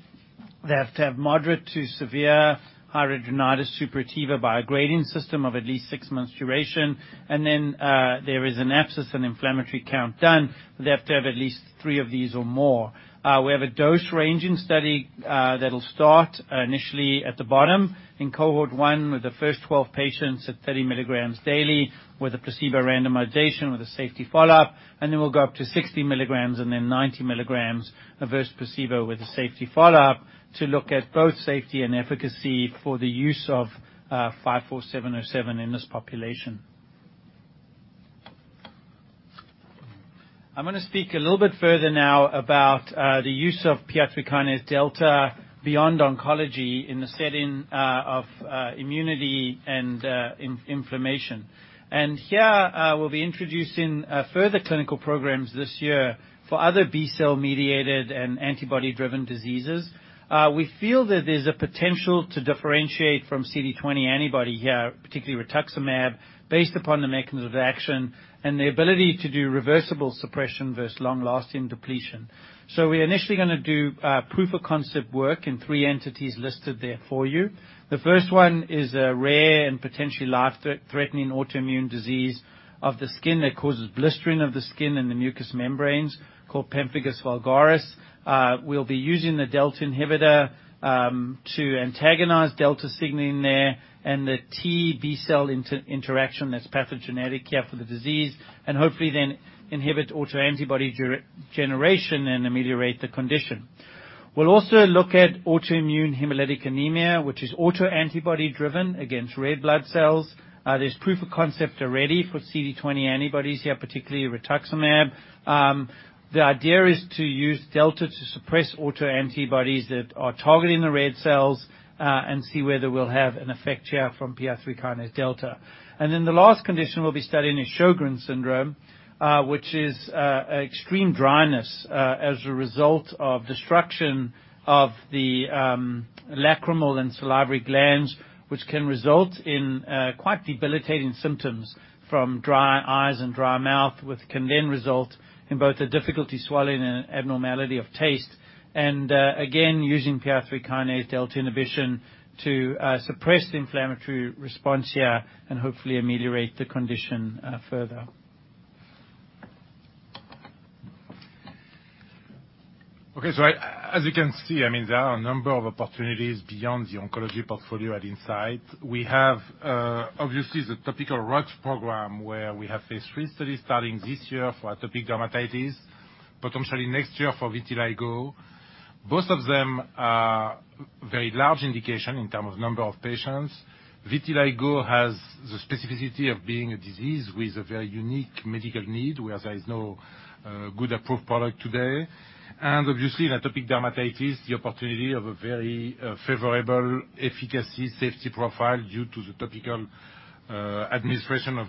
They have to have moderate to severe hidradenitis suppurativa by a grading system of at least six months' duration. There is an abscess and inflammatory count done. They have to have at least three of these or more. We have a dose-ranging study that'll start initially at the bottom in Cohort 1 with the first 12 patients at 30 milligrams daily with a placebo randomization with a safety follow-up. We'll go up to 60 milligrams and then 90 milligrams versus placebo with a safety follow-up to look at both safety and efficacy for the use of INCB054707 in this population. I'm going to speak a little bit further now about the use of PI3Kδ beyond oncology in the setting of immunity and inflammation. Here, we'll be introducing further clinical programs this year for other B-cell mediated and antibody-driven diseases. We feel that there's a potential to differentiate from CD20 antibody here, particularly rituximab, based upon the mechanism of action and the ability to do reversible suppression versus long-lasting depletion. We're initially going to do proof of concept work in three entities listed there for you. The first one is a rare and potentially life-threatening autoimmune disease of the skin that causes blistering of the skin and the mucous membranes called pemphigus vulgaris. We'll be using the delta inhibitor to antagonize delta signaling there and the T-, B-cell interaction that's pathogenetic here for the disease, and hopefully then inhibit autoantibody generation and ameliorate the condition. We'll also look at autoimmune hemolytic anemia, which is autoantibody-driven against red blood cells. There's proof of concept already for CD20 antibodies here, particularly rituximab. The idea is to use delta to suppress autoantibodies that are targeting the red cells, and see whether we'll have an effect here from PI3Kδ. The last condition we'll be studying is Sjögren's syndrome, which is extreme dryness as a result of destruction of the lacrimal and salivary glands, which can result in quite debilitating symptoms from dry eyes and dry mouth, which can then result in both a difficulty swallowing and an abnormality of taste. Again, using PI3Kδ inhibition to suppress the inflammatory response here and hopefully ameliorate the condition further. As you can see, there are a number of opportunities beyond the oncology portfolio at Incyte. We have, obviously, the topical rux program, where we have phase III studies starting this year for atopic dermatitis, potentially next year for vitiligo. Both of them are very large indication in terms of number of patients. Vitiligo has the specificity of being a disease with a very unique medical need, where there is no good approved product today. Obviously in atopic dermatitis, the opportunity of a very favorable efficacy, safety profile due to the topical administration of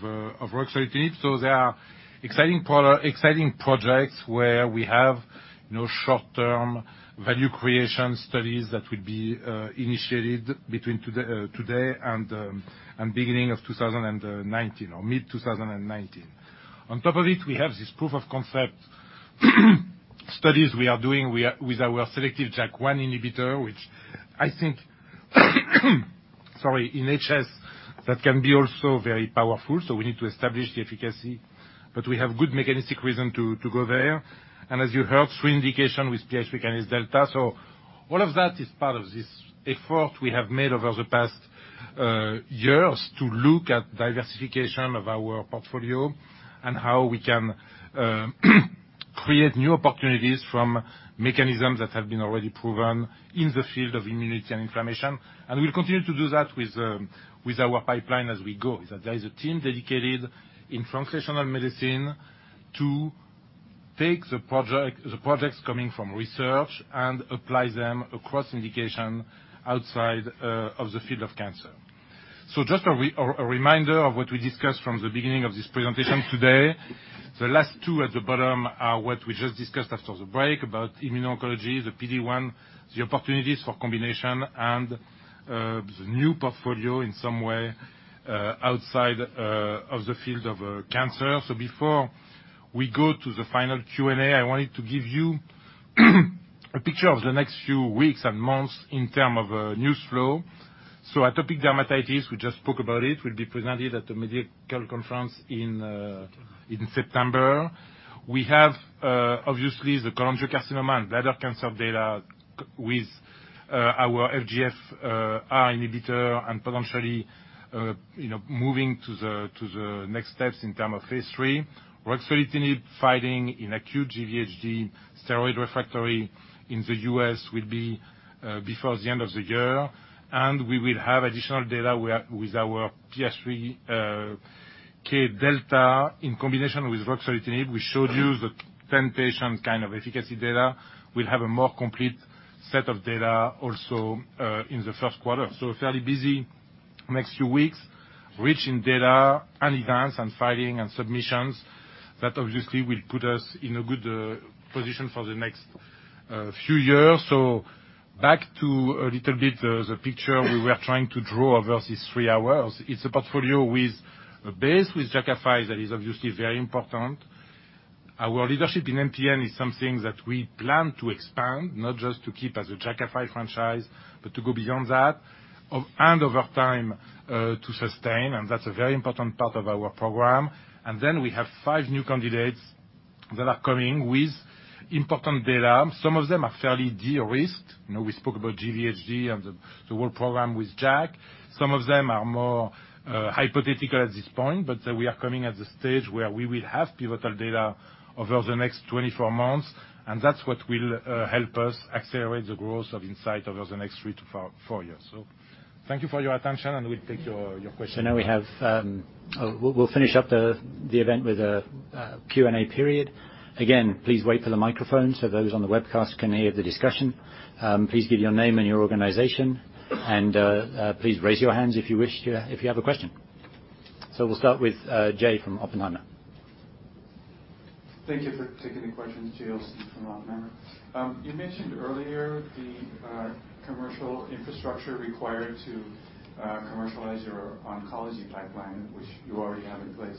ruxolitinib. They are exciting projects where we have no short-term value creation studies that will be initiated between today and beginning of 2019 or mid-2019. On top of it, we have this proof of concept studies we are doing with our selective JAK1 inhibitor, which I think in HS that can be also very powerful. We need to establish the efficacy, but we have good mechanistic reason to go there. As you heard, three indication with PI3Kδ. All of that is part of this effort we have made over the past years to look at diversification of our portfolio and how we can create new opportunities from mechanisms that have been already proven in the field of immunity and inflammation. We'll continue to do that with our pipeline as we go. There is a team dedicated in translational medicine to take the projects coming from research and apply them across indication outside of the field of cancer. Just a reminder of what we discussed from the beginning of this presentation today. The last two at the bottom are what we just discussed after the break about immuno-oncology, the PD-1, the opportunities for combination, and the new portfolio in some way outside of the field of cancer. Before we go to the final Q&A, I wanted to give you a picture of the next few weeks and months in term of news flow. Atopic dermatitis, we just spoke about it, will be presented at the medical conference in September. We have, obviously, the cholangiocarcinoma and bladder cancer data with our FGFR inhibitor and potentially moving to the next steps in term of phase III. Ruxolitinib filing in acute GVHD steroid refractory in the U.S. will be before the end of the year. We will have additional data with our PI3Kδ in combination with ruxolitinib. We showed you the 10-patient kind of efficacy data. We'll have a more complete set of data also in the first quarter. Fairly busy next few weeks, rich in data and events and filing and submissions that obviously will put us in a good position for the next few years. Back to a little bit the picture we were trying to draw over these three hours. It's a portfolio with a base with Jakafi that is obviously very important. Our leadership in MPN is something that we plan to expand, not just to keep as a Jakafi franchise, but to go beyond that. Over time, to sustain, and that's a very important part of our program. We have five new candidates that are coming with important data. Some of them are fairly de-risked. We spoke about GVHD and the whole program with JAK. Some of them are more hypothetical at this point, but we are coming at the stage where we will have pivotal data over the next 24 months, and that's what will help us accelerate the growth of Incyte over the next three to four years. Thank you for your attention, and we'll take your questions. Now we'll finish up the event with Q&A period. Again, please wait for the microphone so those on the webcast can hear the discussion. Please give your name and your organization, and please raise your hands if you have a question. We'll start with Jay from Oppenheimer. Thank you for taking the questions. Jay Olson from Oppenheimer. You mentioned earlier the commercial infrastructure required to commercialize your oncology pipeline, which you already have in place.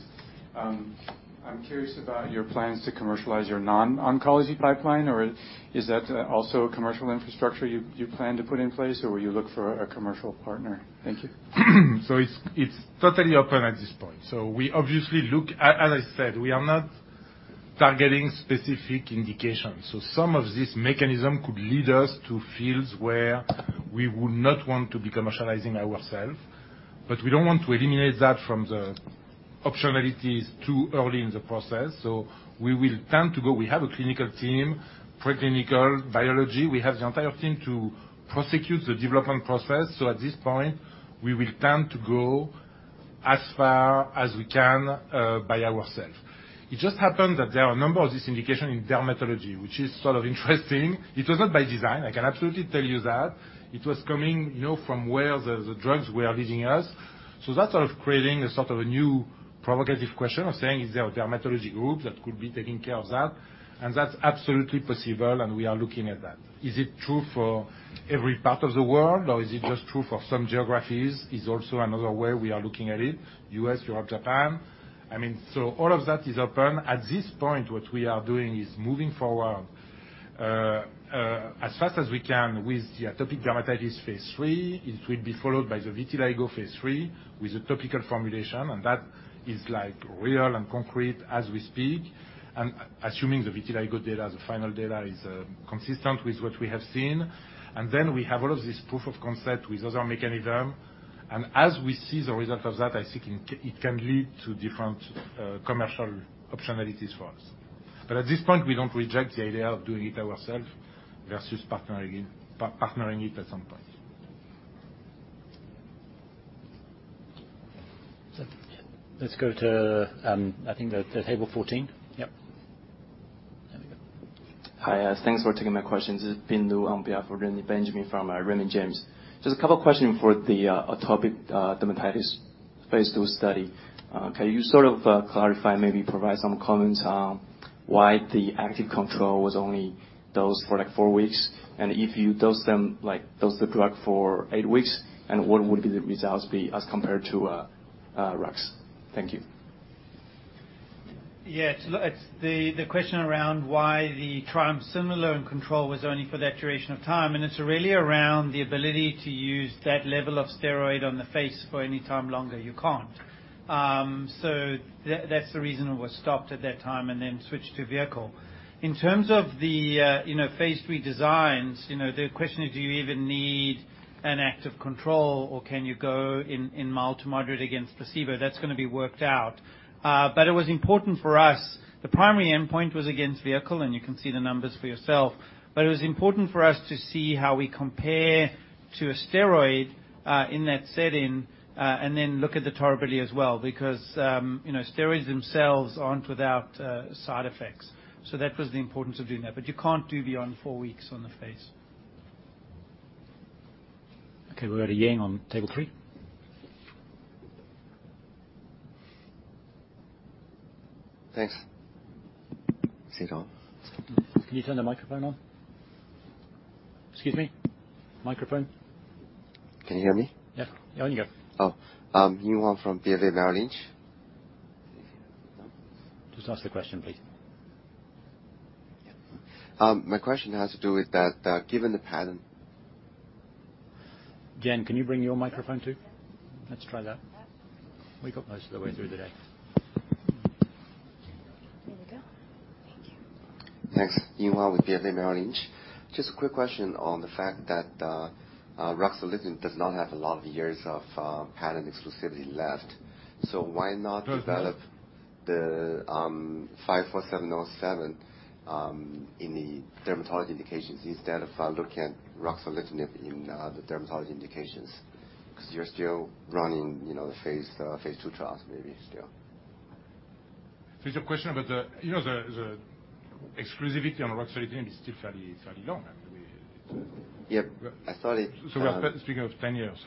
I'm curious about your plans to commercialize your non-oncology pipeline, or is that also a commercial infrastructure you plan to put in place, or will you look for a commercial partner? Thank you. It's totally open at this point. As I said, we are not targeting specific indications. Some of this mechanism could lead us to fields where we would not want to be commercializing ourselves, but we don't want to eliminate that from the optionalities too early in the process. We will tend to go We have a clinical team, pre-clinical, biology. We have the entire team to prosecute the development process. At this point, we will tend to go as far as we can by ourselves. It just happened that there are a number of this indication in dermatology, which is sort of interesting. It was not by design, I can absolutely tell you that. It was coming from where the drugs were leading us. That's creating a new provocative question of saying, is there a dermatology group that could be taking care of that? That's absolutely possible, and we are looking at that. Is it true for every part of the world, or is it just true for some geographies is also another way we are looking at it. U.S., Europe, Japan. All of that is open. At this point, what we are doing is moving forward as fast as we can with the atopic dermatitis phase III. It will be followed by the vitiligo phase III with a topical formulation, and that is real and concrete as we speak. Assuming the vitiligo data, the final data, is consistent with what we have seen. Then we have all of this proof of concept with other mechanism. As we see the result of that, I think it can lead to different commercial optionalities for us. At this point, we don't reject the idea of doing it ourself versus partnering it at some point. Let's go to, I think, the table 14. Yep. There we go. Hi. Thanks for taking my questions. This is Bin Lu on behalf of Benjamin from R.W. Baird. Just a couple questions for the atopic dermatitis phase II study. Can you sort of clarify, maybe provide some comments on why the active control was only dosed for four weeks, and if you dose the drug for eight weeks, what would be the results as compared to rux? Thank you. Yeah. The question around why the triamcinolone control was only for that duration of time, and it's really around the ability to use that level of steroid on the face for any time longer. You can't. That's the reason it was stopped at that time and then switched to vehicle. In terms of the phase III designs, the question is, do you even need an active control or can you go in mild to moderate against placebo? That's going to be worked out. It was important for us, the primary endpoint was against vehicle, and you can see the numbers for yourself. It was important for us to see how we compare to a steroid in that setting, and then look at the tolerability as well, because steroids themselves aren't without side effects. That was the importance of doing that. You can't do beyond four weeks on the face. Okay, we'll go to Ying on table three. Thanks. Is it on? Can you turn the microphone on? Excuse me. Microphone. Can you hear me? Yeah. On you go. Oh. Ying Huang from BofA Merrill Lynch. Just ask the question, please. My question has to do with that, given the pattern Jen, can you bring your microphone, too? Let's try that. We got most of the way through the day. There we go. Thank you. Thanks. Ying Huang with BofA Merrill Lynch. Just a quick question on the fact that ruxolitinib does not have a lot of years of patent exclusivity left. Why not develop the INCB054707 in the dermatology indications instead of topical ruxolitinib in the other dermatology indications? You're still running the phase II trials maybe still. Is your question about The exclusivity on ruxolitinib is still fairly long. Actually. Yep. I thought it. We are speaking of 10 years.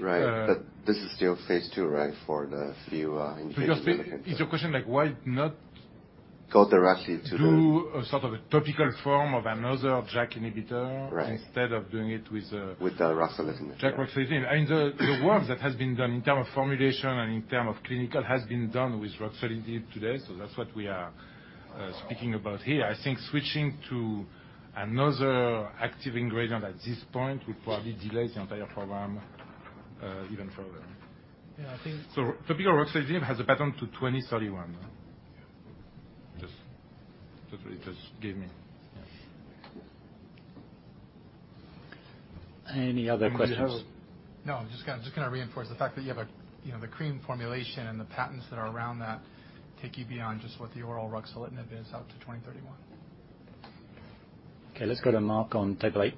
Right. This is still phase II, right, for the few indications. Is your question like why not- Go directly to the- Do a sort of a topical form of another JAK inhibitor- Right instead of doing it with- With the ruxolitinib. JAK ruxolitinib. The work that has been done in terms of formulation and in terms of clinical has been done with ruxolitinib to date. That's what we are speaking about here. I think switching to another active ingredient at this point would probably delay the entire program even further. Yeah. Topical ruxolitinib has a patent to 2031. That's what he just gave me. Yes. Any other questions? No, I'm just going to reinforce the fact that you have the cream formulation and the patents that are around that take you beyond just what the oral ruxolitinib is out to 2031. Okay, let's go to Marc on table eight.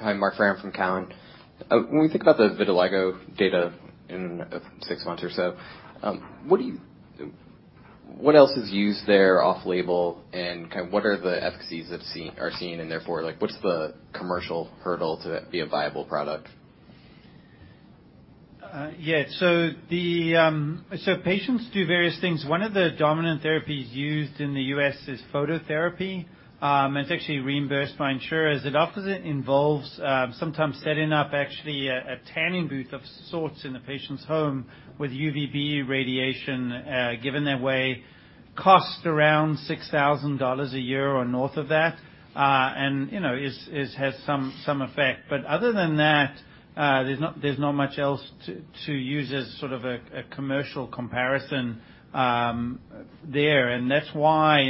Hi, Marc Ferzan from Cowen. When we think about the vitiligo data in six months or so, what else is used there off-label, and what are the efficacies that are seen, and therefore, what's the commercial hurdle to be a viable product? Patients do various things. One of the dominant therapies used in the U.S. is phototherapy. It's actually reimbursed by insurers. It often involves sometimes setting up actually a tanning booth of sorts in the patient's home with UVB radiation, given that way. Costs around $6,000 a year or north of that, and it has some effect. Other than that, there's not much else to use as sort of a commercial comparison there. That's why,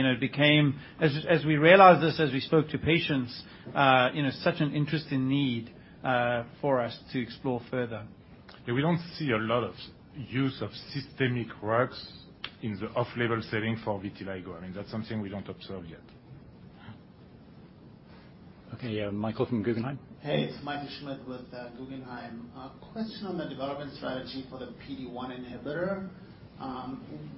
as we realized this, as we spoke to patients, such an interesting need for us to explore further. We don't see a lot of use of systemic drugs in the off-label setting for vitiligo. I mean, that's something we don't observe yet. Okay. Michael from Guggenheim. Hey, it's Michael Schmidt with Guggenheim. A question on the development strategy for the PD1 inhibitor.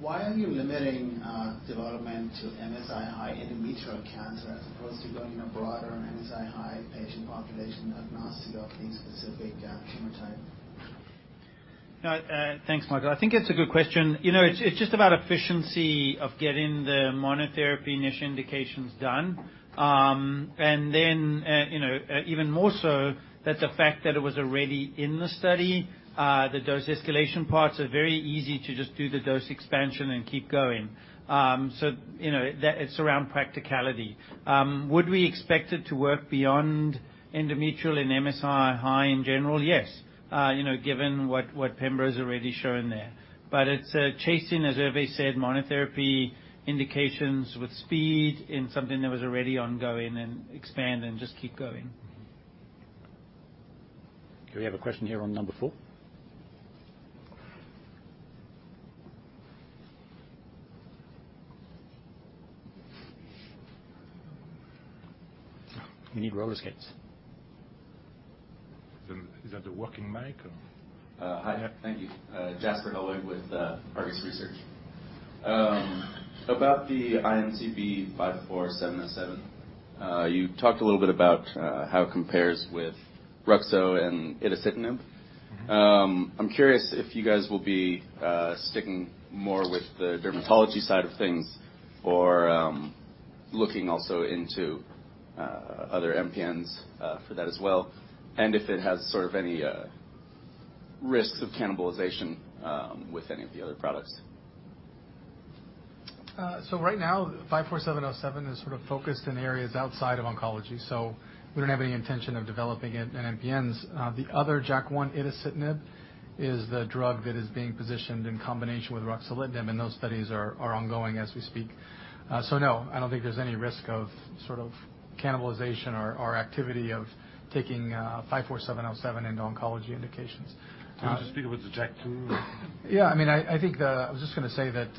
Why are you limiting development to MSI-high endometrial cancer as opposed to going a broader MSI-high patient population agnostic of the specific tumor type? Thanks, Michael. I think it's a good question. It's just about efficiency of getting the monotherapy initial indications done. Even more so, that's a fact that it was already in the study. The dose escalation parts are very easy to just do the dose expansion and keep going. It's around practicality. Would we expect it to work beyond endometrial and MSI-H in general? Yes. Given what Pembro's already shown there. It's chasing, as Hervé said, monotherapy indications with speed in something that was already ongoing, and expand and just keep going. Okay, we have a question here on number 4. We need roller skates. Is that a working mic, or? Hi. Thank you. Caspar Dolman with Baird Research. About the INCB054707, you talked a little bit about how it compares with Ruxo and itacitinib. I'm curious if you guys will be sticking more with the dermatology side of things, or looking also into other MPNs for that as well, and if it has sort of any risks of cannibalization with any of the other products. Right now, INCB054707 is sort of focused in areas outside of oncology, so we don't have any intention of developing it in MPNs. The other JAK1 itacitinib is the drug that is being positioned in combination with ruxolitinib. Those studies are ongoing as we speak. No, I don't think there's any risk of cannibalization or activity of taking INCB054707 into oncology indications. Can you just speak about the JAK2? Yeah. I was just going to say that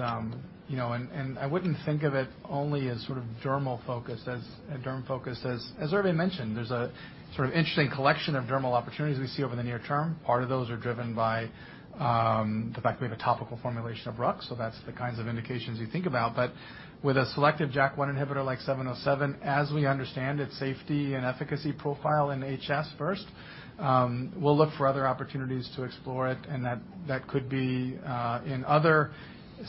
I wouldn't think of it only as sort of dermal focused. As Hervé mentioned, there's a sort of interesting collection of dermal opportunities we see over the near term. Part of those are driven by the fact we have a topical formulation of RUC. That's the kinds of indications you think about. With a selective JAK1 inhibitor like 707, as we understand its safety and efficacy profile in HS first, we'll look for other opportunities to explore it, and that could be in other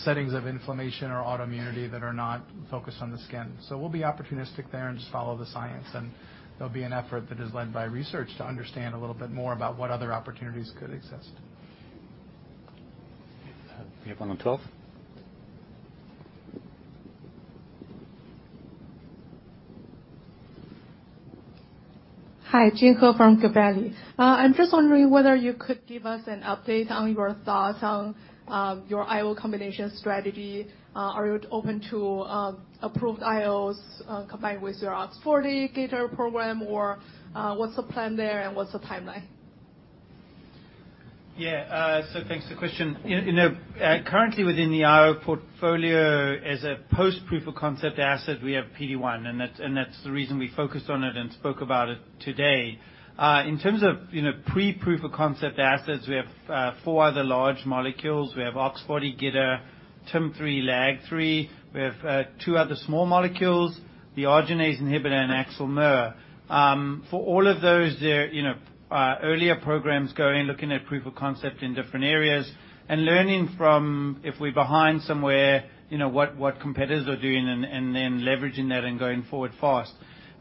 settings of inflammation or autoimmunity that are not focused on the skin. We'll be opportunistic there and just follow the science, and there'll be an effort that is led by research to understand a little bit more about what other opportunities could exist. We have one on 12. Hi, Jin Ho from Gabelli. I'm just wondering whether you could give us an update on your IO combination strategy. Are you open to approved IOs combined with your OX40 GITR program, or what's the plan there and what's the timeline? Thanks for the question. Currently within the IO portfolio as a post-proof of concept asset, we have PD-1, and that's the reason we focused on it and spoke about it today. In terms of pre-proof of concept assets, we have four other large molecules. We have OX40 GITR, TIM-3, LAG-3. We have two other small molecules, the arginase inhibitor and AXL/MER. For all of those, they're earlier programs going, looking at proof of concept in different areas and learning from, if we're behind somewhere, what competitors are doing and then leveraging that and going forward fast.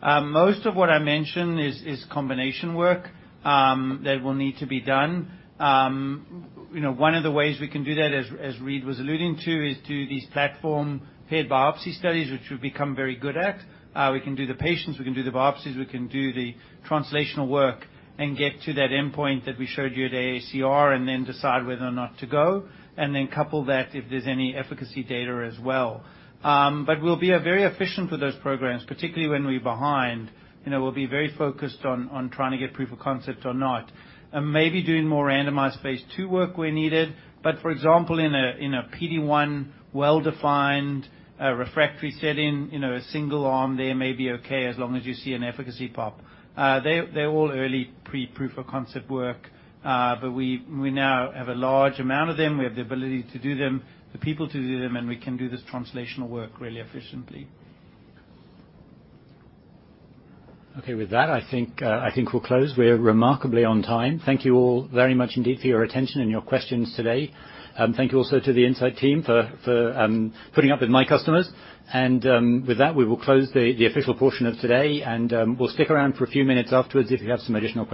Most of what I mentioned is combination work that will need to be done. One of the ways we can do that, as Reid was alluding to, is do these platform paired biopsy studies, which we've become very good at. We can do the patients, we can do the biopsies, we can do the translational work and get to that endpoint that we showed you at AACR and then decide whether or not to go, and then couple that if there's any efficacy data as well. We'll be very efficient with those programs, particularly when we're behind. We'll be very focused on trying to get proof of concept or not, and maybe doing more randomized phase II work where needed. For example, in a PD-1 well-defined refractory setting, a single arm there may be okay as long as you see an efficacy pop. They're all early pre-proof of concept work. We now have a large amount of them, we have the ability to do them, the people to do them, and we can do this translational work really efficiently. Okay. I think we'll close. We're remarkably on time. Thank you all very much indeed for your attention and your questions today. Thank you also to the Incyte team for putting up with my customers. We will close the official portion of today, and we'll stick around for a few minutes afterwards if you have some additional questions.